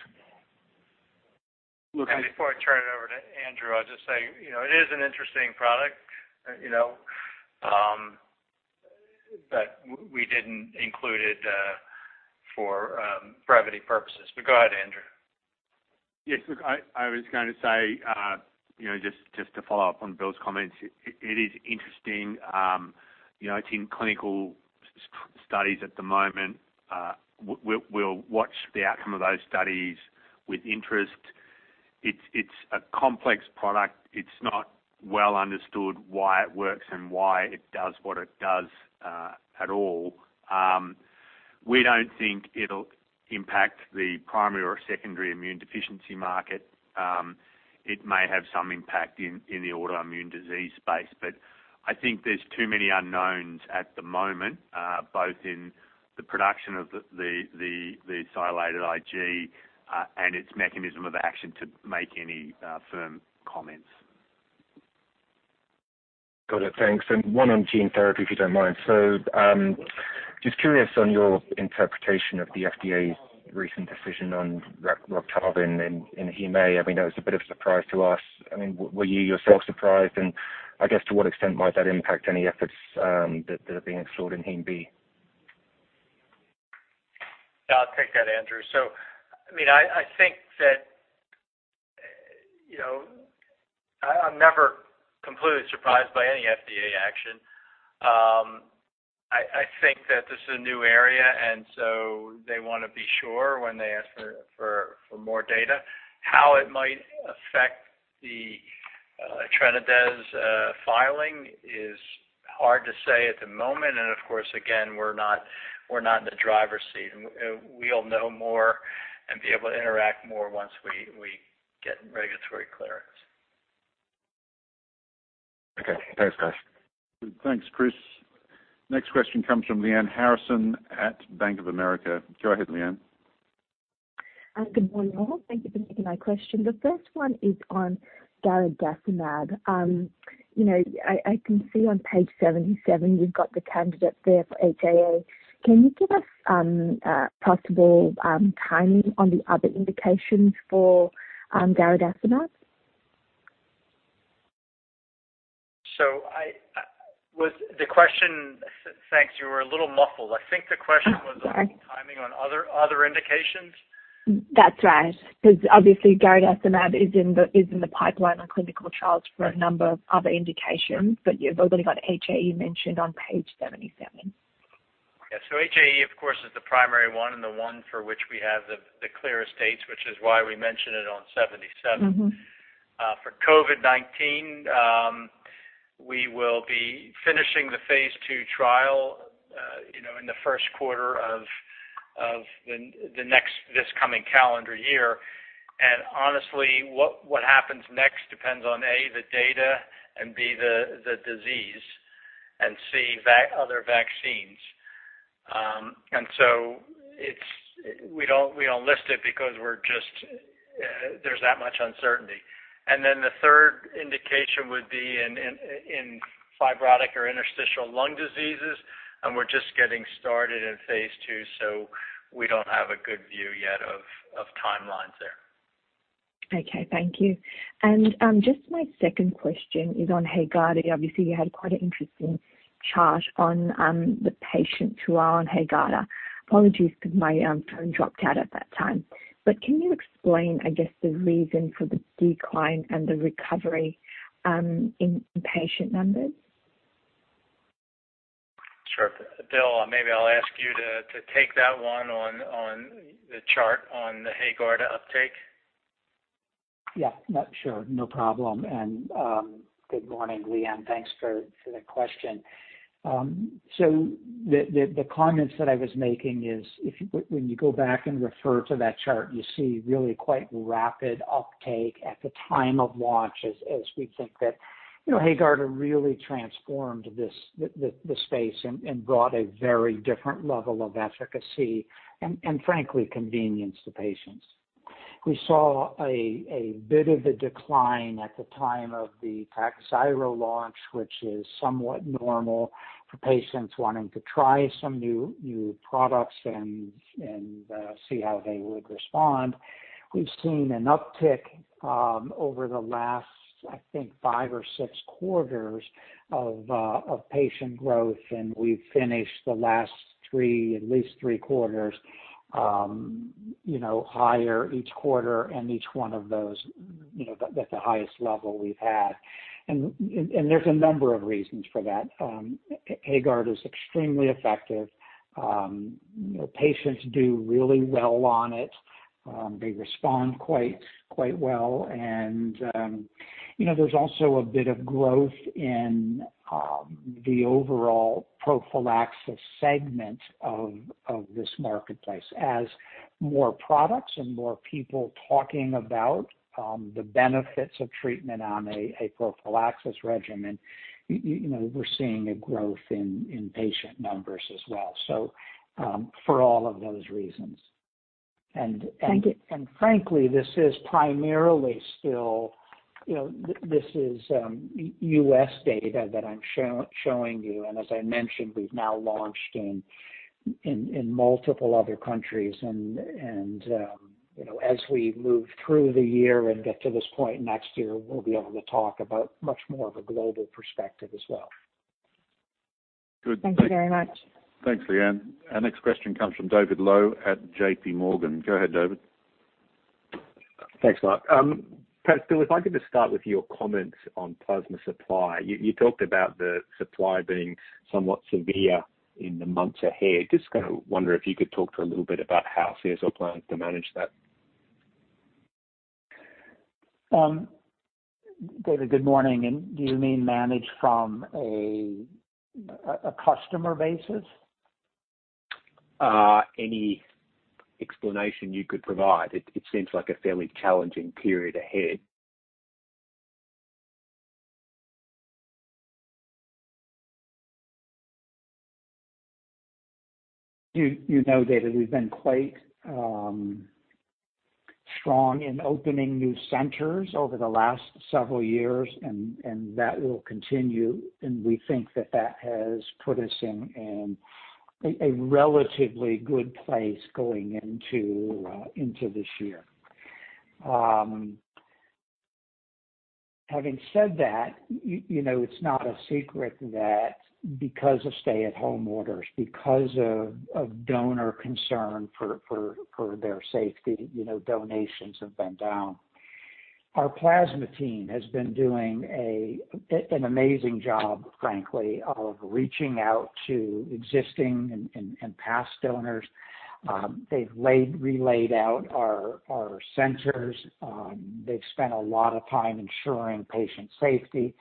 Before I turn it over to Andrew, I'll just say, it is an interesting product, but we didn't include it for brevity purposes. Go ahead, Andrew. Yes, look, I was going to say, just to follow up on Bill's comments, it is interesting. It's in clinical studies at the moment. We'll watch the outcome of those studies with interest. It's a complex product. It's not well understood why it works and why it does what it does at all. We don't think it'll impact the primary or secondary immune deficiency market. It may have some impact in the autoimmune disease space, but I think there's too many unknowns at the moment, both in the production of the Sialylated IgG and its mechanism of action to make any firm comments. Got it. Thanks. One on gene therapy, if you don't mind. Just curious on your interpretation of the FDA's recent decision on Roctavian in hemophilia A. I mean, that was a bit of a surprise to us. Were you yourself surprised, and I guess to what extent might that impact any efforts that are being explored in hemophilia B? I'll take that, Andrew. I think that I'm never completely surprised by any FDA action. I think that this is a new area, they want to be sure when they ask for more data. How it might affect the EtranaDez filing is hard to say at the moment, again, we're not in the driver's seat. We'll know more and be able to interact more once we get regulatory clearance. Okay. Thanks, guys. Thanks, Chris. Next question comes from Lyanne Harrison at Bank of America. Go ahead, Lyanne. Good morning, all. Thank you for taking my question. The first one is on garadacimab. I can see on page 77, you've got the candidate there for HAE. Can you give us possible timing on the other indications for garadacimab? Was the question. Thanks. You were a little muffled- Sorry. On timing on other indications? That's right. Obviously garadacimab is in the pipeline on clinical trials for a number of other indications, but you've already got HAE mentioned on page 77. Yeah. HAE, of course, is the primary one and the one for which we have the clearest dates, which is why we mention it on 77. For COVID-19, we will be finishing the phase II trial in the first quarter of this coming calendar year. Honestly, what happens next depends on, A, the data, and B, the disease, and C, other vaccines. We don't list it because there's that much uncertainty. The third indication would be in fibrotic or interstitial lung diseases, and we're just getting started in phase II, so we don't have a good view yet of timelines there. Okay. Thank you. Just my second question is on HAEGARDA. Obviously, you had quite an interesting chart on the patients who are on HAEGARDA. Apologies because my phone dropped out at that time. Can you explain, I guess, the reason for the decline and the recovery in patient numbers? Sure. Bill, maybe I'll ask you to take that one on the chart on the HAEGARDA uptake? Yeah. Sure, no problem. Good morning, Lyanne. Thanks for the question. The comments that I was making is when you go back and refer to that chart, you see really quite rapid uptake at the time of launch as we think that HAEGARDA really transformed the space and brought a very different level of efficacy and frankly, convenience to patients. We saw a bit of a decline at the time of the TAKHZYRO launch, which is somewhat normal for patients wanting to try some new products and see how they would respond. We've seen an uptick over the last, I think, five or six quarters of patient growth, and we've finished the last at least three quarters, higher each quarter and each one of those, at the highest level we've had. There's a number of reasons for that. HAEGARDA is extremely effective. Patients do really well on it. They respond quite well. There's also a bit of growth in the overall prophylaxis segment of this marketplace. As more products and more people talking about the benefits of treatment on a prophylaxis regimen, we're seeing a growth in patient numbers as well. For all of those reasons. Thank you. Frankly, this is primarily still U.S. data that I'm showing you. As I mentioned, we've now launched in multiple other countries. As we move through the year and get to this point next year, we'll be able to talk about much more of a global perspective as well. Good. Thank you very much. Thanks, Lyanne. Our next question comes from David Low at JPMorgan. Go ahead, David. Thanks, Mark. Perhaps, Bill, if I could just start with your comments on plasma supply. You talked about the supply being somewhat severe in the months ahead. Just kind of wonder if you could talk a little bit about how CSL plans to manage that? David, good morning. Do you mean manage from a customer basis? Any explanation you could provide. It seems like a fairly challenging period ahead. You know, David, we've been quite strong in opening new centers over the last several years, and that will continue, and we think that that has put us in a relatively good place going into this year. Having said that, it's not a secret that because of stay-at-home orders, because of donor concern for their safety, donations have been down. Our plasma team has been doing an amazing job, frankly, of reaching out to existing and past donors. They've relayed out our centers. They've spent a lot of time ensuring patient safety.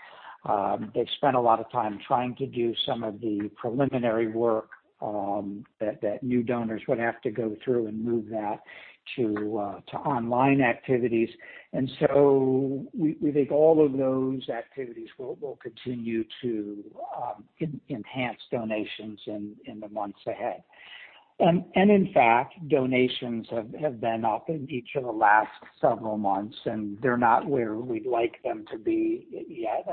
They've spent a lot of time trying to do some of the preliminary work that new donors would have to go through and move that to online activities. We think all of those activities will continue to enhance donations in the months ahead. In fact, donations have been up in each of the last several months, and they're not where we'd like them to be yet.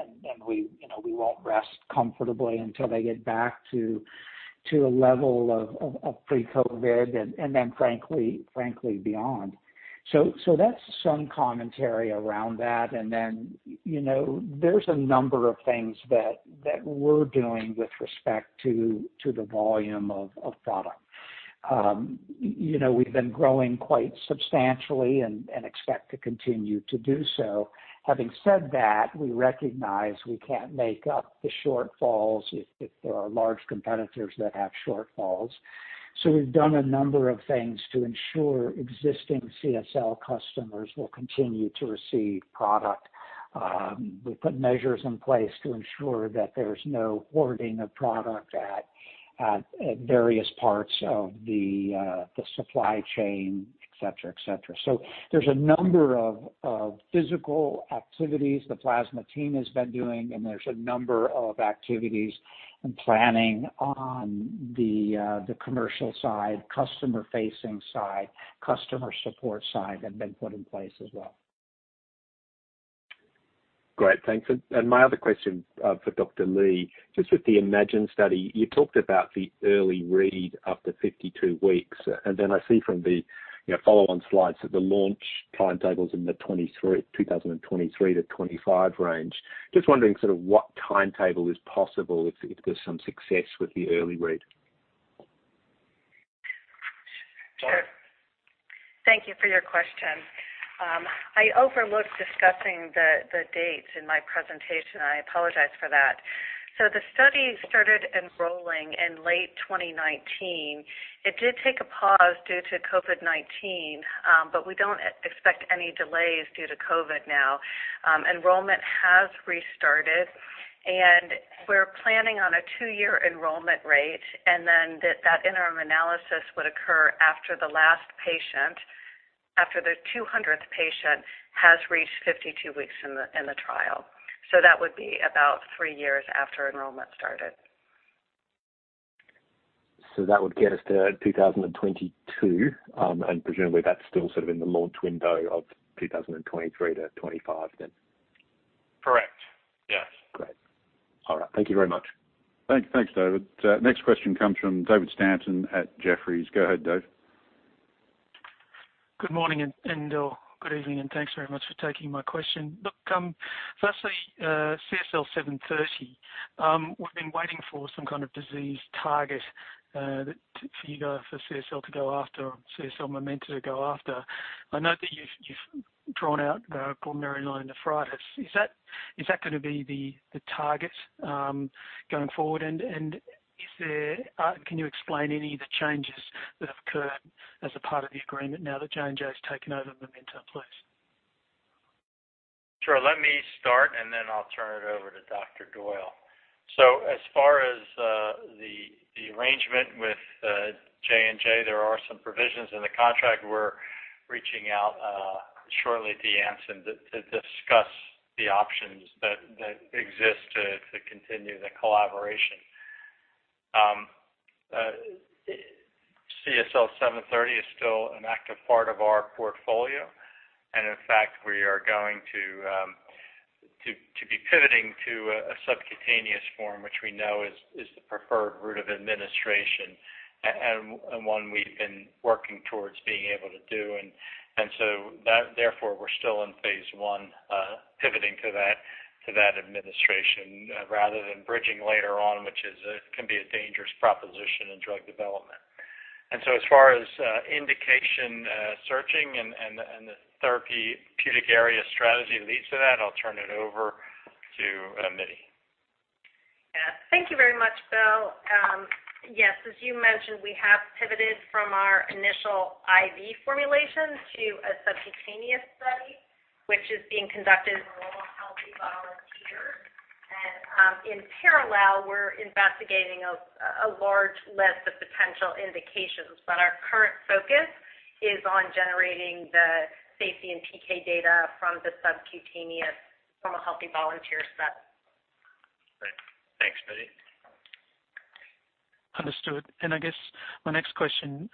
We won't rest comfortably until they get back to a level of pre-COVID and then frankly, beyond. That's some commentary around that. Then, there's a number of things that we're doing with respect to the volume of product. We've been growing quite substantially and expect to continue to do so. Having said that, we recognize we can't make up the shortfalls if there are large competitors that have shortfalls. We've done a number of things to ensure existing CSL customers will continue to receive product. We put measures in place to ensure that there's no hoarding of product at various parts of the supply chain, et cetera. There's a number of physical activities the plasma team has been doing, and there's a number of activities and planning on the commercial side, customer-facing side, customer support side have been put in place as well. Great. Thanks. My other question for Dr. Lee, just with the IMAGINE study, you talked about the early read after 52 weeks, and then I see from the follow-on slides that the launch timetable's in the 2023-2025 range. Just wondering sort of what timetable is possible if there's some success with the early read? Sure. Thank you for your question. I overlooked discussing the dates in my presentation. I apologize for that. The study started enrolling in late 2019. It did take a pause due to COVID-19, but we don't expect any delays due to COVID now. Enrollment has restarted, and we're planning on a two-year enrollment rate, and then that interim analysis would occur after the last patient, after the 200th patient, has reached 52 weeks in the trial. That would be about three years after enrollment started. That would get us to 2022, and presumably, that's still sort of in the launch window of 2023-2025 then? Correct. Yes. Great. All right. Thank you very much. Thanks, David. Next question comes from David Stanton at Jefferies. Go ahead, Dave. Good morning, and good evening, and thanks very much for taking my question. Look, firstly, CSL730. We've been waiting for some kind of disease target for CSL to go after, or CSL Momenta to go after. I note that you've drawn out the glomerulonephritis. Is that going to be the target going forward? Can you explain any of the changes that have occurred as a part of the agreement now that J&J's taken over Momenta, please? Sure. Let me start, then I'll turn it over to Dr. Doyle. As far as the arrangement with J&J, there are some provisions in the contract. We're reaching out shortly to Janssen to discuss the options that exist to continue the collaboration. CSL730 is still an active part of our portfolio. In fact, we are going to be pivoting to a subcutaneous form, which we know is the preferred route of administration and one we've been working towards being able to do. Therefore, we're still in phase I pivoting to that administration rather than bridging later on, which can be a dangerous proposition in drug development. As far as indication searching and the therapeutic area strategy leads to that, I'll turn it over to Mittie. Yeah. Thank you very much, Bill. Yes, as you mentioned, we have pivoted from our initial IV formulation to a subcutaneous study, which is being conducted in normal, healthy volunteers. In parallel, we're investigating a large list of potential indications, but our current focus is on generating the safety and PK data from the subcutaneous from a healthy volunteer study. Great. Thanks, Mittie. Understood. I guess my next question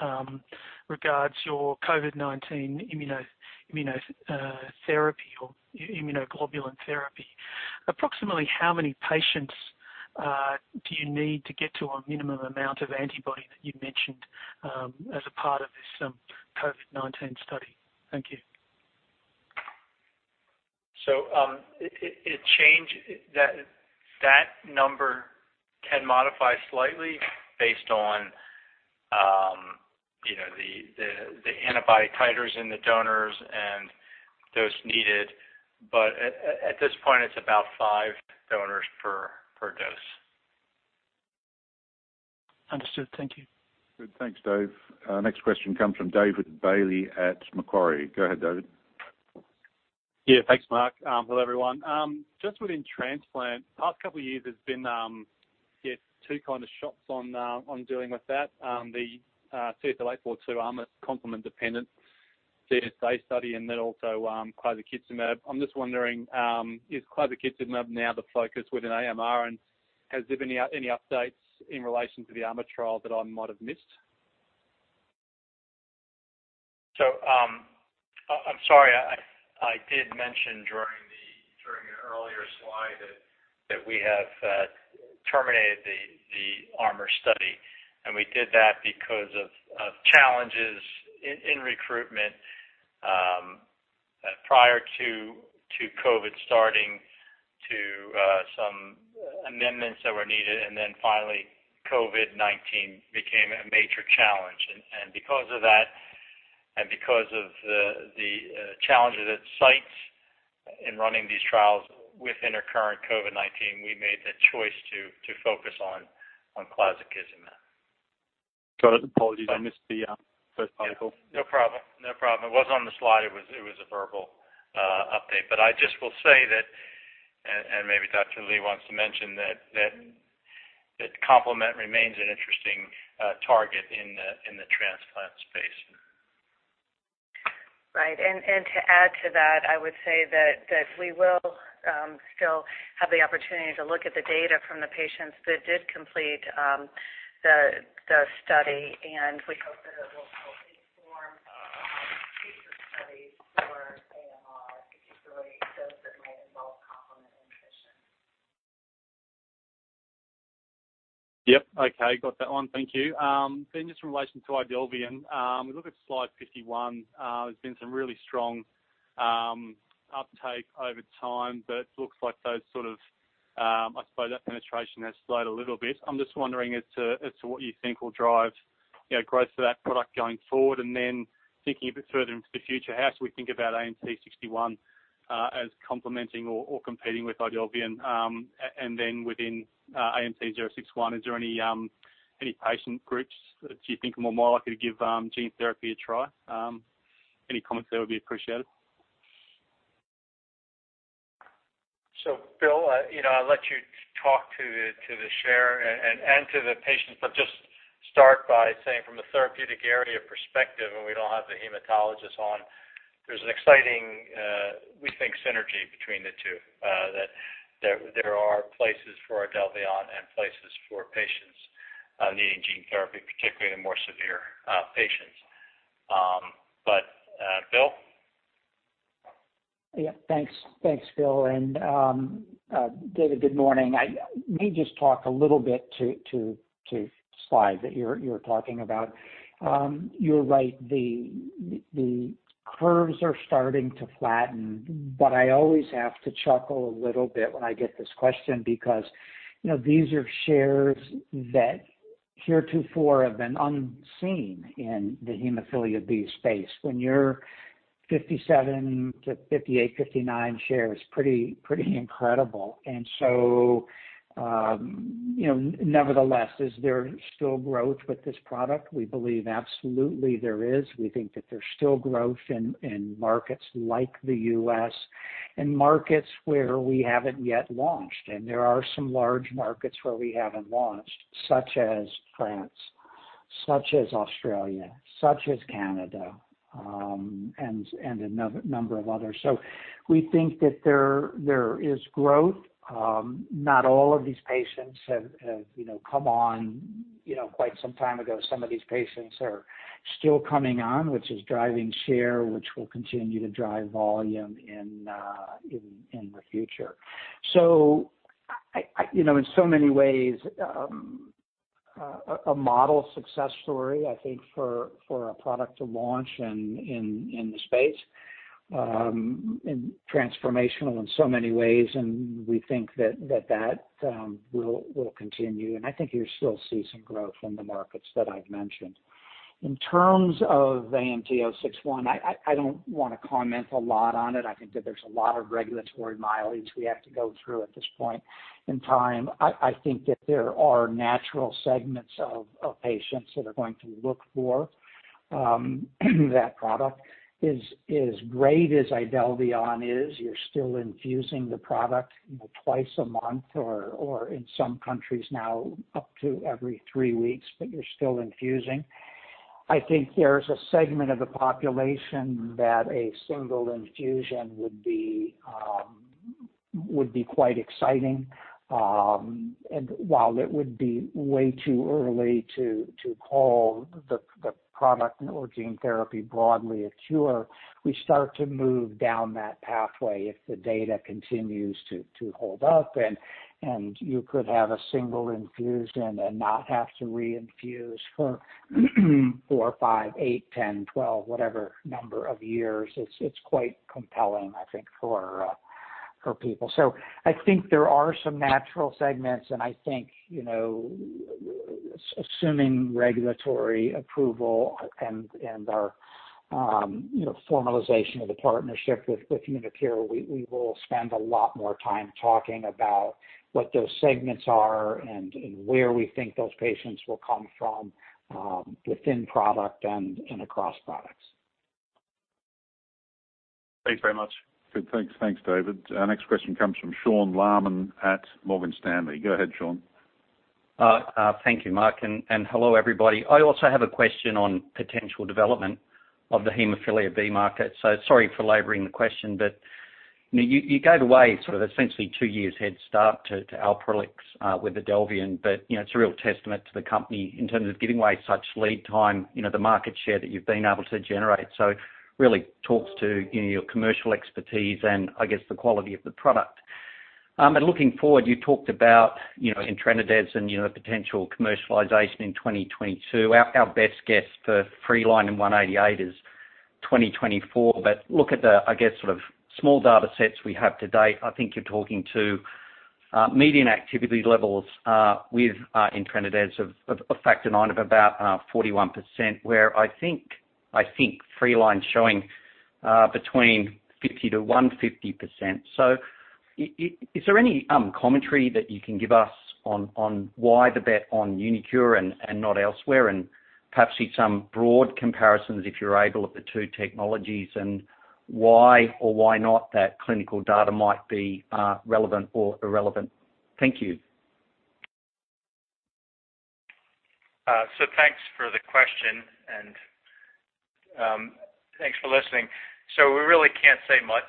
regards your COVID-19 immunotherapy or immunoglobulin therapy. Approximately how many patients do you need to get to a minimum amount of antibody that you mentioned as a part of this COVID-19 study? Thank you. That number can modify slightly based on the antibody titers in the donors and those needed. At this point, it's about five donors per dose. Understood. Thank you. Good. Thanks, Dave. Our next question comes from David Bailey at Macquarie. Go ahead, David. Thanks, Mark. Hello, everyone. Just within transplant, the past couple of years has been two kind of shots on dealing with that. The CSL842 complement-dependent Cytotoxicity Assay study and then also clazakizumab. I'm just wondering, is clazakizumab now the focus within AMR, and has there been any updates in relation to the ARMOR trial that I might have missed? I'm sorry, I did mention during an earlier slide that we have terminated the ARMOR study. We did that because of challenges in recruitment, prior to COVID starting, to some amendments that were needed, and then finally COVID-19 became a major challenge. Because of that, and because of the challenges at sites in running these trials with intercurrent COVID-19, we made the choice to focus on clazakizumab. Got it. Apologies. I missed the first part. No problem. It was on the slide. It was a verbal update. I just will say that, and maybe Dr. Lee wants to mention, that complement remains an interesting target in the transplant space. Right. To add to that, I would say that we will still have the opportunity to look at the data from the patients that did complete the study, and we hope that it will help inform future studies for AMR, particularly those that might involve complement inhibition. Yep. Okay. Got that one. Thank you. Just in relation to IDELVION. We look at slide 51. There's been some really strong uptake over time, but it looks like those sort of, I suppose, that penetration has slowed a little bit. I'm just wondering as to what you think will drive growth for that product going forward, and then thinking a bit further into the future, how should we think about AMT-061 as complementing or competing with IDELVION? Within AMT-061, is there any patient groups that you think are more likely to give gene therapy a try? Any comments there would be appreciated. Bill, I'll let you talk to the share and to the patients, just start by saying from a therapeutic area perspective, and we don't have the hematologist on, there's an exciting, we think, synergy between the two that there are places for IDELVION and places for patients needing gene therapy, particularly the more severe patients. Bill? Yeah. Thanks, Bill. David, good morning. I may just talk a little bit to slides that you're talking about. You're right, the curves are starting to flatten. I always have to chuckle a little bit when I get this question because these are shares that heretofore have been unseen in the hemophilia B space. When you're 57-58 shares, 59 shares, pretty incredible. Nevertheless, is there still growth with this product? We believe absolutely there is. We think that there's still growth in markets like the U.S., and markets where we haven't yet launched. There are some large markets where we haven't launched, such as France, such as Australia, such as Canada, and a number of others. We think that there is growth. Not all of these patients have come on quite some time ago. Some of these patients are still coming on, which is driving share, which will continue to drive volume in the future. In so many ways, a model success story, I think, for a product to launch in the space. Transformational in so many ways, and we think that that will continue. I think you'll still see some growth in the markets that I've mentioned. In terms of AMT-061, I don't want to comment a lot on it. I think that there's a lot of regulatory mileage we have to go through at this point in time. I think that there are natural segments of patients that are going to look for that product. As great as IDELVION is, you're still infusing the product twice a month or in some countries now up to every three weeks, but you're still infusing. I think there's a segment of the population that a single infusion would be quite exciting. While it would be way too early to call the product or gene therapy broadly a cure, we start to move down that pathway if the data continues to hold up, you could have a single infusion and then not have to reinfuse for four years, five years, eight years, 10 years, 12 years, whatever number of years. It's quite compelling, I think, for people. I think there are some natural segments, I think, assuming regulatory approval and our formalization of the partnership with uniQure, we will spend a lot more time talking about what those segments are and where we think those patients will come from within product and across products. Thanks very much. Good. Thanks, David. Our next question comes from Sean Laaman at Morgan Stanley. Go ahead, Sean. Thank you, Mark, and hello everybody. I also have a question on potential development of the hemophilia B market. Sorry for laboring the question, but you gave away sort of essentially two years head start to ALPROLIX with IDELVION, but it's a real testament to the company in terms of giving away such lead time, the market share that you've been able to generate. Really talks to your commercial expertise and I guess the quality of the product. Looking forward, you talked about etranacogene dezaparvovec and potential commercialization in 2022. Our best guess for FLT180a is 2024. Look at the, I guess, sort of small data sets we have to date. I think you're talking to median activity levels, with etranacogene dezaparvovec of Factor IX of about 41%, where I think FLT180a's showing between 50%-150%. Is there any commentary that you can give us on why the bet on uniQure and not elsewhere? Perhaps some broad comparisons, if you're able, of the two technologies and why or why not that clinical data might be relevant or irrelevant? Thank you. Thanks for the question and thanks for listening. We really can't say much,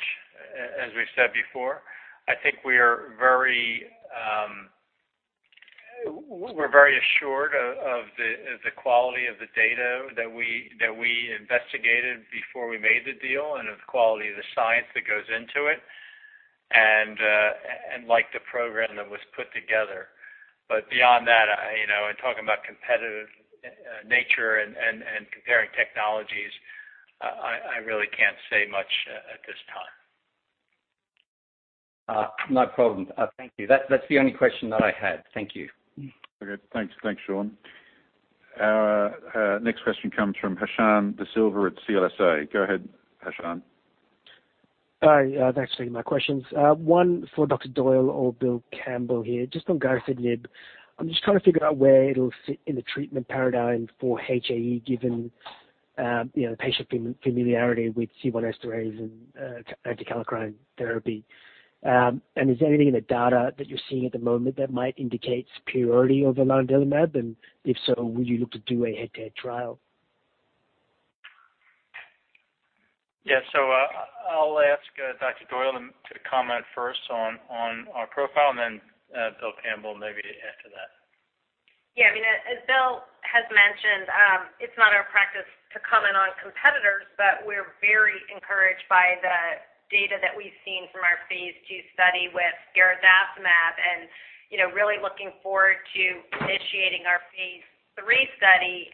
as we've said before. I think we're very assured of the quality of the data that we investigated before we made the deal, and of the quality of the science that goes into it, and liked the program that was put together. Beyond that, and talking about competitive nature and comparing technologies, I really can't say much at this time. No problem. Thank you. That's the only question that I had. Thank you. Okay, thanks Sean. Our next question comes from Hashan De Silva at CLSA. Go ahead, Hashan. Hi. Thanks for taking my questions. One for Dr. Doyle or Bill Campbell here, just on garadacimab. I'm just trying to figure out where it'll fit in the treatment paradigm for HAE, given patient familiarity with C1 esterase inhibitor and anti-kallikrein therapy. Is there anything in the data that you're seeing at the moment that might indicate superiority over lanadelumab? If so, would you look to do a head-to-head trial? Yeah. I'll ask Dr. Doyle to comment first on our profile and then Bill Campbell maybe after that. Yeah. As Bill has mentioned, it's not our practice to comment on competitors, we're very encouraged by the data that we've seen from our phase II study with garadacimab, and really looking forward to initiating our phase III study,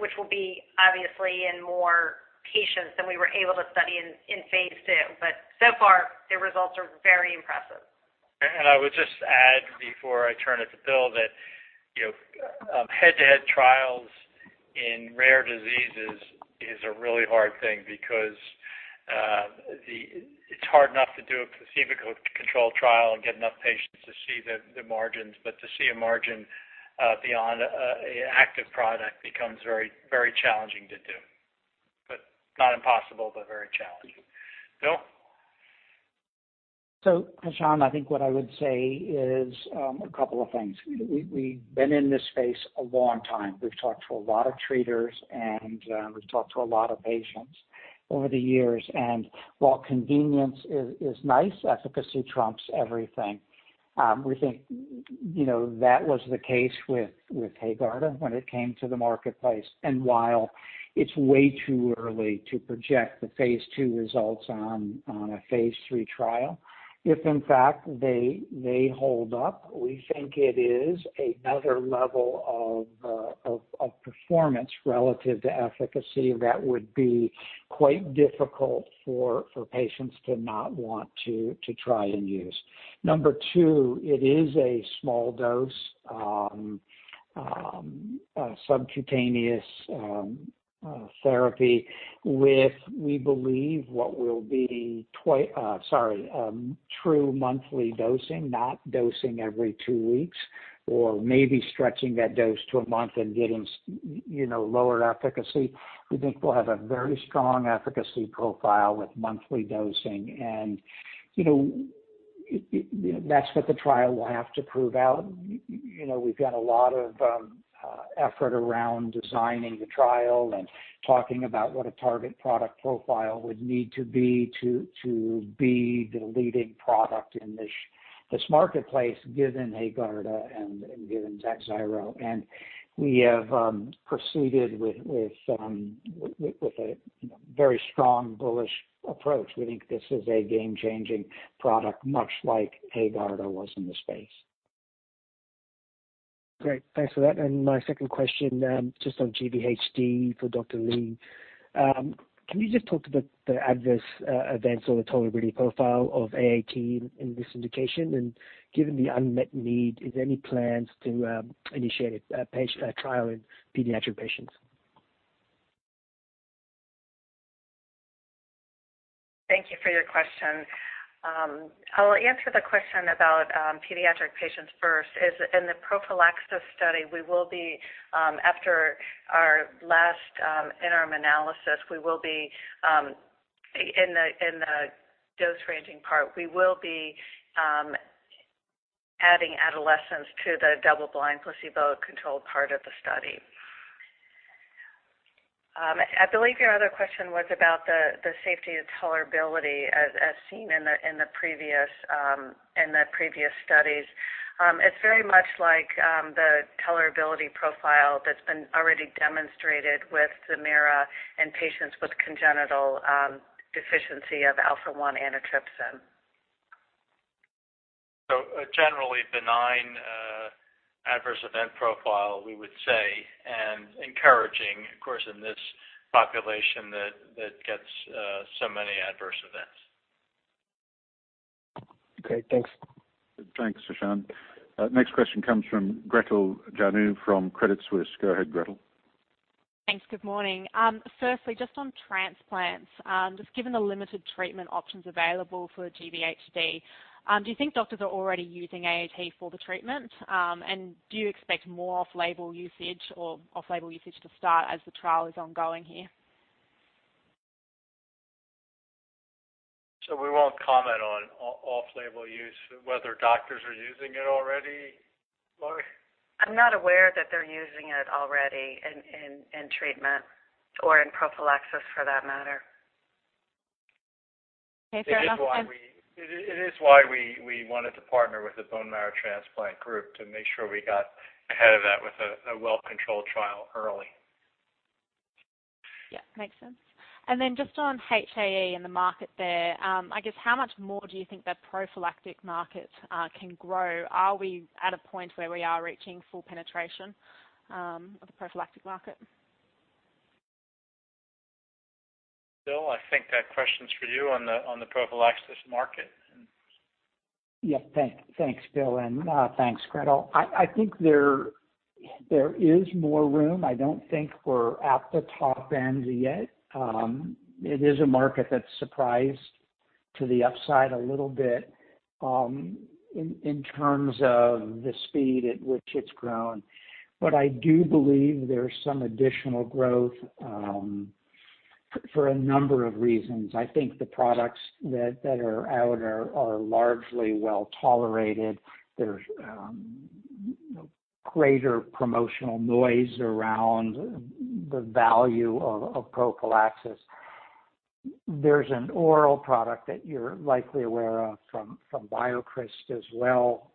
which will be obviously in more patients than we were able to study in phase II. So far, the results are very impressive. I would just add before I turn it to Bill that head-to-head trials in rare diseases is a really hard thing because it's hard enough to do a placebo-controlled trial and get enough patients to see the margins. To see a margin beyond an active product becomes very challenging to do. Not impossible, very challenging. Bill? Hashan, I think what I would say is a couple of things. We've been in this space a long time. We've talked to a lot of treaters, and we've talked to a lot of patients over the years. While convenience is nice, efficacy trumps everything. We think that was the case with HAEGARDA when it came to the marketplace. While it's way too early to project the phase II results on a phase III trial. If in fact they hold up, we think it is another level of performance relative to efficacy that would be quite difficult for patients to not want to try and use. Number 2, it is a small dose, subcutaneous therapy with, we believe, what will be true monthly dosing, not dosing every two weeks or maybe stretching that dose to a month and getting lower efficacy. We think we'll have a very strong efficacy profile with monthly dosing. That's what the trial will have to prove out. We've done a lot of effort around designing the trial and talking about what a target product profile would need to be to be the leading product in this marketplace, given HAEGARDA and given TAKHZYRO. We have proceeded with a very strong bullish approach. We think this is a game-changing product, much like HAEGARDA was in the space. Great. Thanks for that. My second question, just on GvHD for Dr. Lee. Can you just talk about the adverse events or the tolerability profile of AAT in this indication? Given the unmet need, is there any plans to initiate a trial in pediatric patients? Thank you for your question. I'll answer the question about pediatric patients first. In the prophylaxis study, after our last interim analysis in the dose ranging part, we will be adding adolescents to the double-blind placebo-controlled part of the study. I believe your other question was about the safety and tolerability as seen in the previous studies. It's very much like the tolerability profile that's been already demonstrated with ZEMAIRA in patients with congenital deficiency of alpha-1 antitrypsin. A generally benign adverse event profile, we would say, and encouraging, of course, in this population that gets so many adverse events. Okay, thanks. Thanks, Hashan. Next question comes from Gretel Janu from Credit Suisse. Go ahead, Gretel. Thanks. Good morning. Firstly, just on transplants, just given the limited treatment options available for GvHD, do you think doctors are already using AAT for the treatment? Do you expect more off-label usage to start as the trial is ongoing here? We won't comment on off-label use, whether doctors are using it already. Laurie? I'm not aware that they're using it already in treatment or in prophylaxis, for that matter. Okay. Fair enough. It is why we wanted to partner with the bone marrow transplant group to make sure we got ahead of that with a well-controlled trial early. Yeah. Makes sense. Just on HAE and the market there, I guess, how much more do you think the prophylactic market can grow? Are we at a point where we are reaching full penetration of the prophylactic market? Bill, I think that question's for you on the prophylaxis market. Yeah. Thanks, Bill, and thanks, Gretel. I think there is more room. I don't think we're at the top end yet. It is a market that's surprised to the upside a little bit in terms of the speed at which it's grown. I do believe there's some additional growth for a number of reasons. I think the products that are out are largely well-tolerated. There's greater promotional noise around the value of prophylaxis. There's an oral product that you're likely aware of from BioCryst as well.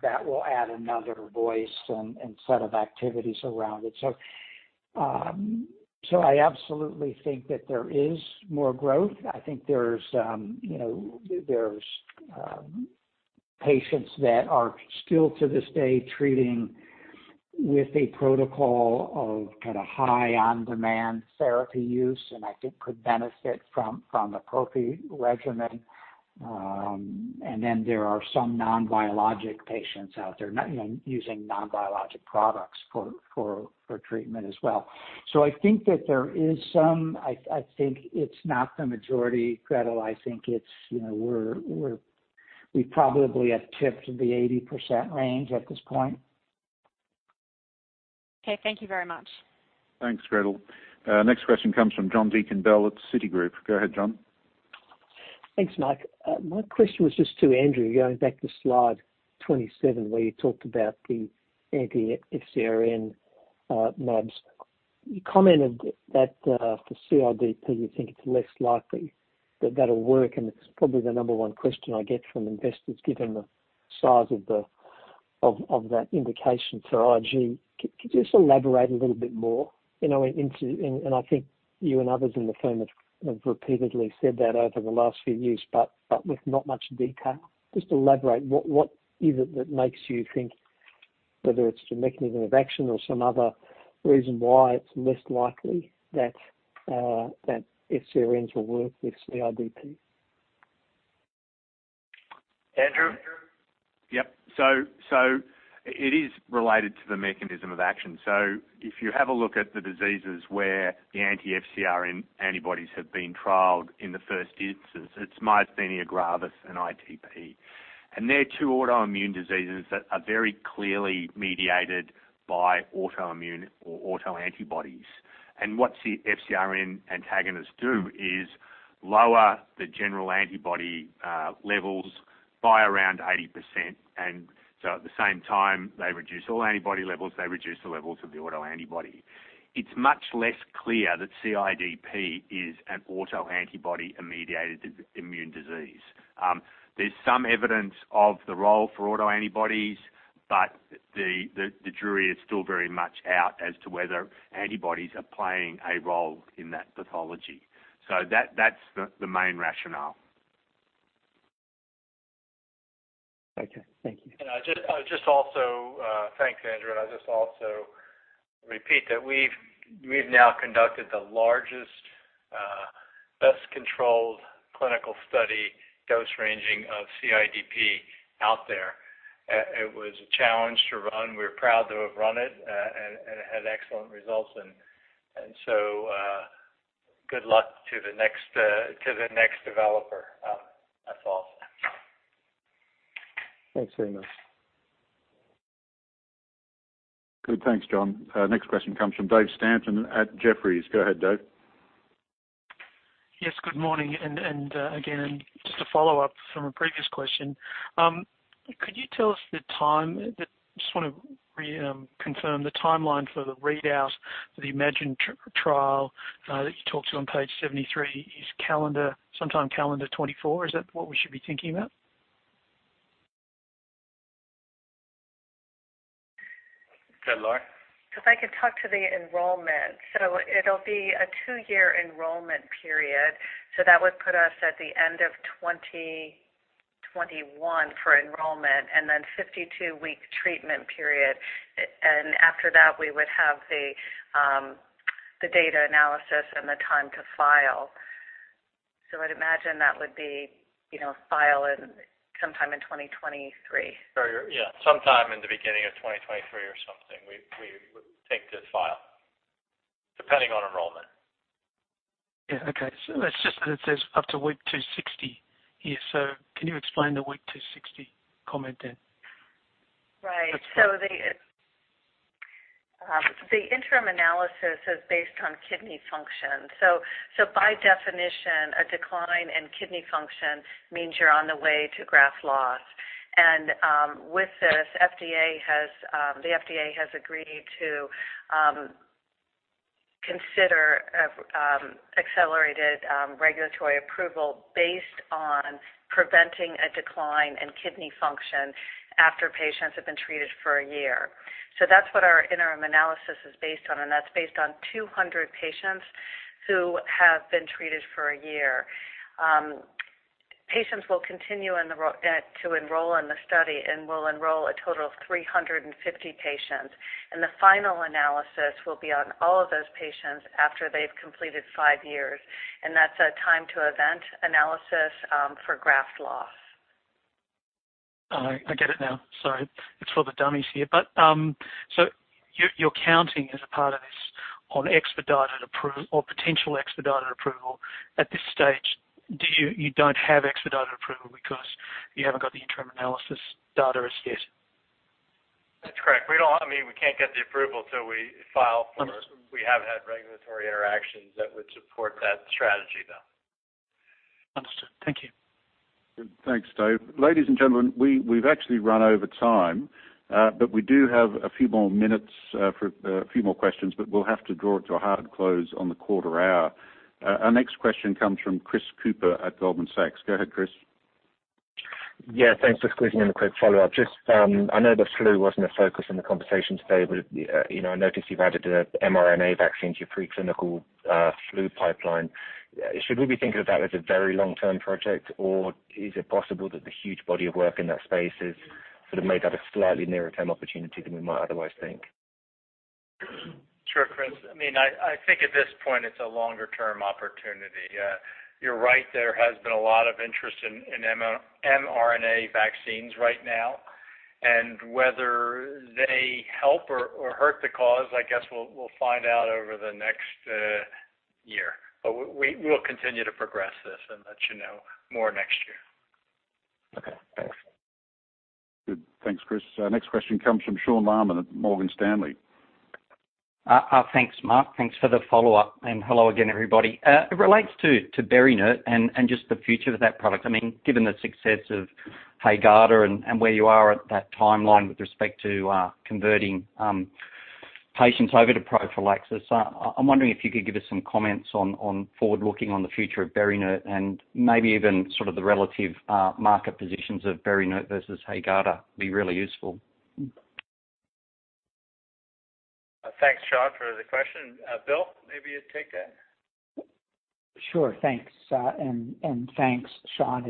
That will add another voice and set of activities around it. I absolutely think that there is more growth. I think there's patients that are still to this day treating with a protocol of high on-demand therapy use and I think could benefit from the prophy regimen. There are some non-biologic patients out there, using non-biologic products for treatment as well. I think that there is some. I think it's not the majority, Gretel. I think we probably have tipped the 80% range at this point. Okay. Thank you very much. Thanks, Gretel. Next question comes from John Deakin-Bell at Citigroup. Go ahead, John. Thanks, Mark. My question was just to Andrew, going back to slide 27, where you talked about the anti-FcRn knobs. You commented that for CIDP, you think it's less likely that that'll work, and it's probably the number one question I get from investors, given the size of that indication for IgG. Could you just elaborate a little bit more. I think you and others in the firm have repeatedly said that over the last few years, but with not much detail. Just elaborate, what is it that makes you think whether it's the mechanism of action or some other reason why it's less likely that FcRns will work with CIDP? Andrew? Yep. It is related to the mechanism of action. If you have a look at the diseases where the anti-FcRn antibodies have been trialed in the first instances, it's myasthenia gravis and ITP, and they're two autoimmune diseases that are very clearly mediated by autoimmune or autoantibodies. What the FcRn antagonists do is lower the general antibody levels by around 80%. At the same time they reduce all antibody levels, they reduce the levels of the autoantibody. It's much less clear that CIDP is an autoantibody-mediated immune disease. There's some evidence of the role for autoantibodies, but the jury is still very much out as to whether antibodies are playing a role in that pathology. That's the main rationale. Okay. Thank you. I'll just also thank Andrew, and I just also repeat that we've now conducted the largest, best-controlled clinical study dose ranging of CIDP out there. It was a challenge to run. We're proud to have run it, and it had excellent results. Good luck to the next developer. That's all. Thanks very much. Good. Thanks, John. Next question comes from Dave Stanton at Jefferies. Go ahead, Dave. Yes, good morning. Again, just a follow-up from a previous question. Just want to reconfirm the timeline for the readouts for the IMAGINE trial that you talked to on page 73, is sometime calendar 2024? Is that what we should be thinking about? Go ahead, Laurie. If I could talk to the enrollment. It'll be a two-year enrollment period. That would put us at the end of 2021 for enrollment, and then 52-week treatment period. After that, we would have the data analysis and the time to file. I'd imagine that would be file in sometime in 2023. Sometime in the beginning of 2023 or something, we would take to file, depending on enrollment. Yeah. Okay. It's just because it says up to week 260 here. Can you explain the week 260 comment then? Right. The interim analysis is based on kidney function. By definition, a decline in kidney function means you're on the way to graft loss. With this, the FDA has agreed to consider accelerated regulatory approval based on preventing a decline in kidney function after patients have been treated for one year. That's what our interim analysis is based on, and that's based on 200 patients who have been treated for one year. Patients will continue to enroll in the study, and we'll enroll a total of 350 patients. The final analysis will be on all of those patients after they've completed five years. That's a time to event analysis for graft loss. All right. I get it now. Sorry. It's for the dummies here. You're counting as a part of this on expedited approval or potential expedited approval. At this stage, you don't have expedited approval because you haven't got the interim analysis data as yet. That's correct. We can't get the approval till we file. Understood. We have had regulatory interactions that would support that strategy, though. Understood. Thank you. Good. Thanks, Dave. Ladies and gentlemen, we've actually run over time. We do have a few more minutes for a few more questions, but we'll have to draw it to a hard close on the quarter hour. Our next question comes from Chris Cooper at Goldman Sachs. Go ahead, Chris. Yeah, thanks for squeezing in a quick follow-up. Just I know the flu wasn't a focus in the conversation today, but I noticed you've added a mRNA vaccine to your preclinical flu pipeline. Should we be thinking of that as a very long-term project, or is it possible that the huge body of work in that space has sort of made that a slightly nearer-term opportunity than we might otherwise think? Sure, Chris. I think at this point it's a longer-term opportunity. You're right, there has been a lot of interest in mRNA vaccines right now. Whether they help or hurt the cause, I guess we'll find out over the next year. We'll continue to progress this and let you know more next year. Okay, thanks. Good. Thanks, Chris. Next question comes from Sean Laaman at Morgan Stanley. Thanks, Mark. Thanks for the follow-up, and hello again, everybody. It relates to BERINERT and just the future of that product. Given the success of HAEGARDA and where you are at that timeline with respect to converting patients over to prophylaxis, I'm wondering if you could give us some comments on forward looking on the future of BERINERT and maybe even sort of the relative market positions of BERINERT versus HAEGARDA, would be really useful. Thanks, Sean, for the question. Bill, maybe you'd take that? Sure. Thanks, and thanks, Sean.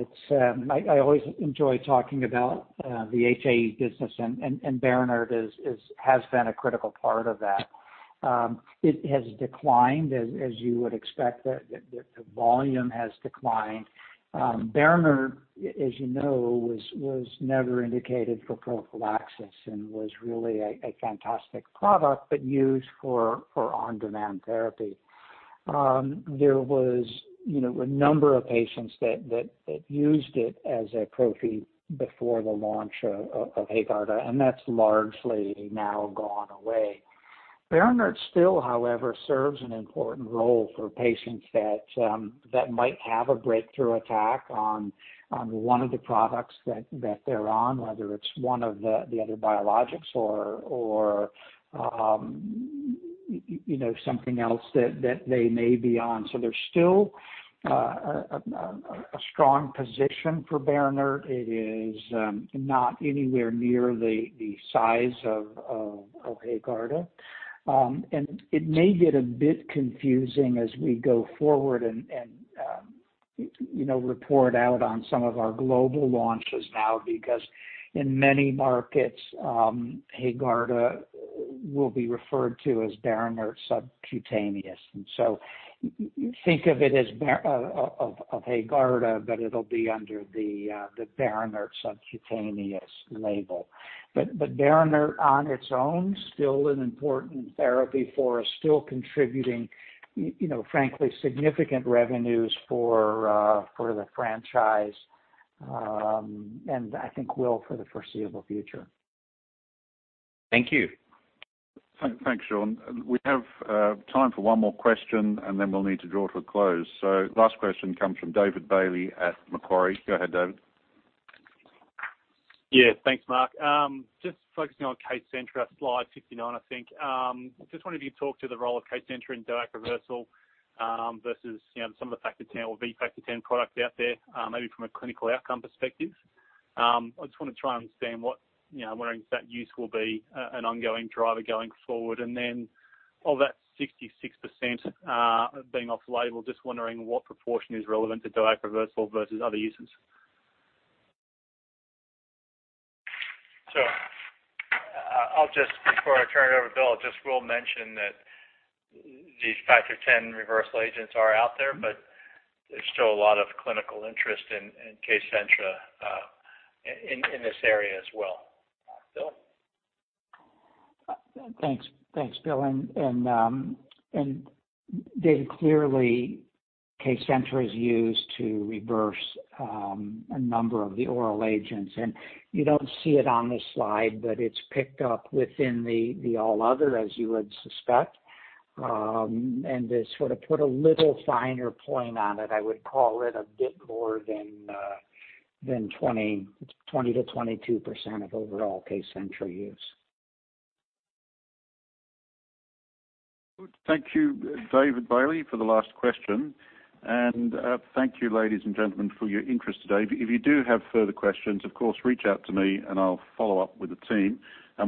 I always enjoy talking about the HAE business and BERINERT has been a critical part of that. It has declined, as you would expect, the volume has declined. BERINERT, as you know, was never indicated for prophylaxis and was really a fantastic product, but used for on-demand therapy. There was a number of patients that used it as a prophylaxis before the launch of HAEGARDA, and that's largely now gone away. BERINERT still, however, serves an important role for patients that might have a breakthrough attack on one of the products that they're on, whether it's one of the other biologics or something else that they may be on. There's still a strong position for BERINERT. It is not anywhere near the size of HAEGARDA. It may get a bit confusing as we go forward and report out on some of our global launches now, because in many markets, HAEGARDA will be referred to as BERINERT subcutaneous. Think of it as of HAEGARDA, but it will be under the BERINERT subcutaneous label. BERINERT on its own, still an important therapy for us, still contributing frankly significant revenues for the franchise, and I think will for the foreseeable future. Thank you. Thanks, Sean. We have time for one more question, and then we'll need to draw to a close. Last question comes from David Bailey at Macquarie. Go ahead, David. Yeah. Thanks, Mark. Just focusing on KCENTRA, slide 59, I think. Just wonder if you could talk to the role of KCENTRA in DOAC reversal versus some of the Factor X or Factor V, Factor X products out there, maybe from a clinical outcome perspective. I just want to try and understand what, wondering if that use will be an ongoing driver going forward. Then of that 66% being off-label, just wondering what proportion is relevant to DOAC reversal versus other uses? I'll just before I turn it over to Bill, just will mention that these Factor X reversal agents are out there, but there's still a lot of clinical interest in KCENTRA in this area as well. Bill? Thanks, Bill. David, clearly KCENTRA is used to reverse a number of the oral agents, and you don't see it on this slide, but it's picked up within the all other, as you would suspect. To sort of put a little finer point on it, I would call it a bit more than 20%-22% of overall KCENTRA use. Good. Thank you, David Bailey, for the last question. Thank you, ladies and gentlemen, for your interest today. If you do have further questions, of course, reach out to me, and I'll follow up with the team.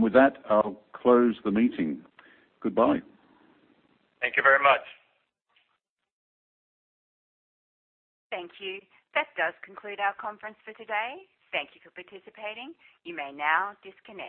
With that, I'll close the meeting. Goodbye. Thank you very much. Thank you. That does conclude our conference for today. Thank you for participating. You may now disconnect.